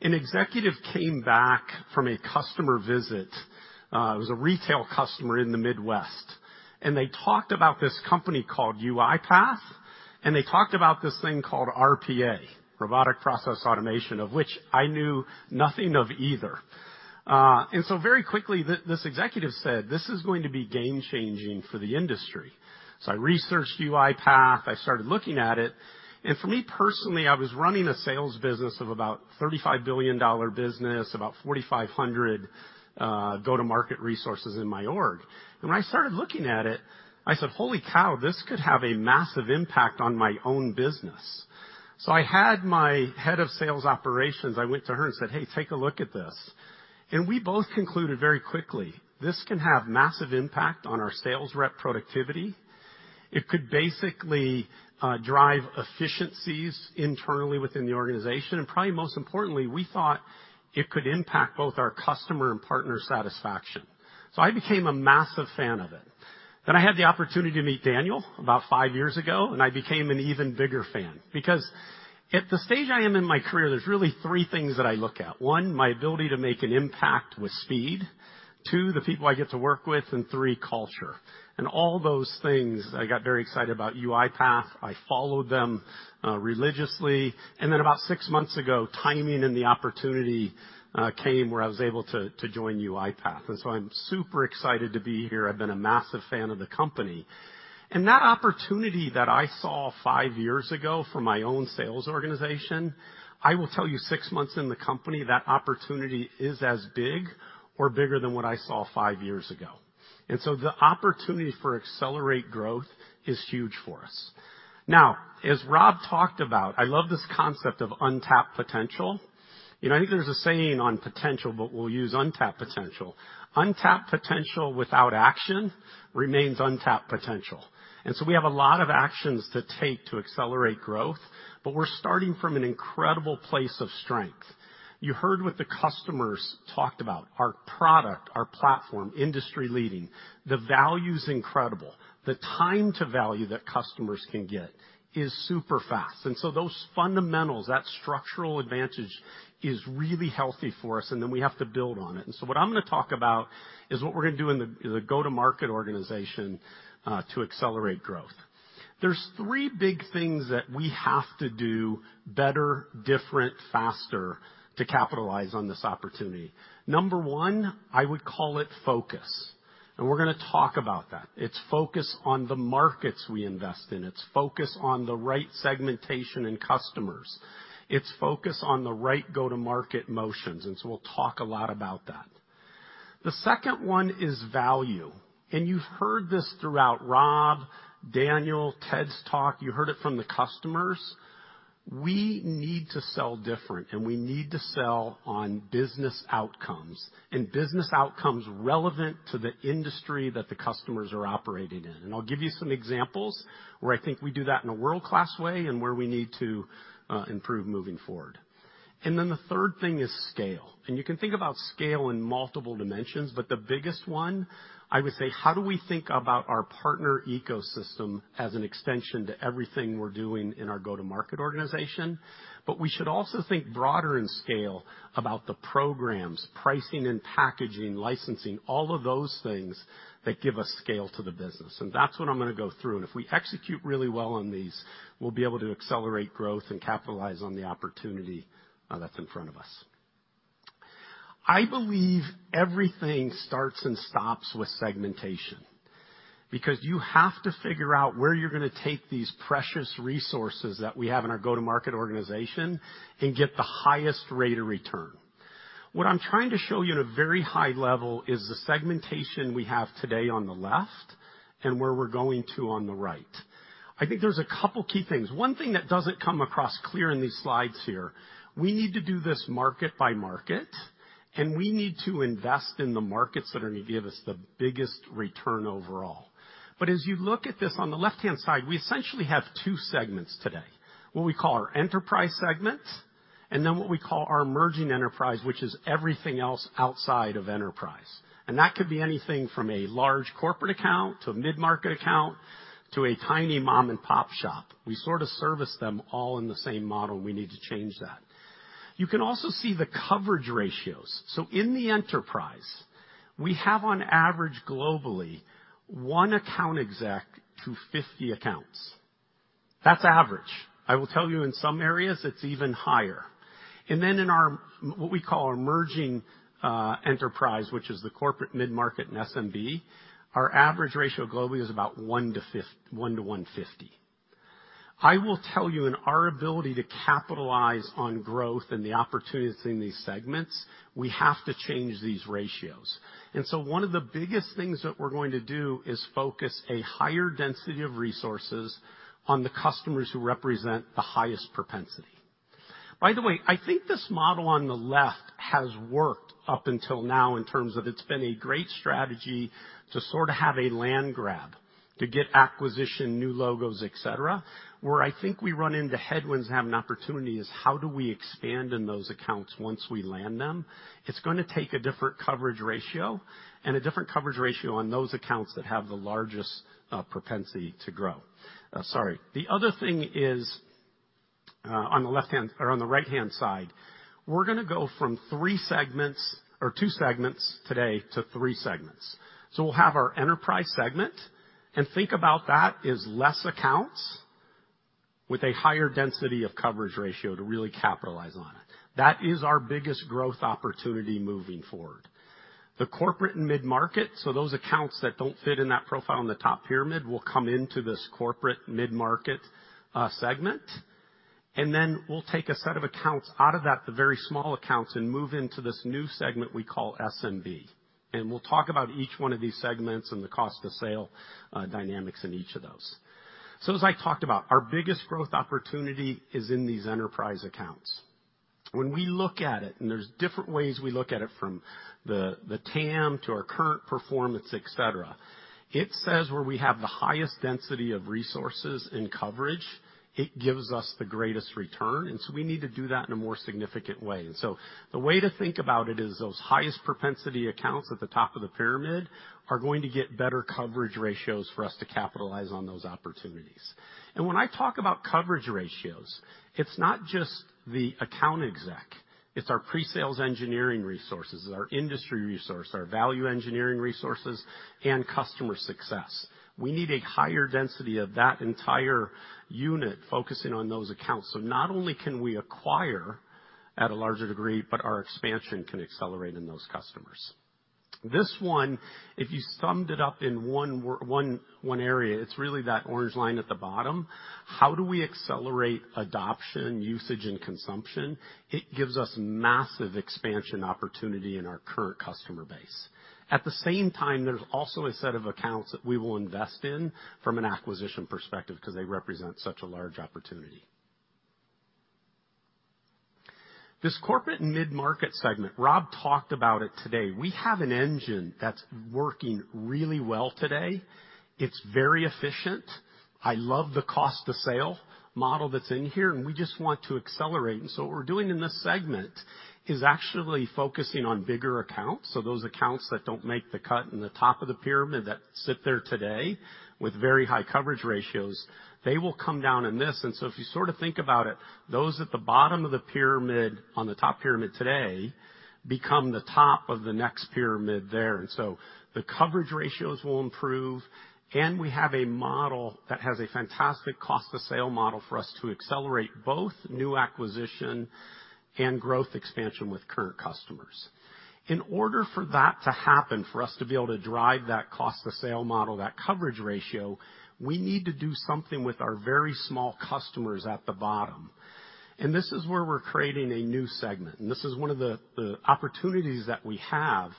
An executive came back from a customer visit, it was a retail customer in the Midwest, and they talked about this company called UiPath, and they talked about this thing called RPA, robotic process automation, of which I knew nothing of either. Very quickly, this executive said, "This is going to be game-changing for the industry." I researched UiPath. I started looking at it. For me, personally, I was running a sales business of about $35 billion-dollar business, about 4,500 go-to-market resources in my org. When I started looking at it, I said, "Holy cow, this could have a massive impact on my own business." I had my head of sales operations. I went to her and said, "Hey, take a look at this." We both concluded very quickly, this can have massive impact on our sales rep productivity. It could basically drive efficiencies internally within the organization. Probably most importantly, we thought it could impact both our customer and partner satisfaction. I became a massive fan of it. I had the opportunity to meet Daniel about five years ago, and I became an even bigger fan. Because at the stage I am in my career, there's really three things that I look at. One, my ability to make an impact with speed, two, the people I get to work with, and three, culture. All those things, I got very excited about UiPath. I followed them religiously. About six months ago, timing and the opportunity came where I was able to join UiPath. I'm super excited to be here. I've been a massive fan of the company. That opportunity that I saw five years ago for my own sales organization, I will tell you six months in the company, that opportunity is as big or bigger than what I saw five years ago. The opportunity for accelerate growth is huge for us. Now, as Rob talked about, I love this concept of untapped potential. You know, I think there's a saying on potential, but we'll use untapped potential. Untapped potential without action remains untapped potential. We have a lot of actions to take to accelerate growth, but we're starting from an incredible place of strength. You heard what the customers talked about, our product, our platform, industry-leading. The value's incredible. The time to value that customers can get is super fast. Those fundamentals, that structural advantage is really healthy for us, and then we have to build on it. What I'm gonna talk about is what we're gonna do in the go-to-market organization to accelerate growth. There's three big things that we have to do better, different, faster to capitalize on this opportunity. Number one, I would call it focus. We're gonna talk about that. It's focus on the markets we invest in. It's focus on the right segmentation and customers. It's focus on the right go-to-market motions. We'll talk a lot about that. The second one is value. You've heard this throughout Rob, Daniel, Ted's talk, you heard it from the customers. We need to sell different, and we need to sell on business outcomes, and business outcomes relevant to the industry that the customers are operating in. I'll give you some examples where I think we do that in a world-class way and where we need to improve moving forward. The third thing is scale. You can think about scale, multiple dimensions, but the biggest one, I would say, how do we think about our partner ecosystem as an extension to everything we're doing in our go-to-market organization. We should also think broader in scale about the programs, pricing and packaging, licensing, all of those things that give us scale to the business. That's what I'm going to go through. If we execute really well on these, we'll be able to accelerate growth and capitalize on the opportunity that's in front of us. I believe everything starts and stops with segmentation because you have to figure out where you're going to take these precious resources that we have in our go-to-market organization and get the highest rate of return. What I'm trying to show you at a very high level is the segmentation we have today on the left and where we're going to on the right. I think there's a couple of key things. One thing that doesn't come across clear in these slides here, we need to do this market by market, and we need to invest in the markets that are going to give us the biggest return overall. As you look at this on the left-hand side, we essentially have two segments today, what we call our enterprise segments and then what we call our emerging enterprise, which is everything else outside of enterprise. That could be anything from a large corporate account to a mid-market account to a tiny mom-and-pop shop. We sort of service them all in the same model. We need to change that. You can also see the coverage ratios. In the enterprise, we have on average, globally, one account exec to 50 accounts. That's average. I will tell you in some areas, it's even higher. Then in our, what we call our emerging enterprise, which is the corporate mid-market and SMB, our average ratio globally is about one to 150. I will tell you in our ability to capitalize on growth and the opportunities in these segments, we have to change these ratios. One of the biggest things that we're going to do is focus a higher density of resources on the customers who represent the highest propensity. By the way, I think this model on the left has worked up until now in terms of it's been a great strategy to sort of have a land grab, to get acquisition, new logos, et cetera. Where I think we run into headwinds and have an opportunity is how do we expand in those accounts once we land them? It's going to take a different coverage ratio on those accounts that have the largest propensity to grow. The other thing is, on the left-hand or on the right-hand side, we're going to go from three segments or two segments today to three segments. We'll have our enterprise segment, and think about that as less accounts with a higher density of coverage ratio to really capitalize on it. That is our biggest growth opportunity moving forward. The corporate and mid-market, so those accounts that don't fit in that profile in the top pyramid, will come into this corporate mid-market segment. We'll take a set of accounts out of that, the very small accounts, and move into this new segment we call SMB. We'll talk about each one of these segments and the cost of sale dynamics in each of those. As I talked about, our biggest growth opportunity is in these enterprise accounts. When we look at it, there's different ways we look at it from the TAM to our current performance, et cetera, it says where we have the highest density of resources in coverage, it gives us the greatest return. We need to do that in a more significant way. The way to think about it is those highest propensity accounts at the top of the pyramid are going to get better coverage ratios for us to capitalize on those opportunities. When I talk about coverage ratios, it's not just the account exec, it's our pre-sales engineering resources, our industry resource, our value engineering resources, and customer success. We need a higher density of that entire unit focusing on those accounts. Not only can we acquire at a larger degree, but our expansion can accelerate in those customers. This one, if you summed it up in one area, it's really that orange line at the bottom. How do we accelerate adoption, usage, and consumption? It gives us massive expansion opportunity in our current customer base. At the same time, there's also a set of accounts that we will invest in from an acquisition perspective because they represent such a large opportunity. This corporate mid-market segment. Rob talked about it today. We have an engine that's working really well today. It's very efficient. I love the cost to sale model that's in here, and we just want to accelerate. What we're doing in this segment is actually focusing on bigger accounts. Those accounts that don't make the cut in the top of the pyramid that sit there today with very high coverage ratios, they will come down in this. If you sort of think about it, those at the bottom of the pyramid on the top pyramid today become the top of the next pyramid there. The coverage ratios will improve, and we have a model that has a fantastic cost to sale model for us to accelerate both new acquisition and growth expansion with current customers. In order for that to happen, for us to be able to drive that cost to sale model, that coverage ratio, we need to do something with our very small customers at the bottom. This is where we're creating a new segment. This is one of the opportunities that we have.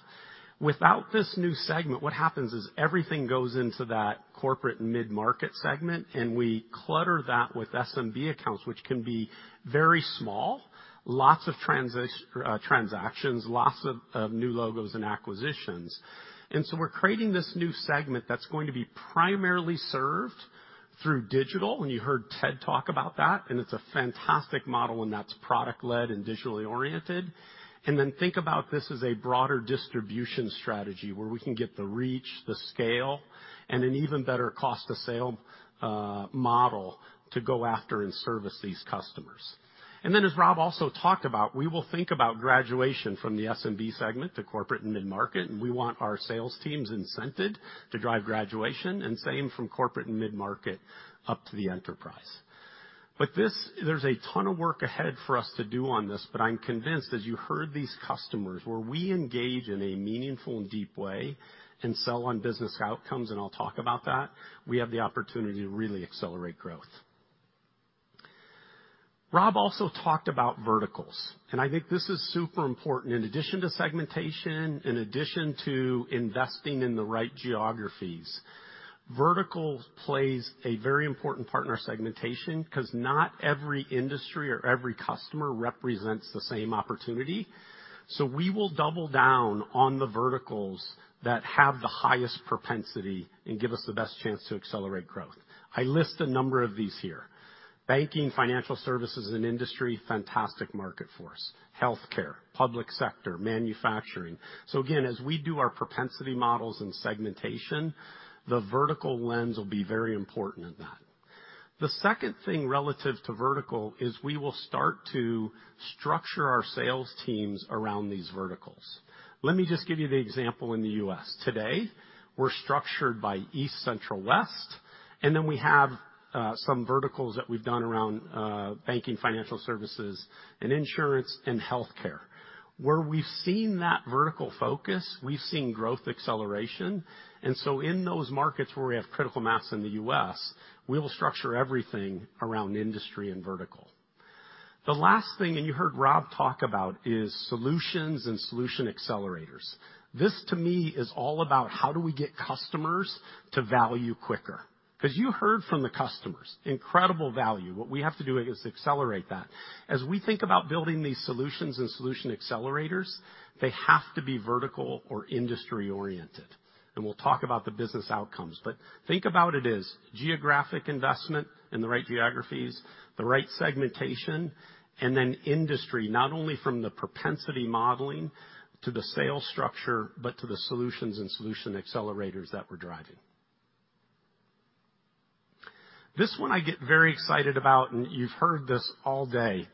Without this new segment, what happens is everything goes into that corporate mid-market segment, and we clutter that with SMB accounts, which can be very small, lots of transactions, lots of new logos and acquisitions. We're creating this new segment that's going to be primarily served through digital. You heard Ted talk about that, and it's a fantastic model, and that's product-led and digitally oriented. Think about this as a broader distribution strategy where we can get the reach, the scale, and an even better cost to sale model to go after and service these customers. As Rob also talked about, we will think about graduation from the SMB segment to corporate and mid-market, and we want our sales teams incented to drive graduation and same from corporate and mid-market up to the enterprise. This. There's a ton of work ahead for us to do on this, but I'm convinced, as you heard these customers, where we engage in a meaningful and deep way and sell on business outcomes, and I'll talk about that, we have the opportunity to really accelerate growth. Rob also talked about verticals, and I think this is super important. In addition to segmentation, in addition to investing in the right geographies, verticals plays a very important part in our segmentation 'cause not every industry or every customer represents the same opportunity. We will double down on the verticals that have the highest propensity and give us the best chance to accelerate growth. I list a number of these here. Banking, financial services and insurance, fantastic market for us. Healthcare, public sector, manufacturing. Again, as we do our propensity models and segmentation, the vertical lens will be very important in that. The second thing relative to vertical is we will start to structure our sales teams around these verticals. Let me just give you the example in the US. Today, we're structured by East, Central, West, and then we have some verticals that we've done around banking, financial services and insurance and healthcare. Where we've seen that vertical focus, we've seen growth acceleration. In those markets where we have critical mass in the U.S., we will structure everything around industry and vertical. The last thing, and you heard Rob talk about, is solutions and solution accelerators. This, to me, is all about how do we get customers to value quicker? 'Cause you heard from the customers, incredible value. What we have to do is accelerate that. As we think about building these solutions and solution accelerators, they have to be vertical or industry-oriented. We'll talk about the business outcomes. Think about it as geographic investment in the right geographies, the right segmentation, and then industry, not only from the propensity modeling to the sales structure, but to the solutions and solution accelerators that we're driving. This one I get very excited about, and you've heard this all day,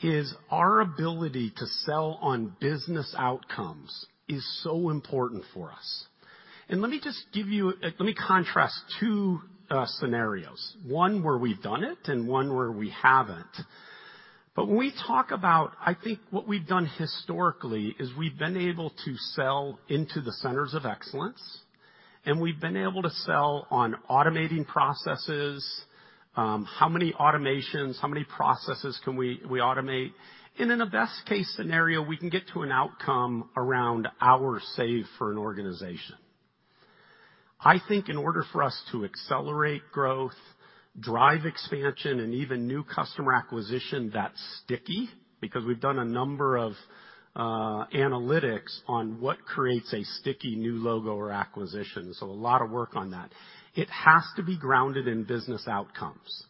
is our ability to sell on business outcomes is so important for us. Let me just give you. Let me contrast two scenarios, one where we've done it and one where we haven't. When we talk about, I think what we've done historically is we've been able to sell into the centers of excellence, and we've been able to sell on automating processes, how many automations, how many processes can we automate. In a best case scenario, we can get to an outcome around hour saved for an organization. I think in order for us to accelerate growth, drive expansion, and even new customer acquisition that's sticky, because we've done a number of analytics on what creates a sticky new logo or acquisition. A lot of work on that. It has to be grounded in business outcomes.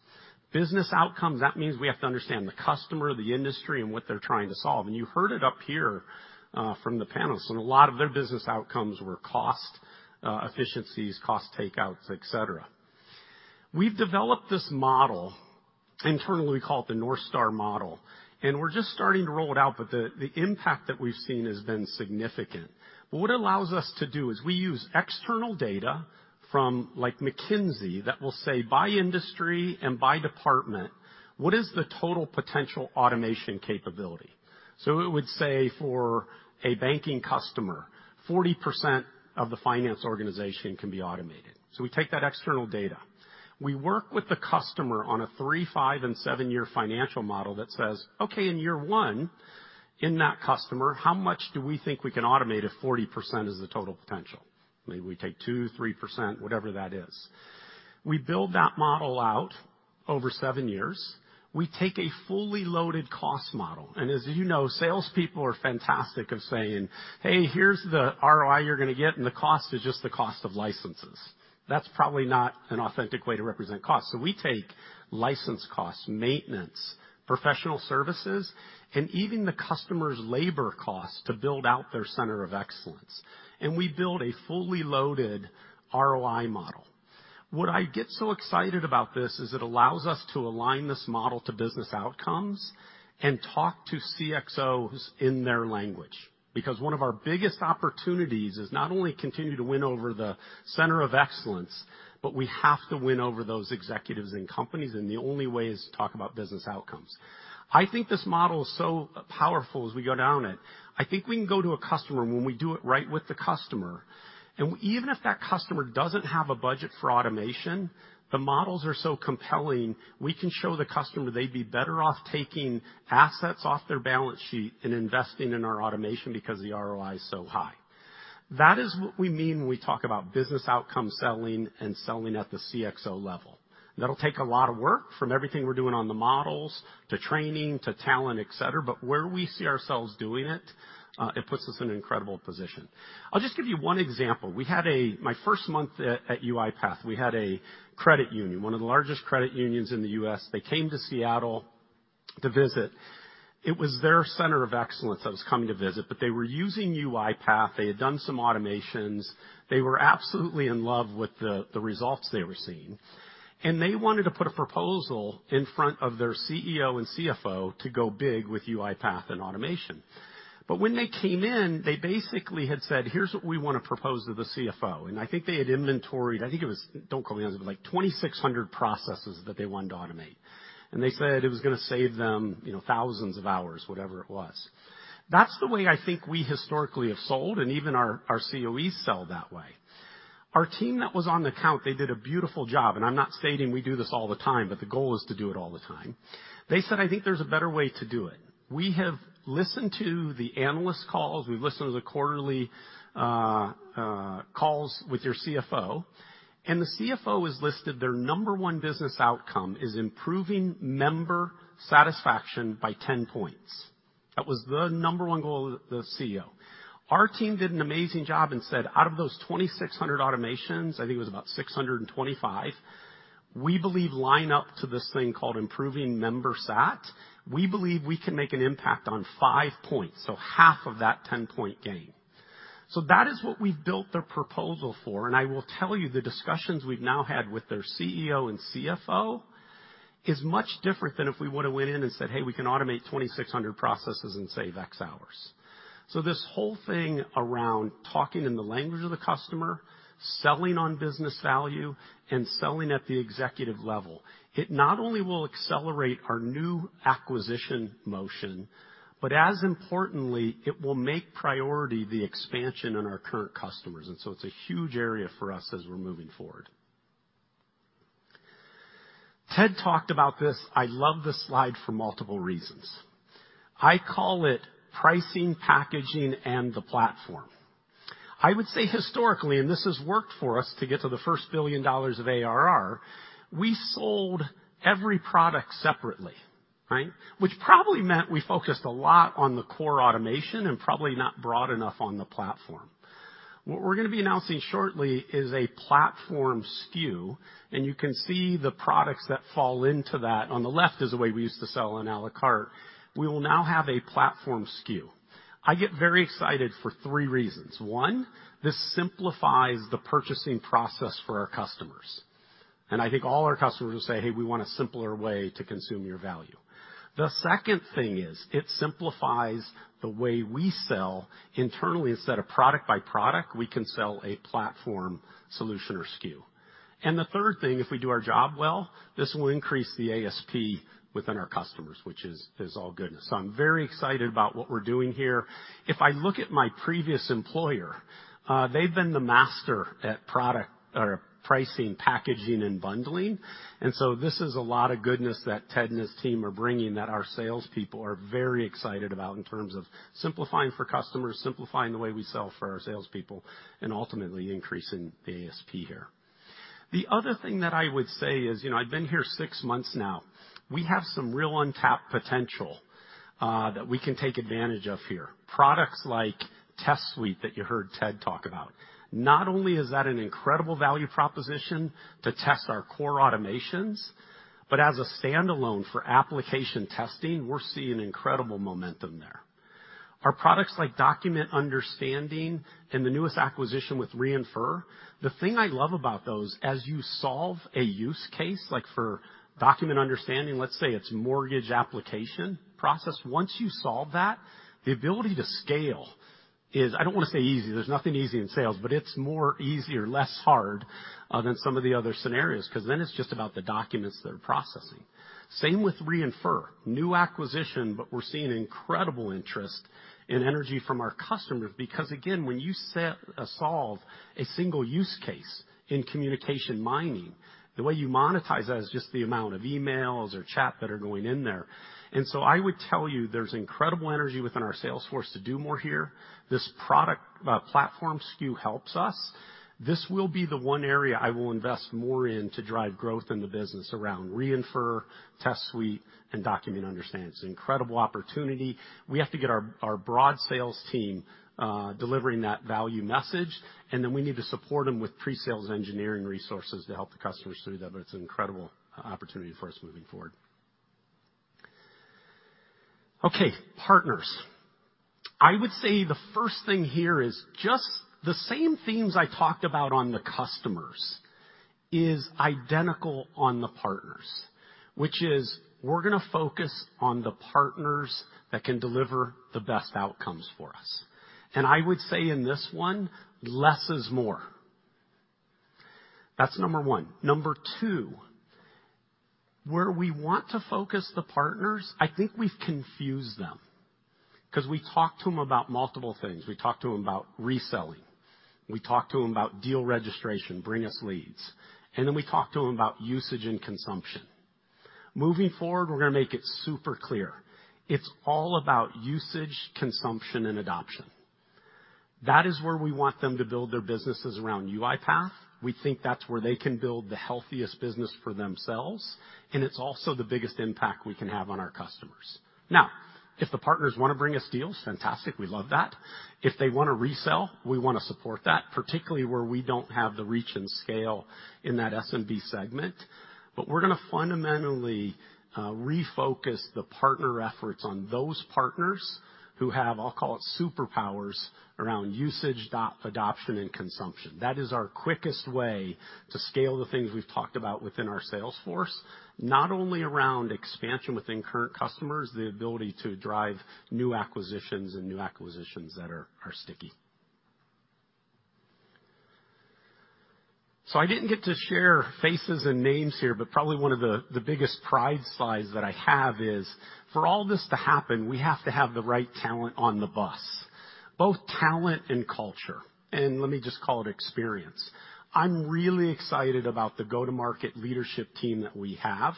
Business outcomes, that means we have to understand the customer, the industry, and what they're trying to solve. You heard it up here from the panelists, and a lot of their business outcomes were cost efficiencies, cost takeouts, et cetera. We've developed this model, internally, we call it the North Star model, and we're just starting to roll it out, but the impact that we've seen has been significant. What it allows us to do is we use external data from, like, McKinsey that will say, by industry and by department, what is the total potential automation capability? It would say for a banking customer, 40% of the finance organization can be automated. We take that external data. We work withthe customer on a three, five, and seven year financial model that says, "Okay, in year one, in that customer, how much do we think we can automate if 40% is the total potential?" Maybe we take 2-3%, whatever that is. We build that model out over years. We take a fully loaded cost model. As you know, salespeople are fantastic at saying, "Hey, here's the ROI you're gonna get," and the cost is just the cost of licenses. That's probably not an authentic way to represent cost. We take license costs, maintenance, professional services, and even the customer's labor costs to build out their center of excellence. We build a fully loaded ROI model. What I get so excited about this is it allows us to align this model to business outcomes and talk to CXOs in their language. Because one of our biggest opportunities is not only continue to win over the center of excellence, but we have to win over those executives in companies, and the only way is to talk about business outcomes. I think this model is so powerful as we go down it. I think we can go to a customer when we do it right with the customer, and even if that customer doesn't have a budget for automation, the models are so compelling, we can show the customer they'd be better off taking assets off their balance sheet and investing in our automation because the ROI is so high. That is what we mean when we talk about business outcome selling and selling at the CXO level. That'll take a lot of work from everything we're doing on the models to training to talent, et cetera. Where we see ourselves doing it puts us in an incredible position. I'll just give you one example. My first month at UiPath, we had a credit union, one of the largest credit unions in the U.S. They came to Seattle to visit. It was their center of excellence that was coming to visit, but they were using UiPath. They had done some automations. They were absolutely in love with the results they were seeing, and they wanted to put a proposal in front of their CEO and CFO to go big with UiPath and automation. But when they came in, they basically had said, "Here's what we wanna propose to the CFO." I think they had inventoried, I think it was, don't quote me on this, but like 2,600 processes that they wanted to automate. They said it was gonna save them, you know, thousands of hours, whatever it was. That's the way I think we historically have sold, and even our COEs sell that way. Our team that was on the account, they did a beautiful job, and I'm not stating we do this all the time, but the goal is to do it all the time. They said, "I think there's a better way to do it." We have listened to the analyst calls. We've listened to the quarterly calls with your CFO, and the CFO has listed their number one business outcome is improving member satisfaction by 10 points. That was the number one goal of the CEO. Our team did an amazing job and said, out of those 2,600 automations, I think it was about 625, we believe line up to this thing called improving member sat. We believe we can make an impact on 5 points, so half of that 10-point gain. That is what we built their proposal for. I will tell you, the discussions we've now had with their CEO and CFO is much different than if we would've went in and said, "Hey, we can automate 2,600 processes and save X hours." This whole thing around talking in the language of the customer, selling on business value, and selling at the executive level, it not only will accelerate our new acquisition motion, but as importantly, it will make priority the expansion in our current customers. It's a huge area for us as we're moving forward. Ted talked about this. I love this slide for multiple reasons. I call it pricing, packaging, and the platform. I would say historically, and this has worked for us to get to the first $1 billion of ARR, we sold every product separately, right? Which probably meant we focused a lot on the core automation and probably not broad enough on the platform. What we're gonna be announcing shortly is a platform SKU, and you can see the products that fall into that. On the left is the way we used to sell on à la carte. We will now have a platform SKU. I get very excited for three reasons. One, this simplifies the purchasing process for our customers, and I think all our customers will say, "Hey, we want a simpler way to consume your value." The second thing is it simplifies the way we sell internally. Instead of product by product, we can sell a platform solution or SKU. And the third thing, if we do our job well, this will increase the ASP within our customers, which is all good. I'm very excited about what we're doing here. If I look at my previous employer, they've been the master at product or pricing, packaging, and bundling. This is a lot of goodness that Ted and his team are bringing that our salespeople are very excited about in terms of simplifying for customers, simplifying the way we sell for our salespeople, and ultimately increasing the ASP here. The other thing that I would say is, you know, I've been here six months now. We have some real untapped potential that we can take advantage of here. Products like Test Suite that you heard Ted talk about, not only is that an incredible value proposition to test our core automations, but as a standalone for application testing, we're seeing incredible momentum there. Our products like Document Understanding and the newest acquisition with Re:infer. The thing I love about those, as you solve a use case, like for Document Understanding, let's say it's mortgage application process. Once you solve that, the ability to scale is, I don't wanna say easy. There's nothing easy in sales, but it's more easier, less hard than some of the other scenarios, 'cause then it's just about the documents they're processing. Same with Re:infer. New acquisition, but we're seeing incredible interest and energy from our customers because again, when you solve a single use case in communications mining, the way you monetize that is just the amount of emails or chat that are going in there. I would tell you, there's incredible energy within our sales force to do more here. This product platform SKU helps us. This will be the one area I will invest more in to drive growth in the business around Re:infer, Test Suite, and Document Understanding. It's an incredible opportunity. We have to get our broad sales team delivering that value message, and then we need to support them with pre-sales engineering resources to help the customers through that, but it's an incredible opportunity for us moving forward. Okay, partners. I would say the first thing here is just the same themes I talked about on the customers is identical on the partners, which is we're gonna focus on the partners that can deliver the best outcomes for us. I would say in this one, less is more. That's number one. Number two, where we want to focus the partners, I think we've confused them 'cause we talk to them about multiple things. We talk to them about reselling. We talk to them about deal registration, bring us leads. We talk to them about usage and consumption. Moving forward, we're gonna make it super clear. It's all about usage, consumption, and adoption. That is where we want them to build their businesses around UiPath. We think that's where they can build the healthiest business for themselves, and it's also the biggest impact we can have on our customers. Now, if the partners wanna bring us deals, fantastic. We love that. If they wanna resell, we wanna support that, particularly where we don't have the reach and scale in that SMB segment. We're gonna fundamentally refocus the partner efforts on those partners who have, I'll call it superpowers around usage, adoption, and consumption. That is our quickest way to scale the things we've talked about within our sales force, not only around expansion within current customers, the ability to drive new acquisitions and new acquisitions that are sticky. I didn't get to share faces and names here, but probably one of the biggest pride slides that I have is for all this to happen, we have to have the right talent on the bus, both talent and culture, and let me just call it experience. I'm really excited about the go-to-market leadership team that we have.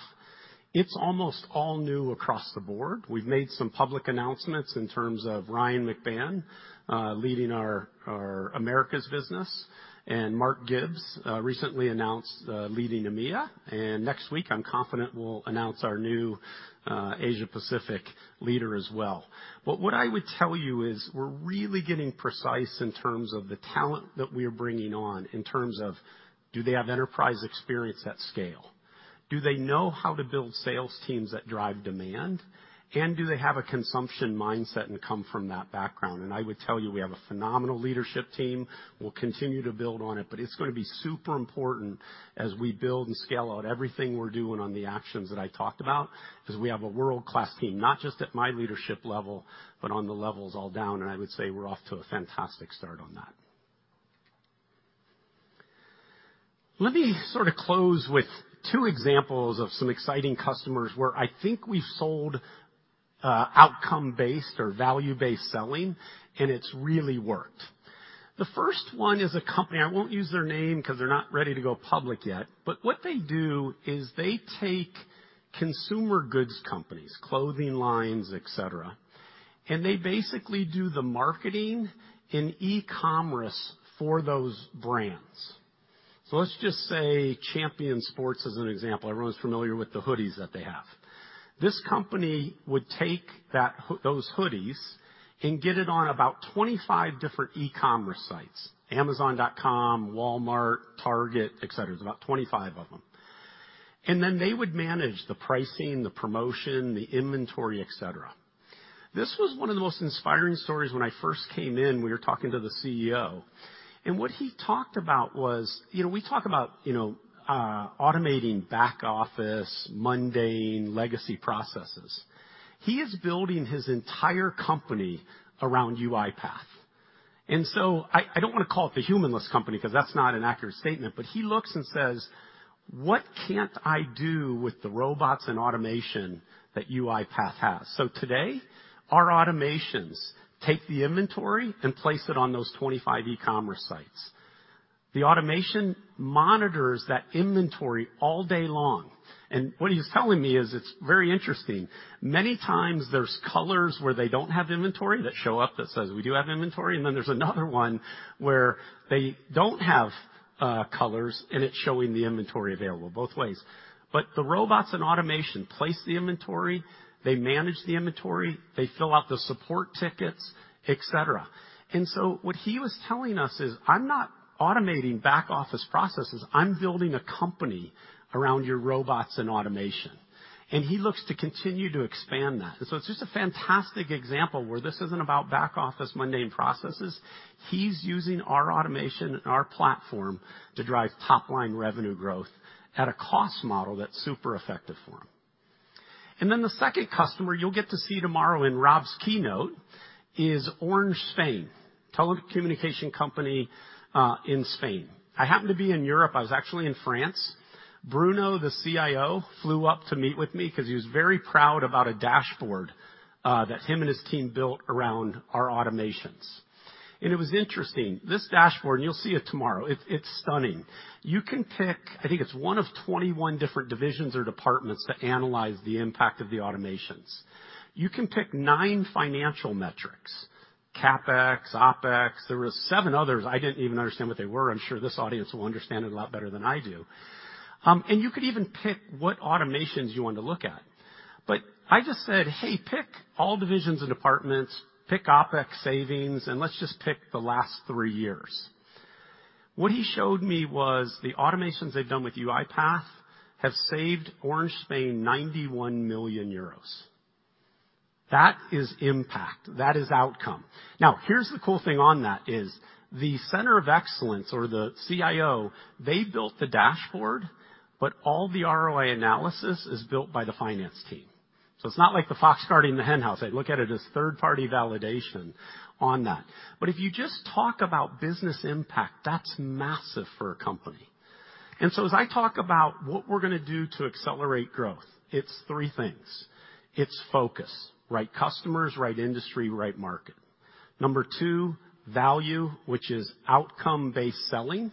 It's almost all new across the board. We've made some public announcements in terms of Ryan Mac Ban leading our Americas business and Mark Gibbs recently announced leading EMEA. Next week, I'm confident we'll announce our new Asia Pacific leader as well. What I would tell you is we're really getting precise in terms of the talent that we're bringing on in terms of do they have enterprise experience at scale? Do they know how to build sales teams that drive demand? Do they have a consumption mindset and come from that background? I would tell you, we have a phenomenal leadership team. We'll continue to build on it, but it's gonna be super important as we build and scale out everything we're doing on the actions that I talked about because we have a world-class team, not just at my leadership level, but on the levels all down. I would say we're off to a fantastic start on that. Let me sort of close with two examples of some exciting customers where I think we've sold outcome-based or value-based selling, and it's really worked. The first one is a company. I won't use their name because they're not ready to go public yet. What they do is they take consumer goods companies, clothing lines, et cetera, and they basically do the marketing in e-commerce for those brands. Let's just say Champion as an example. Everyone's familiar with the hoodies that they have. This company would take that, those hoodies and get it on about 25 different e-commerce sites, Amazon.com, Walmart, Target, et cetera. There's about 25 of them. Then they would manage the pricing, the promotion, the inventory, et cetera. This was one of the most inspiring stories when I first came in. We were talking to the CEO, and what he talked about was, you know, we talk about, you know, automating back office, mundane legacy processes. He is building his entire company around UiPath. I don't wanna call it the humanless company because that's not an accurate statement. But he looks and says, "What can't I do with the robots and automation that UiPath has?" Today, our automations take the inventory and place it on those 25 e-commerce sites. The automation monitors that inventory all day long. What he's telling me is it's very interesting. Many times there's colors where they don't have inventory that show up that says, we do have inventory. Then there's another one where they don't have colors, and it's showing the inventory available both ways. The robots and automation place the inventory, they manage the inventory, they fill out the support tickets, et cetera. What he was telling us is, "I'm not automating back office processes. I'm building a company around your robots and automation." He looks to continue to expand that. It's just a fantastic example where this isn't about back office mundane processes. He's using our automation and our platform to drive top-line revenue growth at a cost model that's super effective for him. Then the second customer you'll get to see tomorrow in Rob's keynote is Orange Spain, telecommunications company, in Spain. I happened to be in Europe. I was actually in France. Bruno, the CIO, flew up to meet with me because he was very proud about a dashboard that he and his team built around our automations. It was interesting. This dashboard, and you'll see it tomorrow, it's stunning. You can pick. I think it's one of 21 different divisions or departments to analyze the impact of the automations. You can pick nine financial metrics, CapEx, OpEx. There were seven others I didn't even understand what they were. I'm sure this audience will understand it a lot better than I do. You could even pick what automations you want to look at. I just said, "Hey, pick all divisions and departments, pick OpEx savings, and let's just pick the last three years." What he showed me was the automations they've done with UiPath have saved Orange Spain 91 million euros. That is impact. That is outcome. Now, here's the cool thing on that is the center of excellence or the CIO, they built the dashboard, but all the ROI analysis is built by the finance team. It's not like the fox guarding the henhouse. I look at it as third-party validation on that. If you just talk about business impact, that's massive for a company. As I talk about what we're gonna do to accelerate growth, it's three things. It's focus, right customers, right industry, right market. Number two, value, which is outcome-based selling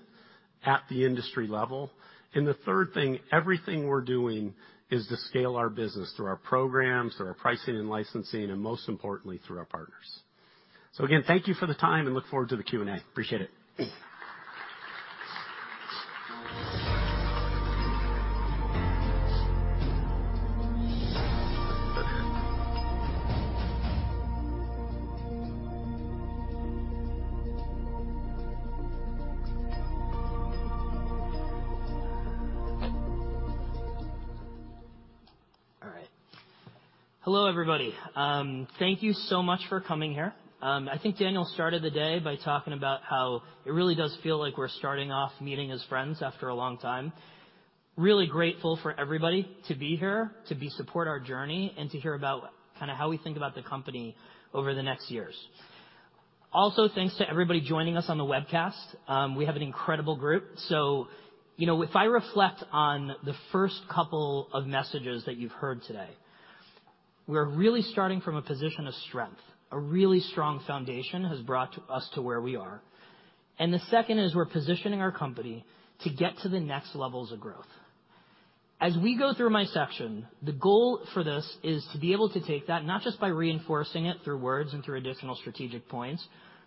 at the industry level. The third thing, everything we're doing is to scale our business through our programs, through our pricing and licensing, and most importantly, through our partners. Again, thank you for the time and look forward to the Q&A. Appreciate it. All right. Hello, everybody. Thank you so much for coming here. I think Daniel started the day by talking about how it really does feel like we're starting off meeting as friends after a long time. Really grateful for everybody to be here, to be supporting our journey and to hear about kinda how we think about the company over the next years. Also, thanks to everybody joining us on the webcast. We have an incredible group. So you know, if I reflect on the first couple of messages that you've heard today, we're really starting from a position of strength. A really strong foundation has brought us to where we are. The second is we're positioning our company to get to the next levels of growth. As we go through my section, the goal for this is to be able to take that not just by reinforcing it through words and through additional strategic points,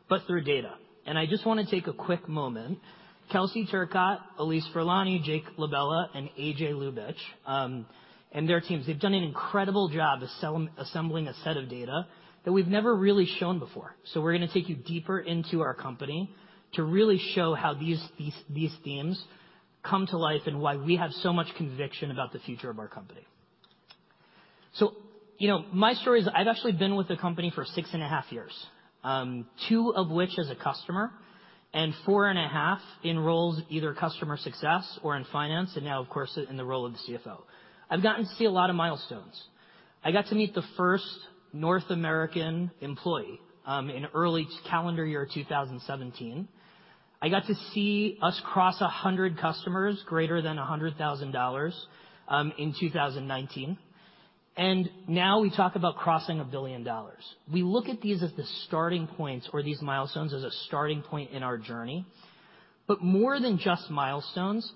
but through data. I just wanna take a quick moment. Kelsey Turcotte, Allise Furlani, Jake LaBella, and AJ Ljubich, and their teams, they've done an incredible job of assembling a set of data that we've never really shown before. We're gonna take you deeper into our company to really show how these themes come to life and why we have so much conviction about the future of our company. You know, my story is I've actually been with the company for six and a half years, two of which as a customer and four and a half in roles, either customer success or in finance, and now of course, in the role of the CFO. I've gotten to see a lot of milestones. I got to meet the first North American employee, in early calendar year 2017. I got to see us cross 100 customers greater than $100,000, in 2019. Now we talk about crossing $1 billion. We look at these as the starting points or these milestones as a starting point in our journey. More than just milestones,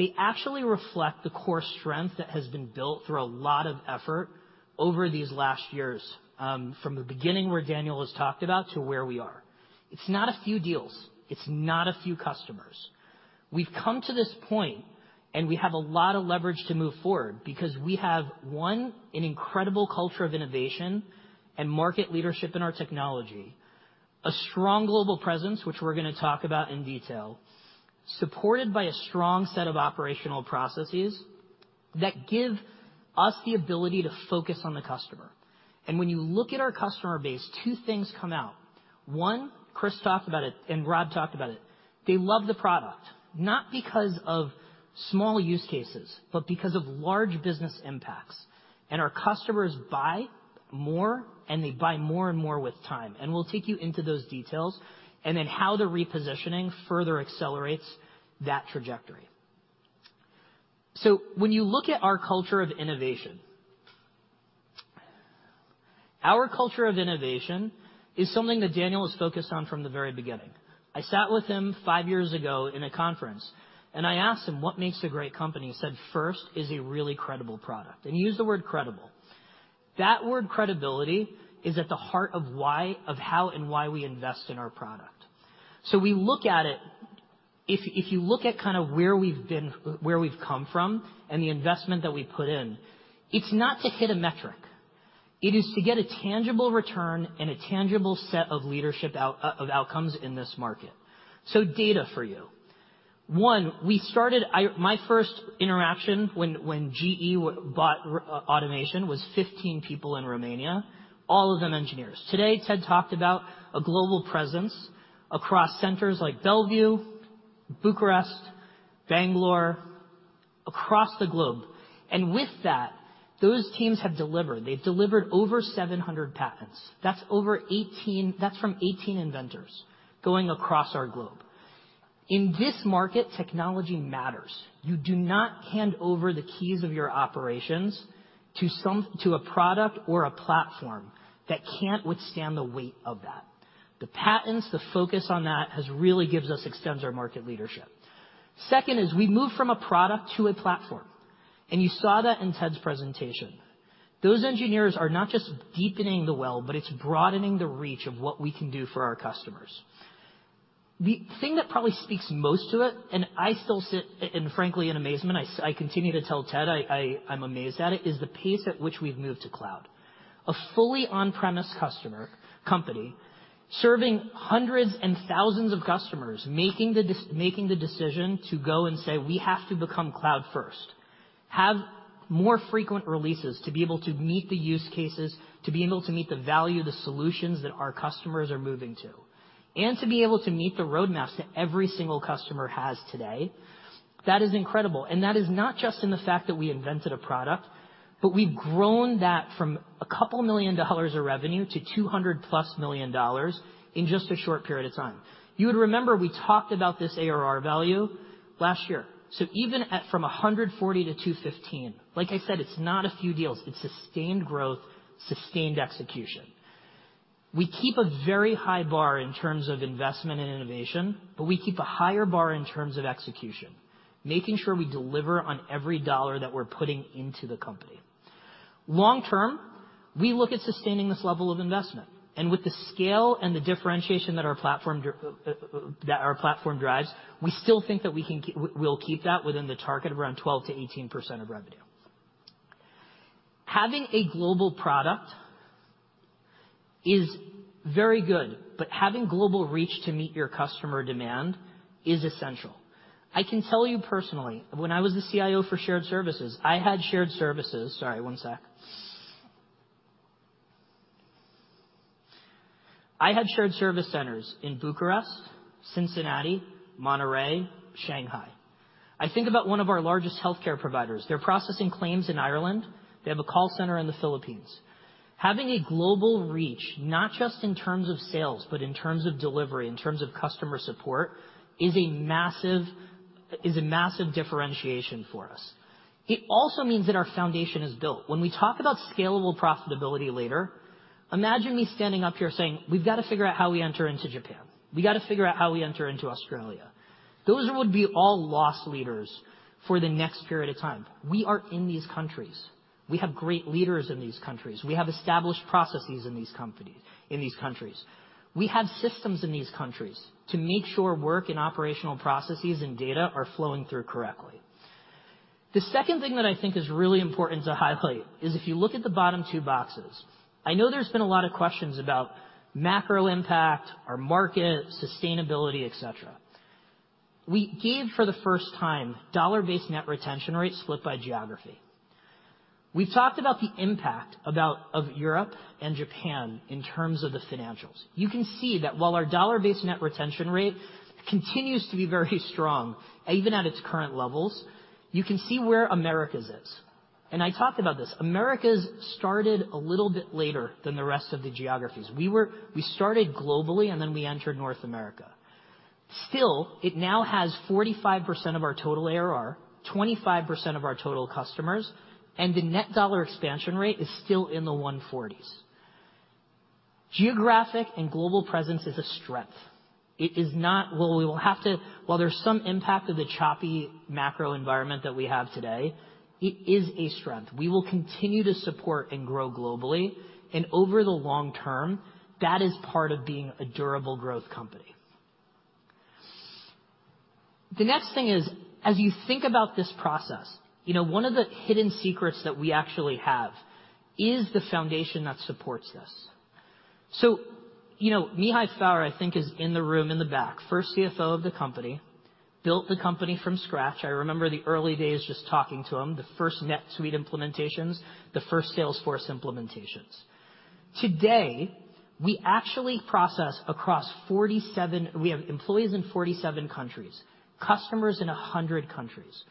they actually reflect the core strength that has been built through a lot of effort over these last years, from the beginning, where Daniel has talked about to where we are. It's not a few deals. It's not a few customers. We've come to this point, and we have a lot of leverage to move forward because we have, one, an incredible culture of innovation and market leadership in our technology. A strong global presence, which we're gonna talk about in detail, supported by a strong set of operational processes that give us the ability to focus on the customer. When you look at our customer base, two things come out. One, Chris talked about it and Rob talked about it. They love the product, not because of small use cases, but because of large business impacts. Our customers buy more, and they buy more and more with time. We'll take you into those details and then how the repositioning further accelerates that trajectory. When you look at our culture of innovation, our culture of innovation is something that Daniel has focused on from the very beginning. I sat with him five years ago in a conference, and I asked him, "What makes a great company?" He said, "First is a really credible product." He used the word credible. That word credibility is at the heart of why of how and why we invest in our product. We look at it. If you look at kinda where we've come from and the investment that we put in, it's not to hit a metric. It is to get a tangible return and a tangible set of leadership out of outcomes in this market. Data for you. One, my first interaction when GE bought our automation was 15 people in Romania, all of them engineers. Today, Ted talked about a global presence across centers like Bellevue, Bucharest, Bangalore, across the globe. With that, those teams have delivered. They've delivered over 700 patents. That's from 18 inventors across our globe. In this market, technology matters. You do not hand over the keys of your operations to a product or a platform that can't withstand the weight of that. The patents, the focus on that has really given us, extends our market leadership. Second is we move from a product to a platform, and you saw that in Ted's presentation. Those engineers are not just deepening the well, but it's broadening the reach of what we can do for our customers. The thing that probably speaks most to it, and I still sit, and frankly in amazement, I continue to tell Ted, I'm amazed at it, is the pace at which we've moved to cloud. A fully on-premises customer company, serving hundreds and thousands of customers, making the decision to go and say, "We have to become cloud first," have more frequent releases to be able to meet the use cases, to be able to meet the value, the solutions that our customers are moving to, and to be able to meet the roadmaps that every single customer has today. That is incredible. That is not just in the fact that we invented a product, but we've grown that from a couple million dollars of revenue to $200+ million in just a short period of time. You would remember we talked about this ARR value last year. Even at, from $140 to $215, like I said, it's not a few deals. It's sustained growth, sustained execution. We keep a very high bar in terms of investment and innovation, but we keep a higher bar in terms of execution, making sure we deliver on every dollar that we're putting into the company. Long-term, we look at sustaining this level of investment. With the scale and the differentiation that our platform drives, we still think that we'll keep that within the target around 12%-18% of revenue. Having a global product is very good, but having global reach to meet your customer demand is essential. I can tell you personally, when I was the CIO for shared services, I had shared services. Sorry, one sec. I had shared service centers in Bucharest, Cincinnati, Monterrey, Shanghai. I think about one of our largest healthcare providers. They're processing claims in Ireland. They have a call center in the Philippines. Having a global reach, not just in terms of sales, but in terms of delivery, in terms of customer support, is a massive differentiation for us. It also means that our foundation is built. When we talk about scalable profitability later, imagine me standing up here saying, "We've got to figure out how we enter into Japan. We got to figure out how we enter into Australia." Those would be all loss leaders for the next period of time. We are in these countries. We have great leaders in these countries. We have established processes in these companies, in these countries. We have systems in these countries to make sure work and operational processes and data are flowing through correctly. The second thing that I think is really important to highlight is if you look at the bottom two boxes, I know there's been a lot of questions about macro impact, our market, sustainability, et cetera. We gave, for the first time, dollar-based net retention rates split by geography. We've talked about the impact of Europe and Japan in terms of the financials. You can see that while our dollar-based net retention rate continues to be very strong, even at its current levels, you can see where Americas is. I talked about this. Americas started a little bit later than the rest of the geographies. We started globally, and then we entered North America. Still, it now has 45% of our total ARR, 25% of our total customers, and the net dollar expansion rate is still in the 140s. Geographic and global presence is a strength. While there's some impact of the choppy macro environment that we have today, it is a strength. We will continue to support and grow globally, and over the long term, that is part of being a durable growth company. The next thing is, as you think about this process, you know, one of the hidden secrets that we actually have is the foundation that supports this. You know, Mihai Faur, I think, is in the room in the back. First CFO of the company, built the company from scratch. I remember the early days just talking to him, the first NetSuite implementations, the first Salesforce implementations. Today, we actually process across 47. We have employees in 47 countries, customers in 100 countries.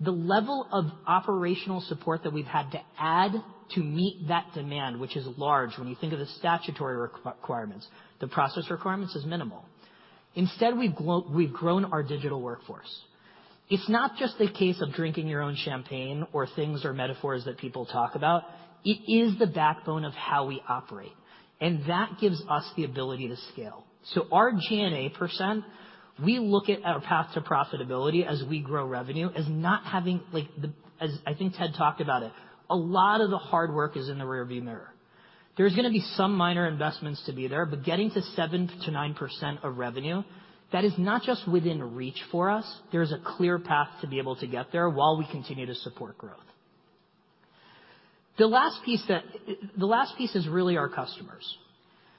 The level of operational support that we've had to add to meet that demand, which is large when you think of the statutory requirements, the process requirements is minimal. Instead, we've grown our digital workforce. It's not just the case of drinking your own champagne or things or metaphors that people talk about. It is the backbone of how we operate, and that gives us the ability to scale. Our G&A percent, we look at our path to profitability as we grow revenue as not having. As I think Ted talked about it, a lot of the hard work is in the rearview mirror. There's gonna be some minor investments to be there, but getting to 7%-9% of revenue, that is not just within reach for us. There is a clear path to be able to get there while we continue to support growth. The last piece is really our customers.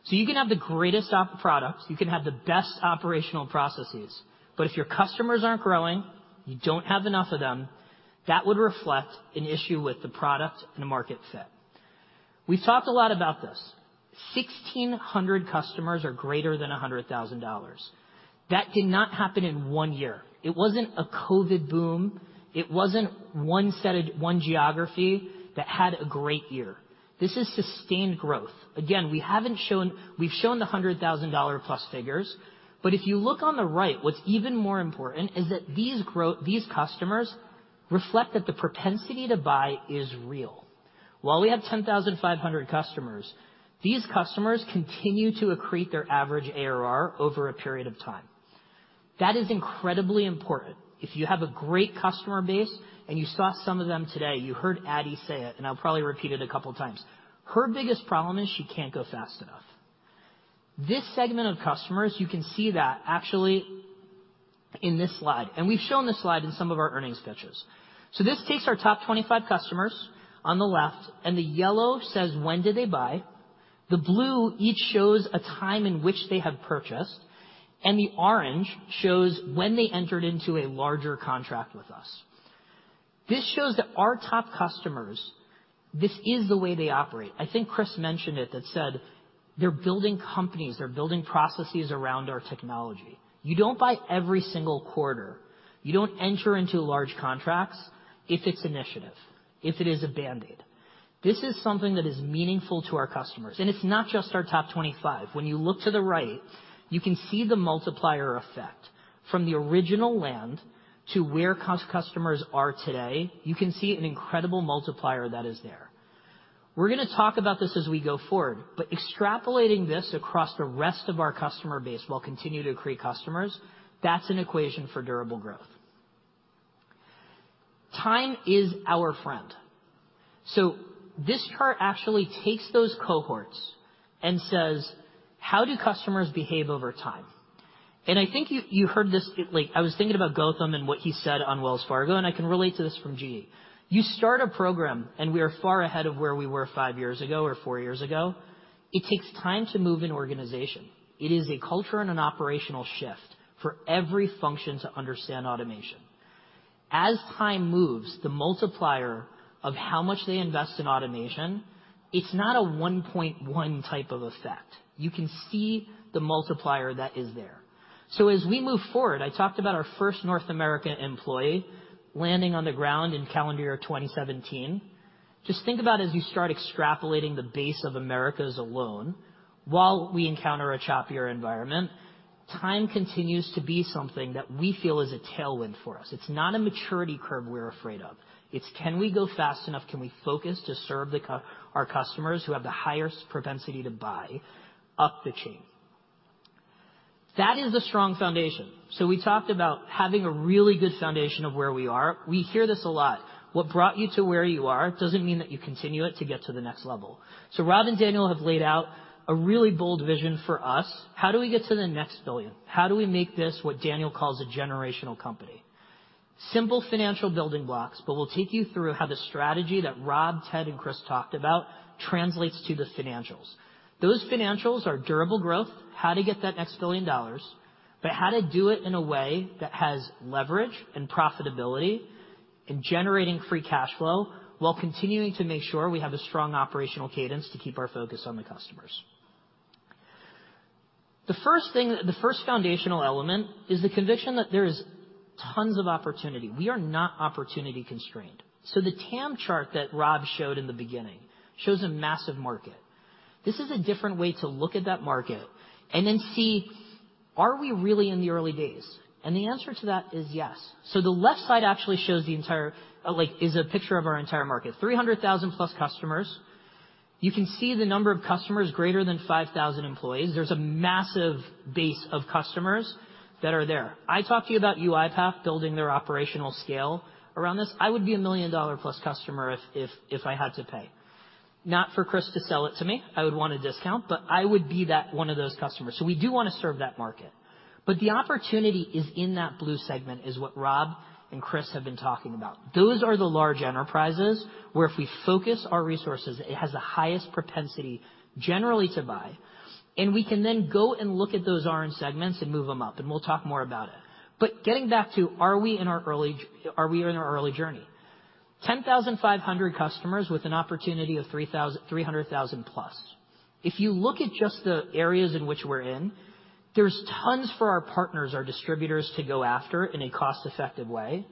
You can have the greatest RPA products, you can have the best operational processes, but if your customers aren't growing, you don't have enough of them, that would reflect an issue with the product and market fit. We've talked a lot about this. 1,600 customers are greater than $100,000. That did not happen in one year. It wasn't a COVID boom. It wasn't one geography that had a great year. This is sustained growth. Again, we haven't shown. We've shown the $100,000+ figures, but if you look on the right, what's even more important is that these customers reflect that the propensity to buy is real. While we have 10,500 customers, these customers continue to accrete their average ARR over a period of time. That is incredibly important. If you have a great customer base, and you saw some of them today, you heard Adi say it, and I'll probably repeat it a couple times. Her biggest problem is she can't go fast enough. This segment of customers, you can see that actually in this slide, and we've shown this slide in some of our earnings pitches. This takes our top 25 customers on the left, and the yellow says when did they buy. The blue each shows a time in which they have purchased, and the orange shows when they entered into a larger contract with us. This shows that our top customers, this is the way they operate. I think Chris mentioned it, that said, they're building companies, they're building processes around our technology. You don't buy every single quarter. You don't enter into large contracts if it's initiative, if it is a band-aid. This is something that is meaningful to our customers, and it's not just our top 25. When you look to the right, you can see the multiplier effect from the original land to where customers are today. You can see an incredible multiplier that is there. We're gonna talk about this as we go forward, but extrapolating this across the rest of our customer base will continue to accrete customers. That's an equation for durable growth. Time is our friend. This chart actually takes those cohorts and says, how do customers behave over time? I think you heard this, like, I was thinking about Gautam Oza and what he said on Wells Fargo, and I can relate to this from GE. You start a program, and we are far ahead of where we were five years ago or four years ago. It takes time to move an organization. It is a culture and an operational shift for every function to understand automation. As time moves, the multiplier of how much they invest in automation, it's not a 1.1 type of effect. You can see the multiplier that is there. As we move forward, I talked about our first North American employee landing on the ground in calendar year 2017. Just think about as you start extrapolating the base of Americas alone while we encounter a choppier environment, time continues to be something that we feel is a tailwind for us. It's not a maturity curve we're afraid of. It's can we go fast enough? Can we focus to serve our customers who have the highest propensity to buy up the chain? That is a strong foundation. We talked about having a really good foundation of where we are. We hear this a lot. What brought you to where you are doesn't mean that you continue it to get to the next level. Rob and Daniel have laid out a really bold vision for us. How do we get to the next $1 billion? How do we make this what Daniel calls a generational company? Simple financial building blocks, but we'll take you through how the strategy that Rob, Ted, and Chris talked about translates to the financials. Those financials are durable growth, how to get that next $1 billion, but how to do it in a way that has leverage and profitability and generating free cash flow while continuing to make sure we have a strong operational cadence to keep our focus on the customers. The first foundational element is the conviction that there's tons of opportunity. We are not opportunity constrained. The TAM chart that Rob showed in the beginning shows a massive market. This is a different way to look at that market and then see are we really in the early days? The answer to that is yes. The left side actually shows the entire is a picture of our entire market, 300,000+ customers. You can see the number of customers greater than 5,000 employees. There's a massive base of customers that are there. I talked to you about UiPath building their operational scale around this. I would be a million-dollar plus customer if I had to pay. Not for Chris to sell it to me. I would want a discount, but I would be that one of those customers. We do wanna serve that market. The opportunity is in that blue segment is what Rob and Chris have been talking about. Those are the large enterprises where if we focus our resources, it has the highest propensity generally to buy. We can then go and look at those orange segments and move them up, and we'll talk more about it. Getting back to are we in our early journey? 10,500 customers with an opportunity of 300,000 plus. If you look at just the areas in which we're in, there's tons for our partners or distributors to go after in a cost-effective way,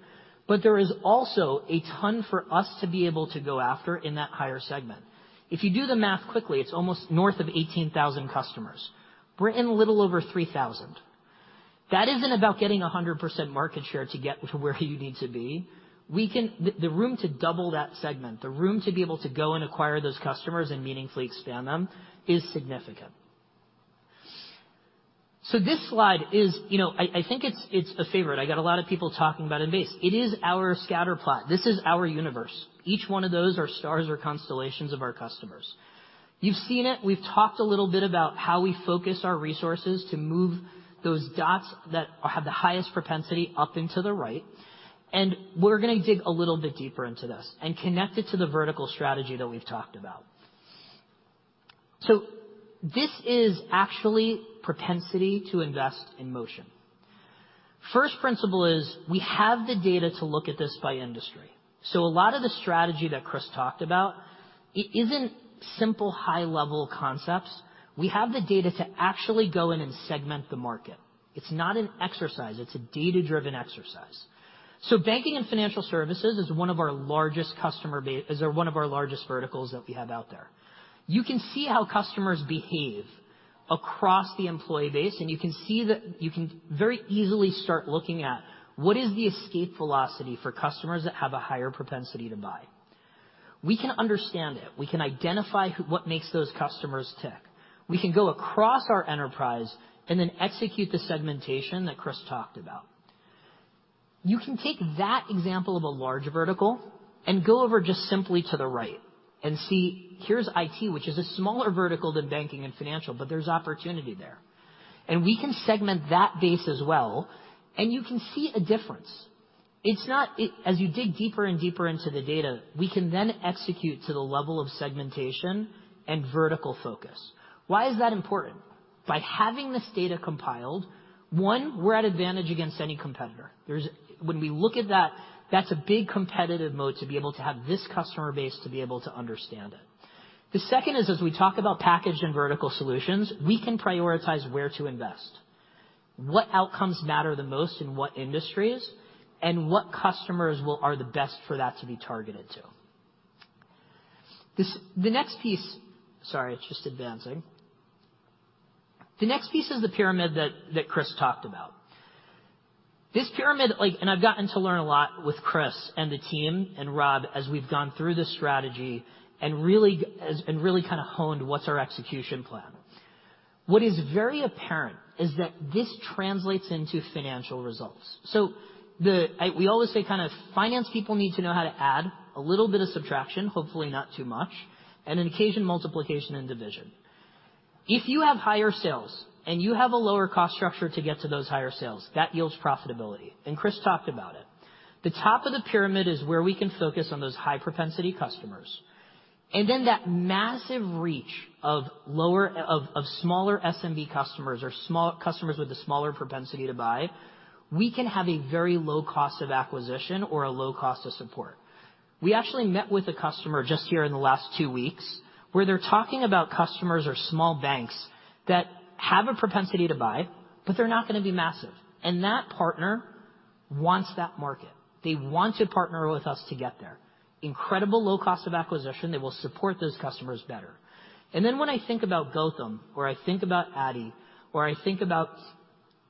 but there is also a ton for us to be able to go after in that higher segment. If you do the math quickly, it's almost north of 18,000 customers. We're in little over 3,000. That isn't about getting 100% market share to get to where you need to be. We can... The room to double that segment, the room to be able to go and acquire those customers and meaningfully expand them is significant. This slide is, you know, I think it's a favorite. I got a lot of people talking about it in base. It is our scatter plot. This is our universe. Each one of those are stars or constellations of our customers. You've seen it. We've talked a little bit about how we focus our resources to move those dots that have the highest propensity up and to the right, and we're gonna dig a little bit deeper into this and connect it to the vertical strategy that we've talked about. This is actually propensity to invest in motion. First principle is we have the data to look at this by industry. A lot of the strategy that Chris talked about, it isn't simple high-level concepts. We have the data to actually go in and segment the market. It's not an exercise. It's a data-driven exercise. Banking and financial services is one of our largest verticals that we have out there. You can see how customers behave across the employee base, and you can very easily start looking at what is the escape velocity for customers that have a higher propensity to buy. We can understand it. We can identify what makes those customers tick. We can go across our enterprise and then execute the segmentation that Chris talked about. You can take that example of a large vertical and go over just simply to the right and see here's IT, which is a smaller vertical than banking and financial, but there's opportunity there. We can segment that base as well, and you can see a difference. As you dig deeper and deeper into the data, we can then execute to the level of segmentation and vertical focus. Why is that important? By having this data compiled, one, we're at advantage against any competitor. When we look at that's a big competitive moat to be able to have this customer base to be able to understand it. The second is, as we talk about packaged and vertical solutions, we can prioritize where to invest, what outcomes matter the most in what industries, and what customers are the best for that to be targeted to. Sorry, it's just advancing. The next piece is the pyramid that Chris talked about. This pyramid, and I've gotten to learn a lot with Chris and the team and Rob as we've gone through this strategy and really kinda honed what's our execution plan. What is very apparent is that this translates into financial results. We always say kinda finance people need to know how to add, a little bit of subtraction, hopefully not too much, and an occasional multiplication and division. If you have higher sales and you have a lower cost structure to get to those higher sales, that yields profitability. Chris talked about it. The top of the pyramid is where we can focus on those high-propensity customers. That massive reach of smaller SMB customers or small customers with a smaller propensity to buy, we can have a very low cost of acquisition or a low cost of support. We actually met with a customer just here in the last two weeks where they're talking about customers or small banks that have a propensity to buy, but they're not gonna be massive. That partner wants that market. They want to partner with us to get there. Incredible low cost of acquisition. They will support those customers better. When I think about Gautam, or I think about Adi, or I think about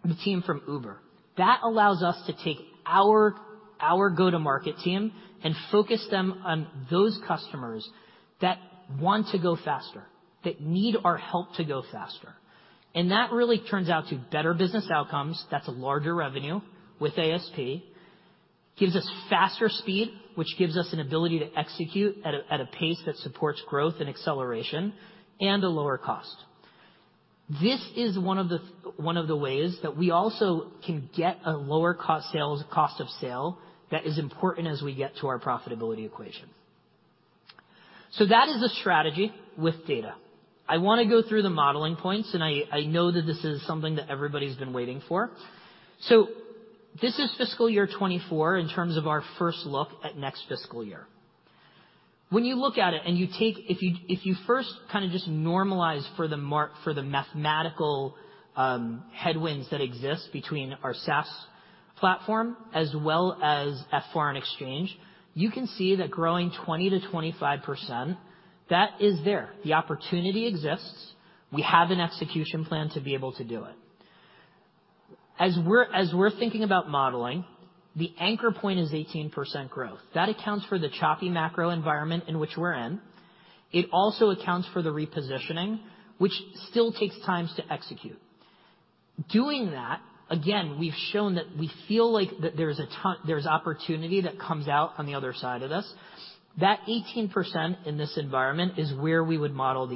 the team from Uber, that allows us to take our go-to-market team and focus them on those customers that want to go faster, that need our help to go faster. That really turns out to better business outcomes. That's larger revenue with ASP. Gives us faster speed, which gives us an ability to execute at a pace that supports growth and acceleration and a lower cost. This is one of the ways that we also can get a lower cost of sales that is important as we get to our profitability equation. That is the strategy with data. I wanna go through the modeling points, and I know that this is something that everybody's been waiting for. This is fiscal year 2024 in terms of our first look at next fiscal year. When you look at it and you take if you first kinda just normalize for the mathematical headwinds that exist between our SaaS platform as well as foreign exchange, you can see that growing 20%-25%, that is there. The opportunity exists. We have an execution plan to be able to do it. As we're thinking about modeling, the anchor point is 18% growth. That accounts for the choppy macro environment in which we're in. It also accounts for the repositioning, which still takes time to execute. Doing that, again, we've shown that we feel like that there's opportunity that comes out on the other side of this. That 18% in this environment is where we would anchor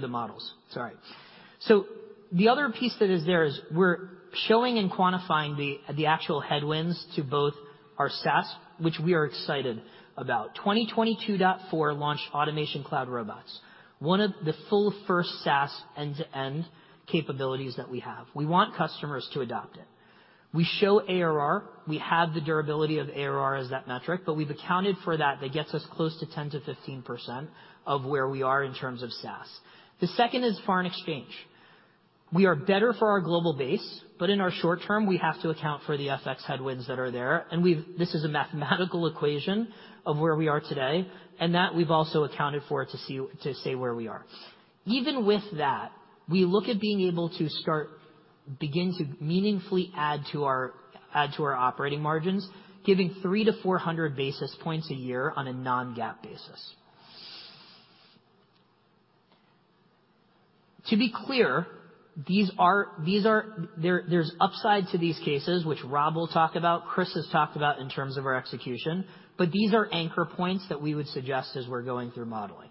the models. Sorry. The other piece that is there is we're showing and quantifying the actual headwinds to both our SaaS, which we are excited about. 22.4 launched Automation Cloud Robots, one of the full first SaaS end-to-end capabilities that we have. We want customers to adopt it. We show ARR. We have the durability of ARR as that metric, but we've accounted for that. That gets us close to 10%-15% of where we are in terms of SaaS. The second is foreign exchange. We are better for our global base, but in our short term, we have to account for the FX headwinds that are there. This is a mathematical equation of where we are today, and that we've also accounted for to stay where we are. Even with that, we look at being able to begin to meaningfully add to our operating margins, giving 300-400 basis points a year on a non-GAAP basis. To be clear, these are, there's upside to these cases, which Rob will talk about, Chris has talked about in terms of our execution, but these are anchor points that we would suggest as we're going through modeling.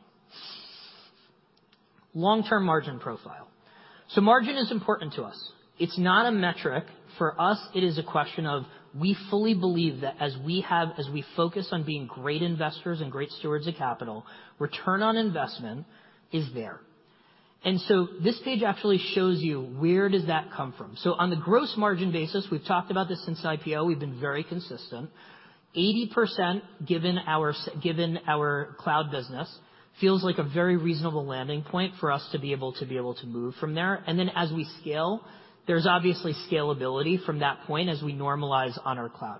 Long-term margin profile. Margin is important to us. It's not a metric. For us, it is a question of, we fully believe that as we focus on being great investors and great stewards of capital, return on investment is there. This page actually shows you where does that come from. On the gross margin basis, we've talked about this since IPO, we've been very consistent. 80%, given our cloud business, feels like a very reasonable landing point for us to be able to move from there. As we scale, there's obviously scalability from that point as we normalize on our cloud.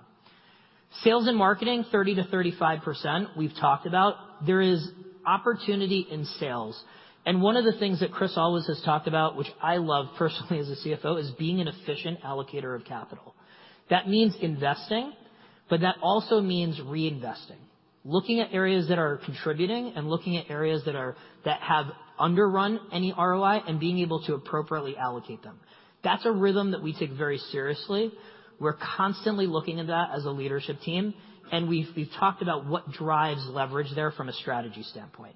Sales and marketing, 30%-35%, we've talked about. There is opportunity in sales. One of the things that Chris Weber has talked about, which I love personally as a CFO, is being an efficient allocator of capital. That means investing, but that also means reinvesting. Looking at areas that are contributing and looking at areas that have underrun any ROI and being able to appropriately allocate them. That's a rhythm that we take very seriously. We're constantly looking at that as a leadership team, and we've talked about what drives leverage there from a strategy standpoint.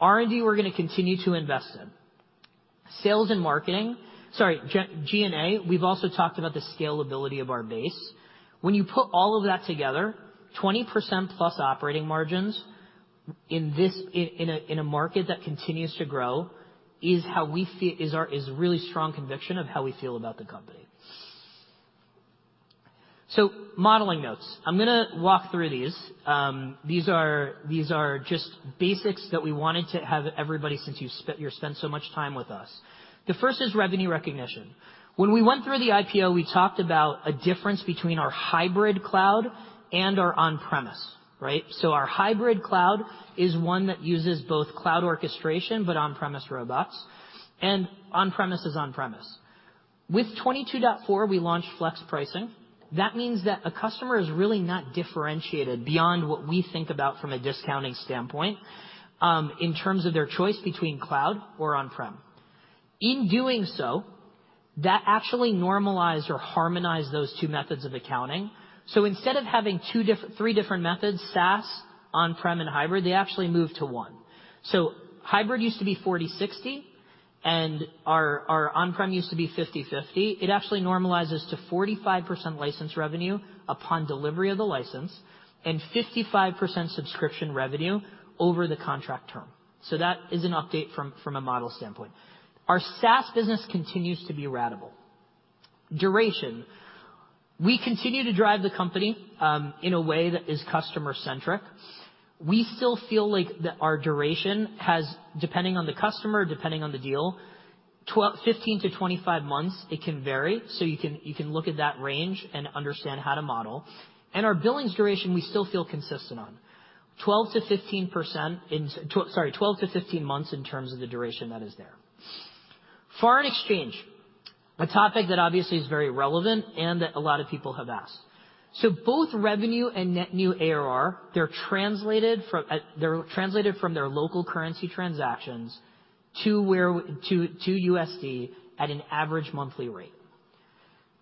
R&D, we're gonna continue to invest in. Sales and marketing. Sorry, G&A, we've also talked about the scalability of our base. When you put all of that together, 20% plus operating margins in a market that continues to grow is our really strong conviction of how we feel about the company. Modeling notes. I'm gonna walk through these. These are just basics that we wanted to have everybody since you spent so much time with us. The first is revenue recognition. When we went through the IPO, we talked about a difference between our hybrid cloud and our on-premise, right? Our hybrid cloud is one that uses both cloud orchestration, but on-premise robots, and on-premise is on-premise. With 22.4, we launched Flex pricing. That means that a customer is really not differentiated beyond what we think about from a discounting standpoint, in terms of their choice between cloud or on-prem. In doing so, that actually normalized or harmonized those two methods of accounting. Instead of having three different methods, SaaS, on-prem, and hybrid, they actually moved to one. Hybrid used to be 40/60. Our on-prem used to be 50/50. It actually normalizes to 45% license revenue upon delivery of the license and 55% subscription revenue over the contract term. That is an update from a model standpoint. Our SaaS business continues to be ratable. Duration. We continue to drive the company in a way that is customer-centric. We still feel like that our duration has, depending on the customer, depending on the deal, 12-15 to 25 months, it can vary. You can look at that range and understand how to model. Our billings duration, we still feel consistent on. 12 to 15 months in terms of the duration that is there. Foreign exchange, a topic that obviously is very relevant and that a lot of people have asked. Both revenue and net new ARR, they're translated from their local currency transactions to USD at an average monthly rate.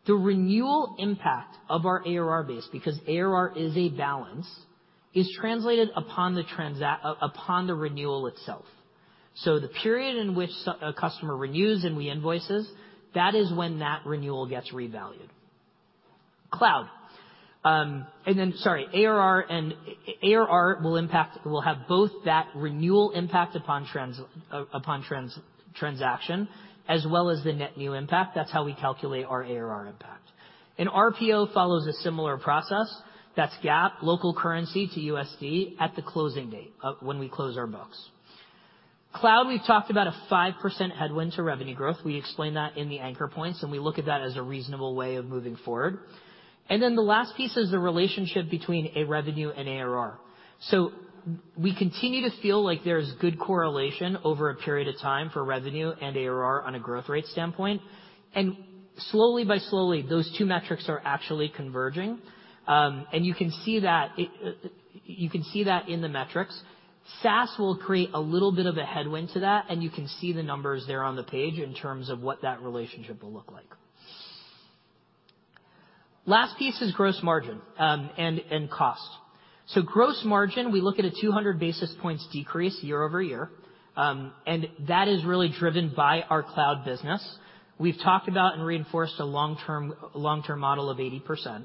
The renewal impact of our ARR base, because ARR is a balance, is translated upon the renewal itself. The period in which a customer renews and we invoice this, that is when that renewal gets revalued. Cloud. ARR will impact, will have both that renewal impact upon transaction as well as the net new impact. That's how we calculate our ARR impact. RPO follows a similar process. That's GAAP, local currency to USD at the closing date of when we close our books. Cloud, we've talked about a 5% headwind to revenue growth. We explained that in the anchor points, and we look at that as a reasonable way of moving forward. The last piece is the relationship between a revenue and ARR. We continue to feel like there's good correlation over a period of time for revenue and ARR on a growth rate standpoint. Slowly but surely, those two metrics are actually converging. You can see that in the metrics. SaaS will create a little bit of a headwind to that, and you can see the numbers there on the page in terms of what that relationship will look like. Last piece is gross margin, and cost. Gross margin, we look at a 200 basis points decrease year-over-year, and that is really driven by our cloud business. We've talked about and reinforced a long-term model of 80%.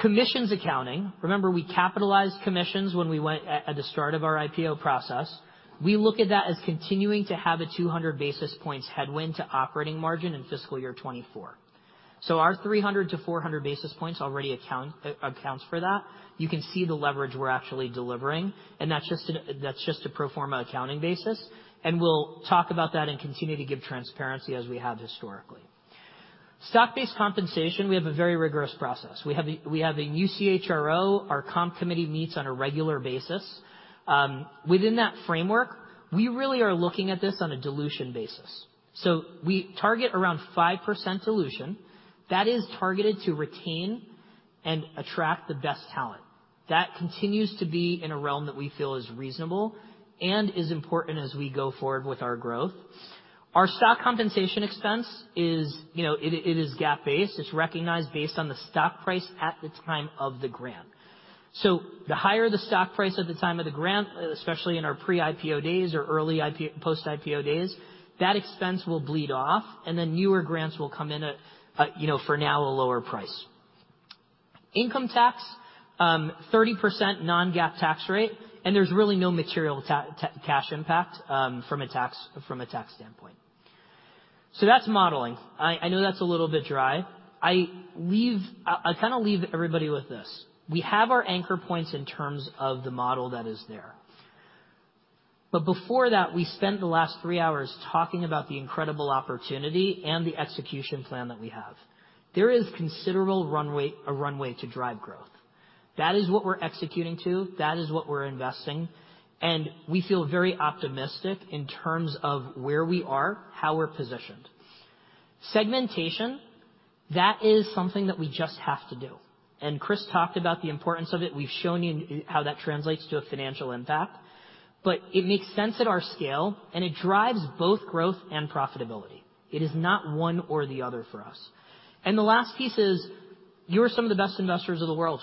Commissions accounting. Remember, we capitalized commissions when we went public at the start of our IPO process. We look at that as continuing to have a 200 basis points headwind to operating margin in fiscal year 2024. Our 300-400 basis points already accounts for that. You can see the leverage we're actually delivering, and that's just a pro forma accounting basis, and we'll talk about that and continue to give transparency as we have historically. Stock-based compensation, we have a very rigorous process. We have a new CHRO. Our comp committee meets on a regular basis. Within that framework, we really are looking at this on a dilution basis. We target around 5% dilution that is targeted to retain and attract the best talent. That continues to be in a realm that we feel is reasonable and is important as we go forward with our growth. Our stock compensation expense is, you know, it is GAAP-based. It's recognized based on the stock price at the time of the grant. The higher the stock price at the time of the grant, especially in our pre-IPO days or early post-IPO days, that expense will bleed off, and then newer grants will come in at, you know, for now, a lower price. Income tax, 30% non-GAAP tax rate, and there's really no material cash impact from a tax standpoint. That's modeling. I know that's a little bit dry. I kinda leave everybody with this. We have our anchor points in terms of the model that is there. Before that, we spent the last three hours talking about the incredible opportunity and the execution plan that we have. There is considerable runway, a runway to drive growth. That is what we're executing to, that is what we're investing, and we feel very optimistic in terms of where we are, how we're positioned. Segmentation, that is something that we just have to do. Chris talked about the importance of it. We've shown you how that translates to a financial impact. It makes sense at our scale, and it drives both growth and profitability. It is not one or the other for us. The last piece is, you are some of the best investors of the world.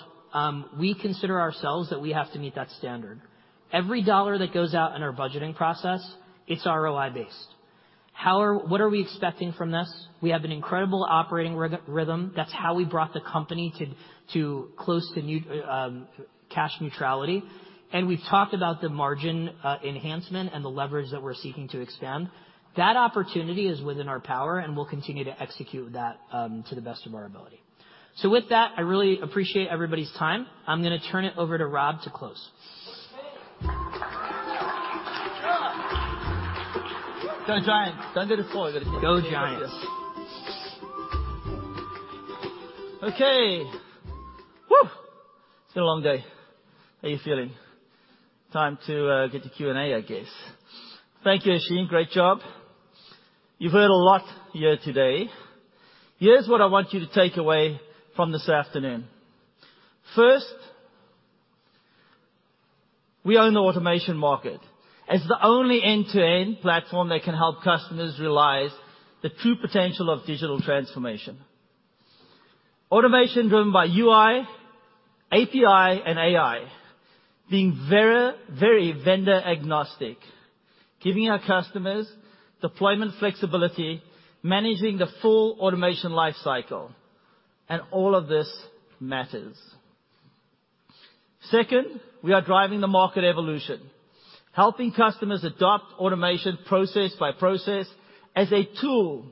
We consider ourselves that we have to meet that standard. Every dollar that goes out in our budgeting process, it's ROI-based. What are we expecting from this? We have an incredible operating rhythm. That's how we brought the company to close to cash neutrality. We've talked about the margin enhancement and the leverage that we're seeking to expand. That opportunity is within our power, and we'll continue to execute that to the best of our ability. With that, I really appreciate everybody's time. I'm gonna turn it over to Rob to close. Go Giants. Don't do the floor. Go Giants. Okay. Whoo! It's been a long day. How are you feeling? Time to get to Q&A, I guess. Thank you, Ashim. Great job. You've heard a lot here today. Here's what I want you to take away from this afternoon. First, we own the automation market. As the only end-to-end platform that can help customers realize the true potential of digital transformation. Automation driven by UI, API, and AI. Being very vendor-agnostic, giving our customers deployment flexibility, managing the full automation life cycle, and all of this matters. Second, we are driving the market evolution, helping customers adopt automation process by process as a tool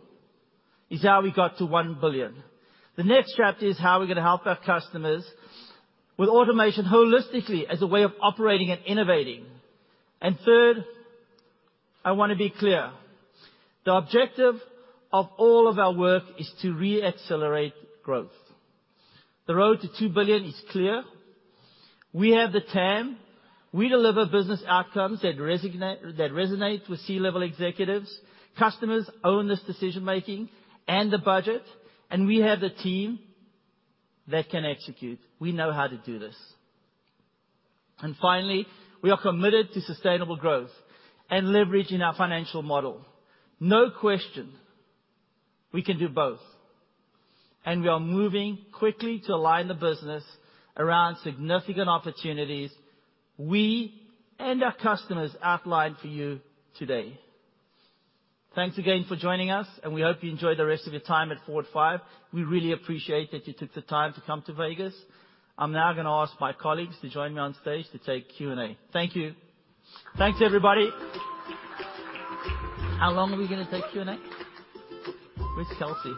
is how we got to $1 billion. The next chapter is how we're gonna help our customers with automation holistically as a way of operating and innovating. Third, I wanna be clear. The objective of all of our work is to re-accelerate growth. The road to $2 billion is clear. We have the TAM. We deliver business outcomes that resonate with C-level executives. Customers own this decision-making and the budget, and we have the team that can execute. We know how to do this. Finally, we are committed to sustainable growth and leveraging our financial model. No question, we can do both, and we are moving quickly to align the business around significant opportunities we and our customers outlined for you today. Thanks again for joining us, and we hope you enjoy the rest of your time at FORWARD 5. We really appreciate that you took the time to come to Vegas. I'm now gonna ask my colleagues to join me on stage to take Q&A. Thank you. Thanks, everybody. How long are we gonna take Q&A? Where's Kelsey?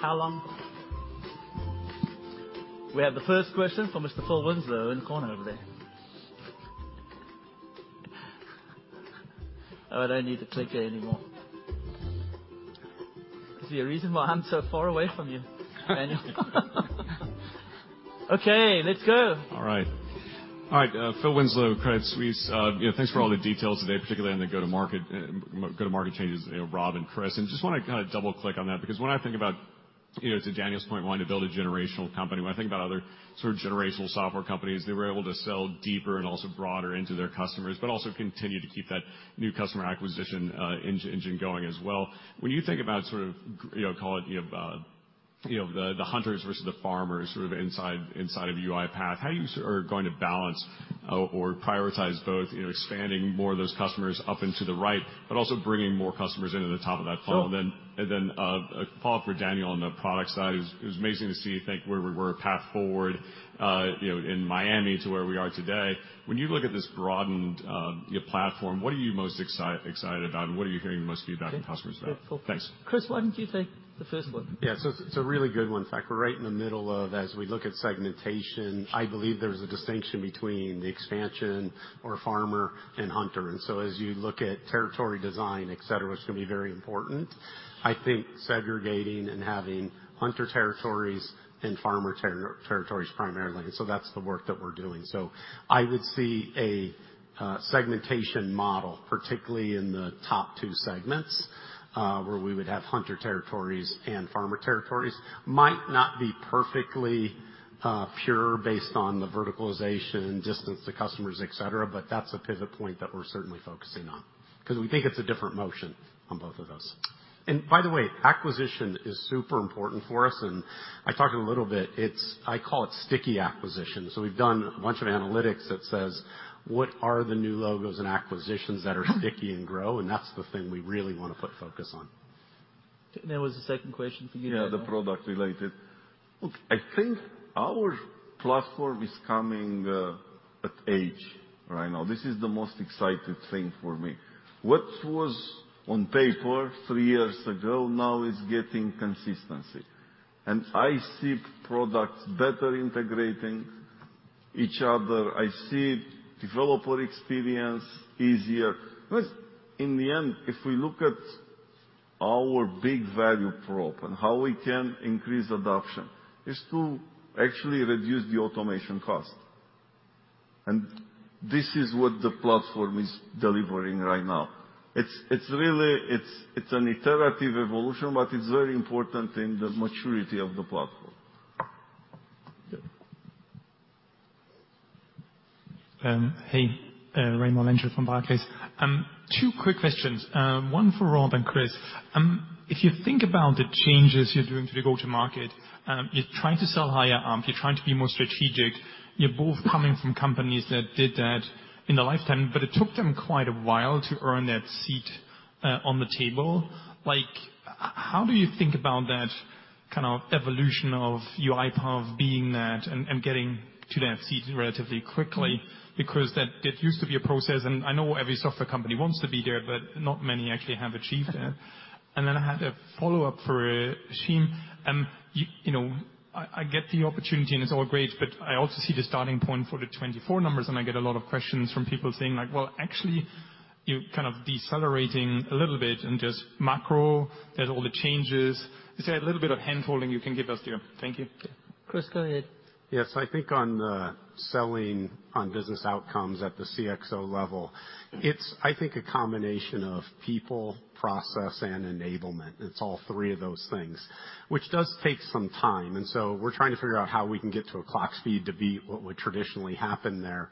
How long? We have the first question from Mr. Phil Winslow in the corner over there. Oh, I don't need to click it anymore. Is there a reason why I'm so far away from you, Daniel? Okay, let's go. All right, Phil Winslow, Credit Suisse. You know, thanks for all the details today, particularly on the go-to-market changes, you know, Rob and Chris. Just wanna kinda double-click on that because when I think about, you know, to Daniel's point, wanting to build a generational company, when I think about other sort of generational software companies, they were able to sell deeper and also broader into their customers, but also continue to keep that new customer acquisition engine going as well. When you think about sort of you know, call it, you know, the hunters versus the farmers sort of inside of UiPath, how you are going to balance or prioritize both, you know, expanding more of those customers up into the right, but also bringing more customers into the top of that funnel? So- A follow-up for Daniel on the product side. It was amazing to see, I think, where we were at FORWARD, you know, in Miami to where we are today. When you look at this broadened your platform, what are you most excited about, and what are you hearing the most feedback from customers about? Okay. Good. Phil. Thanks. Chris, why don't you take the first one? It's a really good one. In fact, we're right in the middle of, as we look at segmentation. I believe there's a distinction between the expander or farmer and hunter. As you look at territory design, et cetera, which can be very important, I think segregating and having hunter territories and farmer territories primarily. That's the work that we're doing. I would see a segmentation model, particularly in the top two segments, where we would have hunter territories and farmer territories. It might not be perfectly pure based on the verticalization, distance to customers, et cetera, but that's a pivot point that we're certainly focusing on. 'Cause we think it's a different motion on both of those. By the way, acquisition is super important for us, and I talked a little bit. I call it sticky acquisition. We've done a bunch of analytics that says what are the new logos and acquisitions that are sticky and grow, and that's the thing we really wanna put focus on. There was a second question for you, Daniel. Yeah, the product related. Look, I think our platform is coming of age right now. This is the most exciting thing for me. What was on paper three years ago now is getting consistency. I see products better integrating each other. I see developer experience easier. Listen, in the end, if we look at our big value prop and how we can increase adoption is to actually reduce the automation cost. This is what the platform is delivering right now. It's really an iterative evolution, but it's very important in the maturity of the platform. Yeah. Hey, Raimo Lenschow from Barclays. Two quick questions, one for Rob and Chris. If you think about the changes you're doing to the go-to-market, you're trying to sell higher up, you're trying to be more strategic. You're both coming from companies that did that in their lifetime, but it took them quite a while to earn that seat on the table. Like, how do you think about that kind of evolution of UiPath being that and getting to that seat relatively quickly? Because that used to be a process, and I know every software company wants to be there, but not many actually have achieved it. Okay. I had a follow-up for Ashim. You know, I get the opportunity and it's all great, but I also see the starting point for the 2024 numbers, and I get a lot of questions from people saying like, "Well, actually You're kind of decelerating a little bit in just macro, there's all the changes. Is there a little bit of handholding you can give us here? Thank you. Chris, go ahead. Yes. I think on the selling on business outcomes at the CXO level, it's I think a combination of people, process, and enablement. It's all three of those things, which does take some time, and so we're trying to figure out how we can get to a clock speed to beat what would traditionally happen there.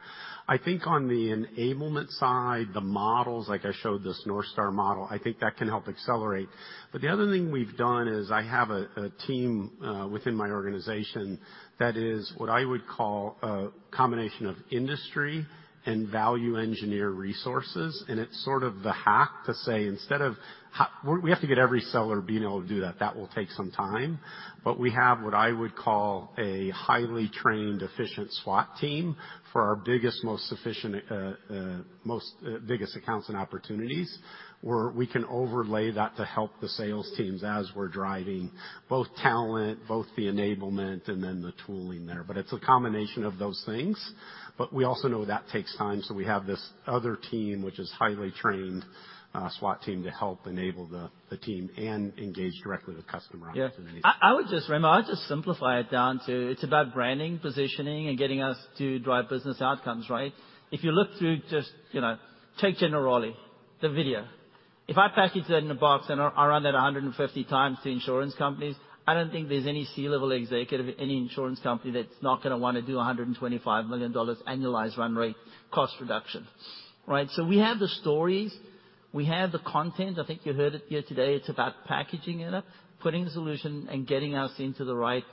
I think on the enablement side, the models, like I showed this North Star model, I think that can help accelerate. The other thing we've done is I have a team within my organization that is what I would call a combination of industry and value engineer resources, and it's sort of the hack to say instead of We have to get every seller being able to do that. That will take some time. We have what I would call a highly trained, efficient SWAT team for our biggest, most efficient accounts and opportunities, where we can overlay that to help the sales teams as we're driving both talent, the enablement and then the tooling there. It's a combination of those things. We also know that takes time, so we have this other team, which is highly trained SWAT team to help enable the team and engage directly with customer opportunities. Yeah. I would just, Raimo, I'll just simplify it down to it's about branding, positioning, and getting us to drive business outcomes, right? If you look through just, you know, take Generali, the video. If I package that in a box and I run that 150 times to insurance companies, I don't think there's any C-level executive at any insurance company that's not gonna wanna do a $125 million annualized run rate cost reduction, right? We have the stories, we have the content. I think you heard it here today. It's about packaging it up, putting the solution and getting us into the right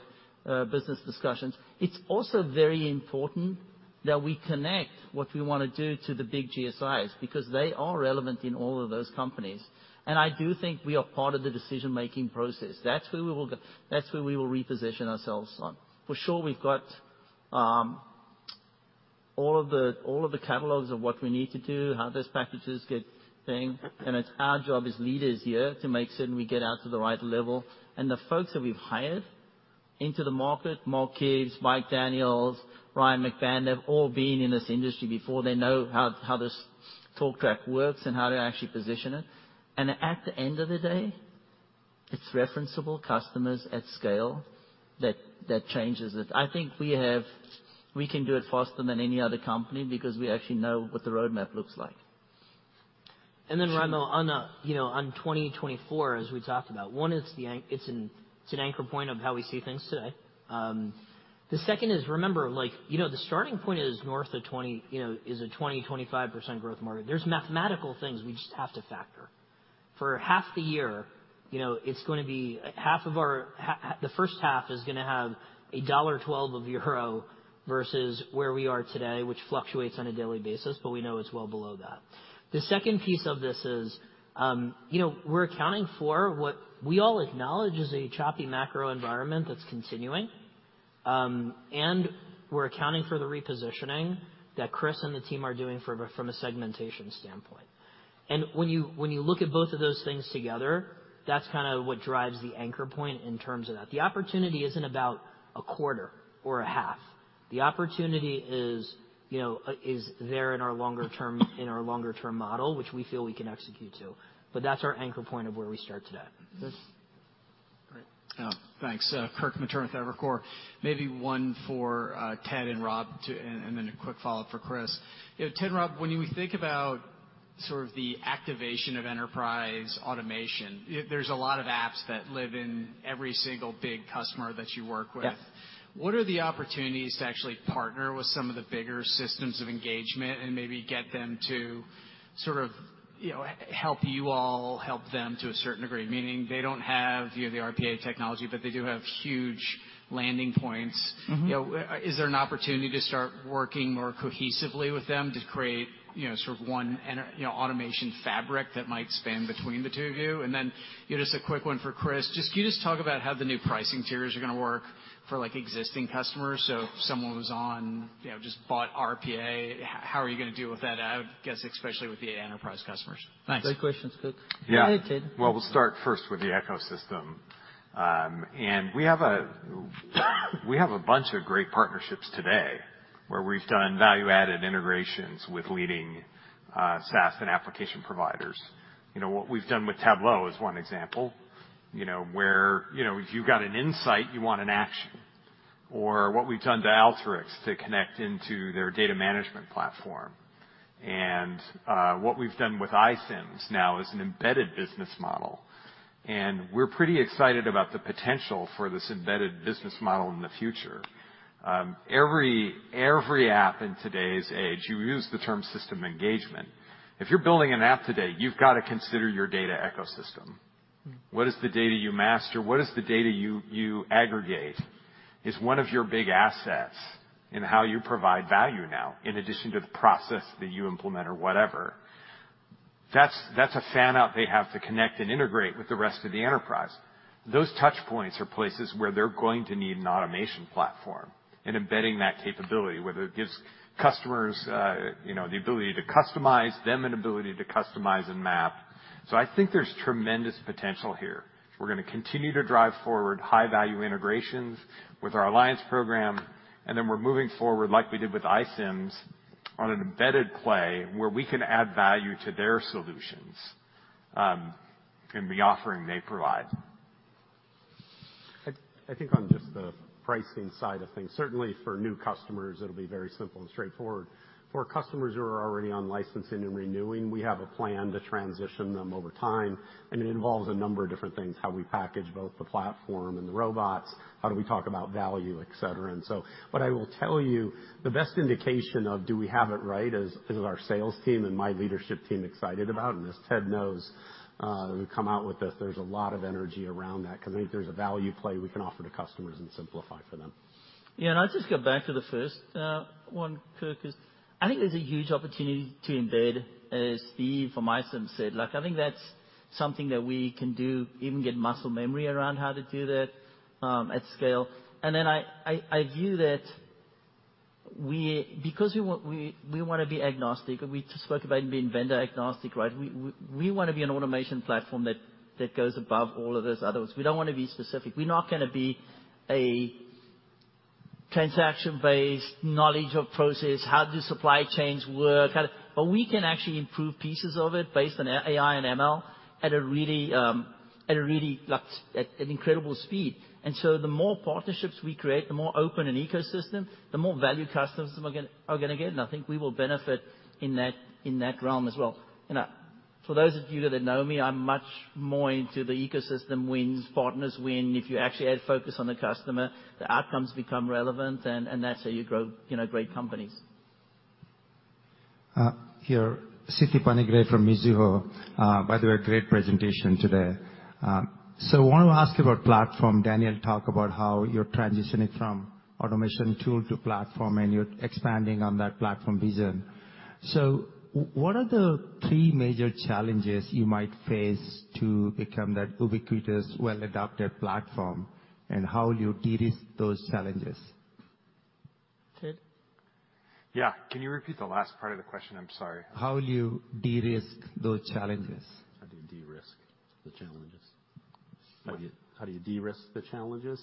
business discussions. It's also very important that we connect what we wanna do to the big GSIs, because they are relevant in all of those companies. I do think we are part of the decision-making process. That's where we will reposition ourselves on. For sure, we've got all of the catalogs of what we need to do, how those packages get built. It's our job as leaders here to make certain we get out to the right level. The folks that we've hired into the market, Mark Gibbs, Mike Daniels, Ryan Mac Ban, have all been in this industry before. They know how this talk track works and how to actually position it. At the end of the day, it's referenceable customers at scale that changes it. I think we can do it faster than any other company because we actually know what the roadmap looks like. Raimo Lenschow, on 2024, as we talked about, one, it's an anchor point of how we see things today. The second is, remember, like, you know, the starting point is north of 20, you know, is a 25% growth market. There's mathematical things we just have to factor. For half the year, you know, it's gonna be half of our, the H1 is gonna have a 1.12 euro versus where we are today, which fluctuates on a daily basis, but we know it's well below that. The second piece of this is, you know, we're accounting for what we all acknowledge is a choppy macro environment that's continuing, and we're accounting for the repositioning that Chris Weber and the team are doing from a segmentation standpoint. When you look at both of those things together, that's kinda what drives the anchor point in terms of that. The opportunity isn't about a quarter or a half. The opportunity is, you know, is there in our longer-term model, which we feel we can execute to. That's our anchor point of where we start today. Yes. Great. Thanks. Kirk Materne with Evercore. Maybe one for Ted and Rob and then a quick follow-up for Chris. You know, Ted and Rob, when you think about sort of the activation of enterprise automation, there's a lot of apps that live in every single big customer that you work with. Yes. What are the opportunities to actually partner with some of the bigger systems of engagement and maybe get them to sort of, you know, help you all, help them to a certain degree, meaning they don't have, you know, the RPA technology, but they do have huge landing points? Mm-hmm. You know, is there an opportunity to start working more cohesively with them to create, you know, sort of automation fabric that might span between the two of you? You know, just a quick one for Chris. Just, can you just talk about how the new pricing tiers are gonna work for like existing customers? If someone was on, you know, just bought RPA, how are you gonna deal with that, I would guess, especially with the enterprise customers? Thanks. Great questions, Kirk. Yeah. Go ahead, Ted. Well, we'll start first with the ecosystem. We have a bunch of great partnerships today where we've done value-added integrations with leading SaaS and application providers. You know, what we've done with Tableau is one example. You know, where, you know, if you've got an insight, you want an action. Or what we've done to Alteryx to connect into their data management platform. What we've done with iCIMS now is an embedded business model, and we're pretty excited about the potential for this embedded business model in the future. Every app in today's age, you use the term system engagement. If you're building an app today, you've got to consider your data ecosystem. What is the data you master? What is the data you aggregate is one of your big assets in how you provide value now, in addition to the process that you implement or whatever. That's a fan-out they have to connect and integrate with the rest of the enterprise. Those touch points are places where they're going to need an automation platform and embedding that capability, whether it gives customers, you know, the ability to customize, them an ability to customize and map. I think there's tremendous potential here. We're gonna continue to drive forward high-value integrations with our alliance program, and then we're moving forward like we did with iCIMS on an embedded play where we can add value to their solutions, in the offering they provide. I think on just the pricing side of things, certainly for new customers it'll be very simple and straightforward. For customers who are already on licensing and renewing, we have a plan to transition them over time, and it involves a number of different things, how we package both the platform and the robots, how do we talk about value, et cetera. What I will tell you, the best indication of do we have it right is our sales team and my leadership team excited about it. As Ted knows, we've come out with this, there's a lot of energy around that 'cause I think there's a value play we can offer to customers and simplify for them. Yeah, I'll just go back to the first one, Kirk. I think there's a huge opportunity to embed, as Steve from iCIMS said. Like, I think that's something that we can do, even get muscle memory around how to do that at scale. I view that because we want we wanna be agnostic, and we just spoke about being vendor agnostic, right? We wanna be an automation platform that goes above all of those others. We don't wanna be specific. We're not gonna be a transaction-based knowledge of process, how do supply chains work. But we can actually improve pieces of it based on AI and ML at a really, like, at an incredible speed. The more partnerships we create, the more open an ecosystem, the more value customers are gonna get, and I think we will benefit in that realm as well. You know, for those of you that know me, I'm much more into the ecosystem wins, partners win. If you actually add focus on the customer, the outcomes become relevant and that's how you grow, you know, great companies. Siti Panigrahi from Mizuho. By the way, great presentation today. Wanna ask about platform. Daniel talked about how you're transitioning from automation tool to platform, and you're expanding on that platform vision. What are the three major challenges you might face to become that ubiquitous, well-adopted platform, and how will you de-risk those challenges? Ted? Yeah. Can you repeat the last part of the question? I'm sorry. How will you de-risk those challenges? How do you de-risk the challenges? How do you de-risk the challenges?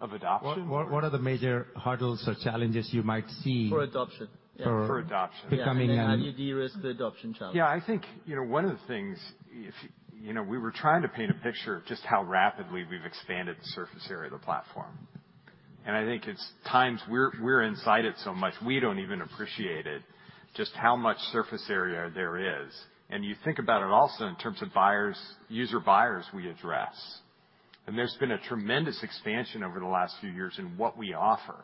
Of adoption? What are the major hurdles or challenges you might see? For adoption. Yeah. For- For adoption. Becoming a- Yeah. How do you de-risk the adoption challenge? Yeah, I think, you know, one of the things. You know, we were trying to paint a picture of just how rapidly we've expanded the surface area of the platform. I think at times we're inside it so much, we don't even appreciate it just how much surface area there is. You think about it also in terms of buyers, user buyers we address. There's been a tremendous expansion over the last few years in what we offer.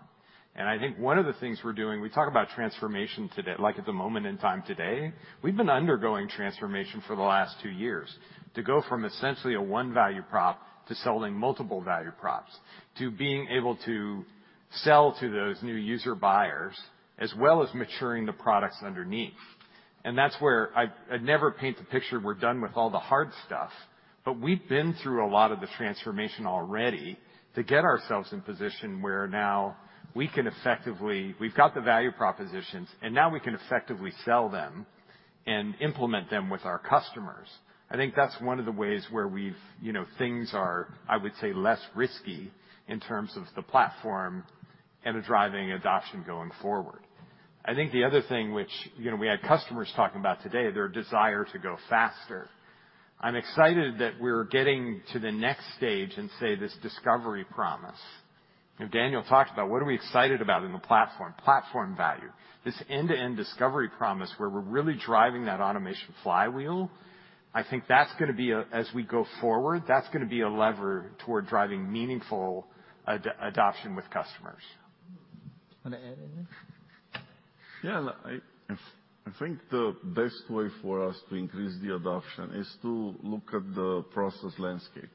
I think one of the things we're doing, we talk about transformation today, like at the moment in time today. We've been undergoing transformation for the last two years to go from essentially a one value prop to selling multiple value props, to being able to sell to those new user buyers, as well as maturing the products underneath. That's where I've, I never paint the picture we're done with all the hard stuff, but we've been through a lot of the transformation already to get ourselves in position where now we can effectively. We've got the value propositions, and now we can effectively sell them and implement them with our customers. I think that's one of the ways where we've, you know, things are, I would say, less risky in terms of the platform and are driving adoption going forward. I think the other thing which, you know, we had customers talking about today, their desire to go faster. I'm excited that we're getting to the next stage in, say, this discovery promise. You know, Daniel talked about what are we excited about in the platform? Platform value. This end-to-end discovery promise where we're really driving that automation flywheel, I think that's gonna be a, as we go forward, that's gonna be a lever toward driving meaningful adoption with customers. Wanna add anything? Yeah. I think the best way for us to increase the adoption is to look at the process landscape.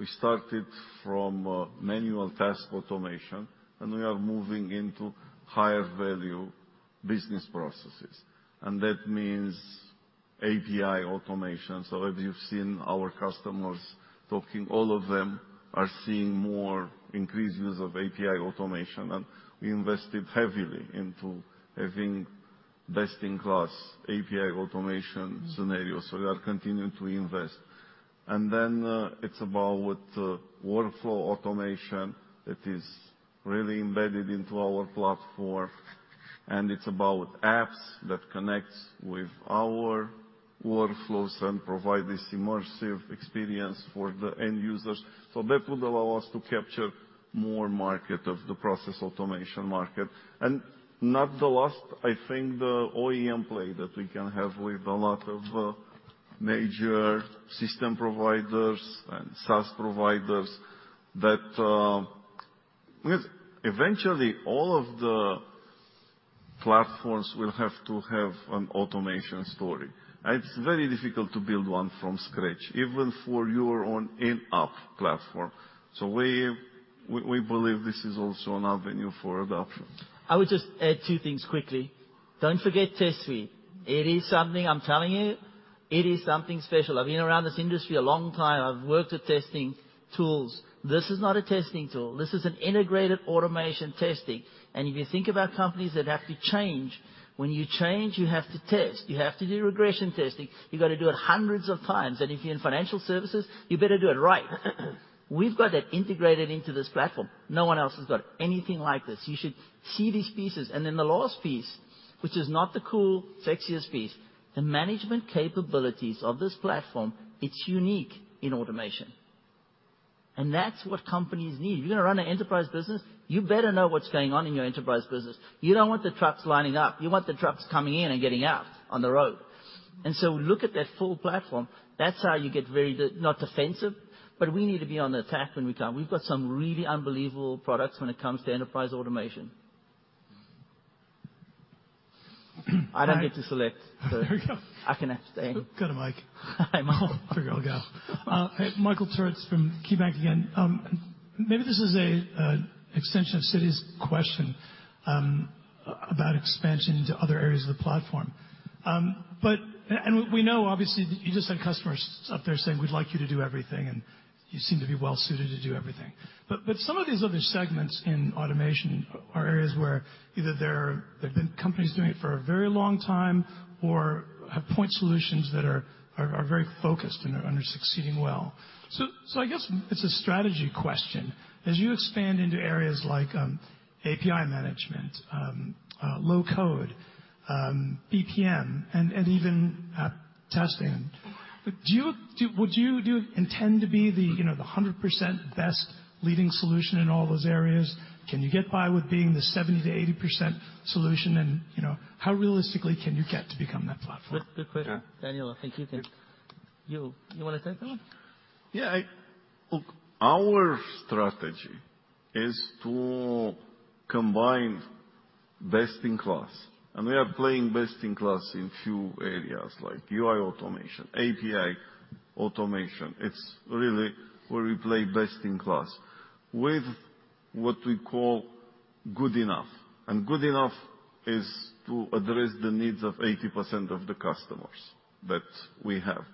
We started from manual task automation, and we are moving into higher value business processes. That means API automation. If you've seen our customers talking, all of them are seeing more increased use of API automation, and we invested heavily into having best-in-class API automation scenarios. We are continuing to invest. It's about with the workflow automation that is really embedded into our platform, and it's about apps that connects with our workflows and provide this immersive experience for the end users. That would allow us to capture more market of the process automation market. Not the last, I think the OEM play that we can have with a lot of major system providers and SaaS providers that... With eventually all of the platforms will have to have an automation story. It's very difficult to build one from scratch, even for your own in-app platform. We believe this is also an avenue for adoption. I would just add two things quickly. Don't forget Test Suite. It is something, I'm telling you, it is something special. I've been around this industry a long time. I've worked with testing tools. This is not a testing tool. This is an integrated automation testing. If you think about companies that have to change, when you change, you have to test. You have to do regression testing. You've got to do it hundreds of times. If you're in financial services, you better do it right. We've got that integrated into this platform. No one else has got anything like this. You should see these pieces. Then the last piece, which is not the cool, sexiest piece, the management capabilities of this platform, it's unique in automation. That's what companies need. If you're gonna run an enterprise business, you better know what's going on in your enterprise business. You don't want the trucks lining up. You want the trucks coming in and getting out on the road. Look at that full platform. That's how you get very not defensive, but we need to be on the attack when we can. We've got some really unbelievable products when it comes to enterprise automation. I don't get to select, so- There we go. I can actually stay. Go to Mike. Hi, Michael. figure I'll go. Michael Turits from KeyBanc Capital Markets again. Maybe this is an extension of Siti's question about expansion into other areas of the platform. We know obviously that you just had customers up there saying, "We'd like you to do everything," and you seem to be well-suited to do everything. Some of these other segments in automation are areas where either there have been companies doing it for a very long time or have point solutions that are very focused and are succeeding well. I guess it's a strategy question. As you expand into areas like API management, low-code, BPM, and even app testing, do you intend to be the, you know, the 100% best leading solution in all those areas? Can you get by with being the 70%-80% solution and, you know, how realistically can you get to become that platform? Good, good question. Yeah. You wanna take that one? Yeah. Look, our strategy is to combine best in class, and we are playing best in class in few areas like UI automation, API automation. It's really where we play best in class with what we call good enough, and good enough is to address the needs of 80% of the customers that we have.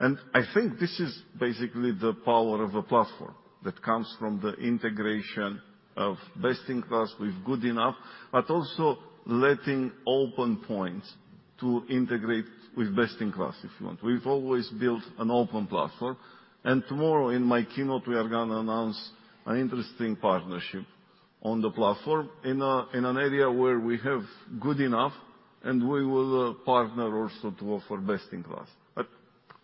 I think this is basically the power of a platform that comes from the integration of best in class with good enough, but also letting open points to integrate with best in class, if you want. We've always built an open platform, and tomorrow in my keynote, we are gonna announce an interesting partnership on the platform in a, in an area where we have good enough, and we will partner also to offer best in class.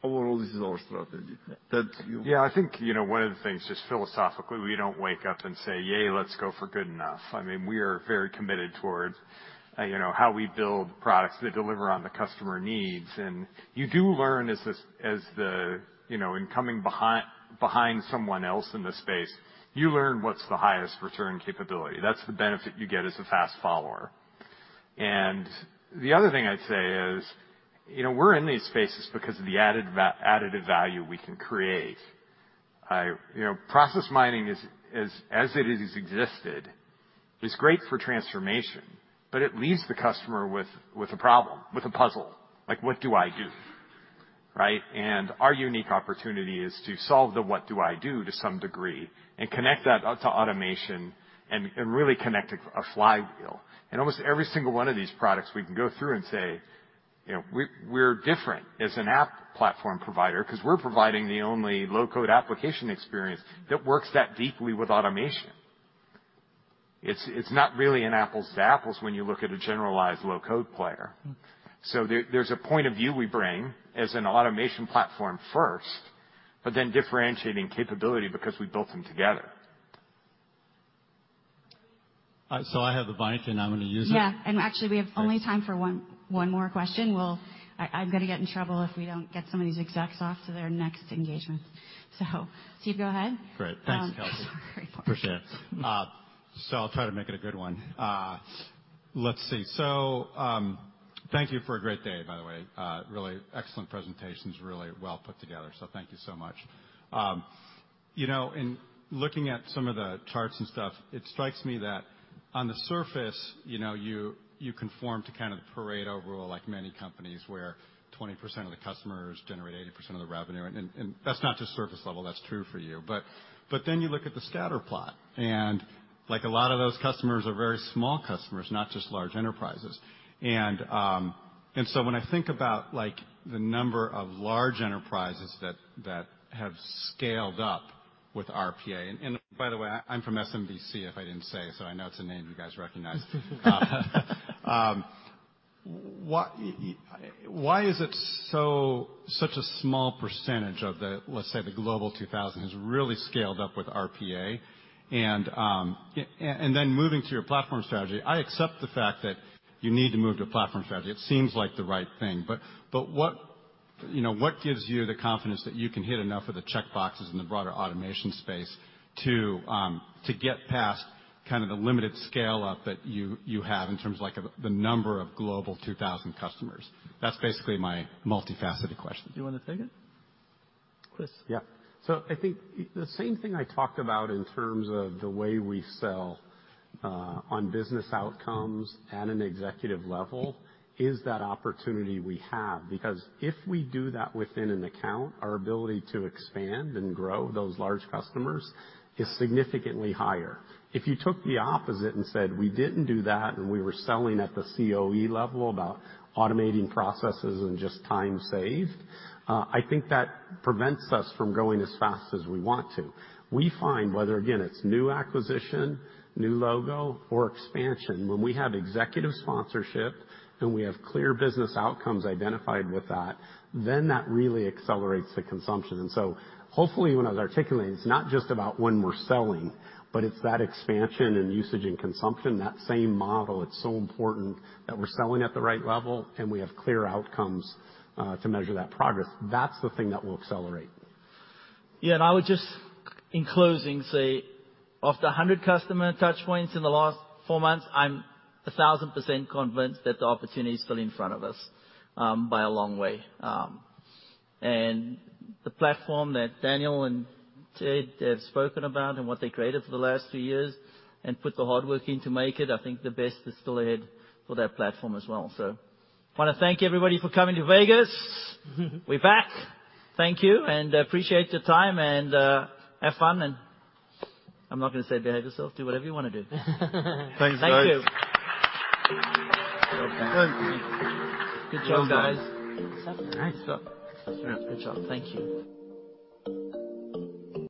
Overall, this is our strategy. Ted, you- Yeah, I think, you know, one of the things just philosophically, we don't wake up and say, "Yay, let's go for good enough." I mean, we are very committed towards, you know, how we build products that deliver on the customer needs. You do learn as the, you know, in coming behind someone else in the space, you learn what's the highest return capability. That's the benefit you get as a fast follower. The other thing I'd say is, you know, we're in these spaces because of the added additive value we can create. You know, process mining as it existed is great for transformation, but it leaves the customer with a problem, with a puzzle. Like, what do I do, right? Our unique opportunity is to solve the what do I do to some degree and connect that to automation and really connect a flywheel. Almost every single one of these products we can go through and say, you know, we're different as an app platform provider 'cause we're providing the only low-code application experience that works that deeply with automation. It's not really an apples to apples when you look at a generalized low-code player. Mm-hmm. There's a point of view we bring as an automation platform first but then differentiating capability because we built them together. I have the mic and I'm gonna use it. Yeah. Actually, we have only time for one more question. I'm gonna get in trouble if we don't get some of these execs off to their next engagement. Steve, go ahead. Great. Thanks, Kelsey. Sorry. Appreciate it. I'll try to make it a good one. Let's see. Thank you for a great day, by the way. Really excellent presentations, really well put together. Thank you so much. You know, in looking at some of the charts and stuff, it strikes me that on the surface, you know, you conform to kind of the Pareto overall like many companies, where 20% of the customers generate 80% of the revenue. That's not just surface level, that's true for you. You look at the scatter plot, and like a lot of those customers are very small customers, not just large enterprises. when I think about, like, the number of large enterprises that have scaled up with RPA, and by the way, I'm from SMBC, if I didn't say, so I know it's a name you guys recognize. Why is it such a small percentage of the, let's say, the Global 2000 has really scaled up with RPA? then moving to your platform strategy, I accept the fact that you need to move to a platform strategy. It seems like the right thing. what, you know, what gives you the confidence that you can hit enough of the checkboxes in the broader automation space to get past kind of the limited scale-up that you have in terms of, like, of the number of Global 2000 customers? That's basically my multifaceted question. You wanna take it? Chris? Yeah. I think the same thing I talked about in terms of the way we sell on business outcomes at an executive level is that opportunity we have. Because if we do that within an account, our ability to expand and grow those large customers is significantly higher. If you took the opposite and said, we didn't do that, and we were selling at the COE level about automating processes and just time saved, I think that prevents us from growing as fast as we want to. We find whether, again, it's new acquisition, new logo, or expansion, when we have executive sponsorship and we have clear business outcomes identified with that, then that really accelerates the consumption. Hopefully, when I was articulating, it's not just about when we're selling, but it's that expansion and usage and consumption, that same model, it's so important that we're selling at the right level and we have clear outcomes to measure that progress. That's the thing that will accelerate. Yeah, I would just, in closing, say of the 100 customer touchpoints in the last four months, I'm 1,000% convinced that the opportunity is still in front of us, by a long way. The platform that Daniel and Ted have spoken about and what they created for the last two years and put the hard work in to make it, I think the best is still ahead for that platform as well. Wanna thank everybody for coming to Vegas. We're back. Thank you, and appreciate your time, and have fun. I'm not gonna say behave yourself. Do whatever you wanna do. Thanks, guys. Thank you. Good job. Good job, guys. All right. Good job. Thank you.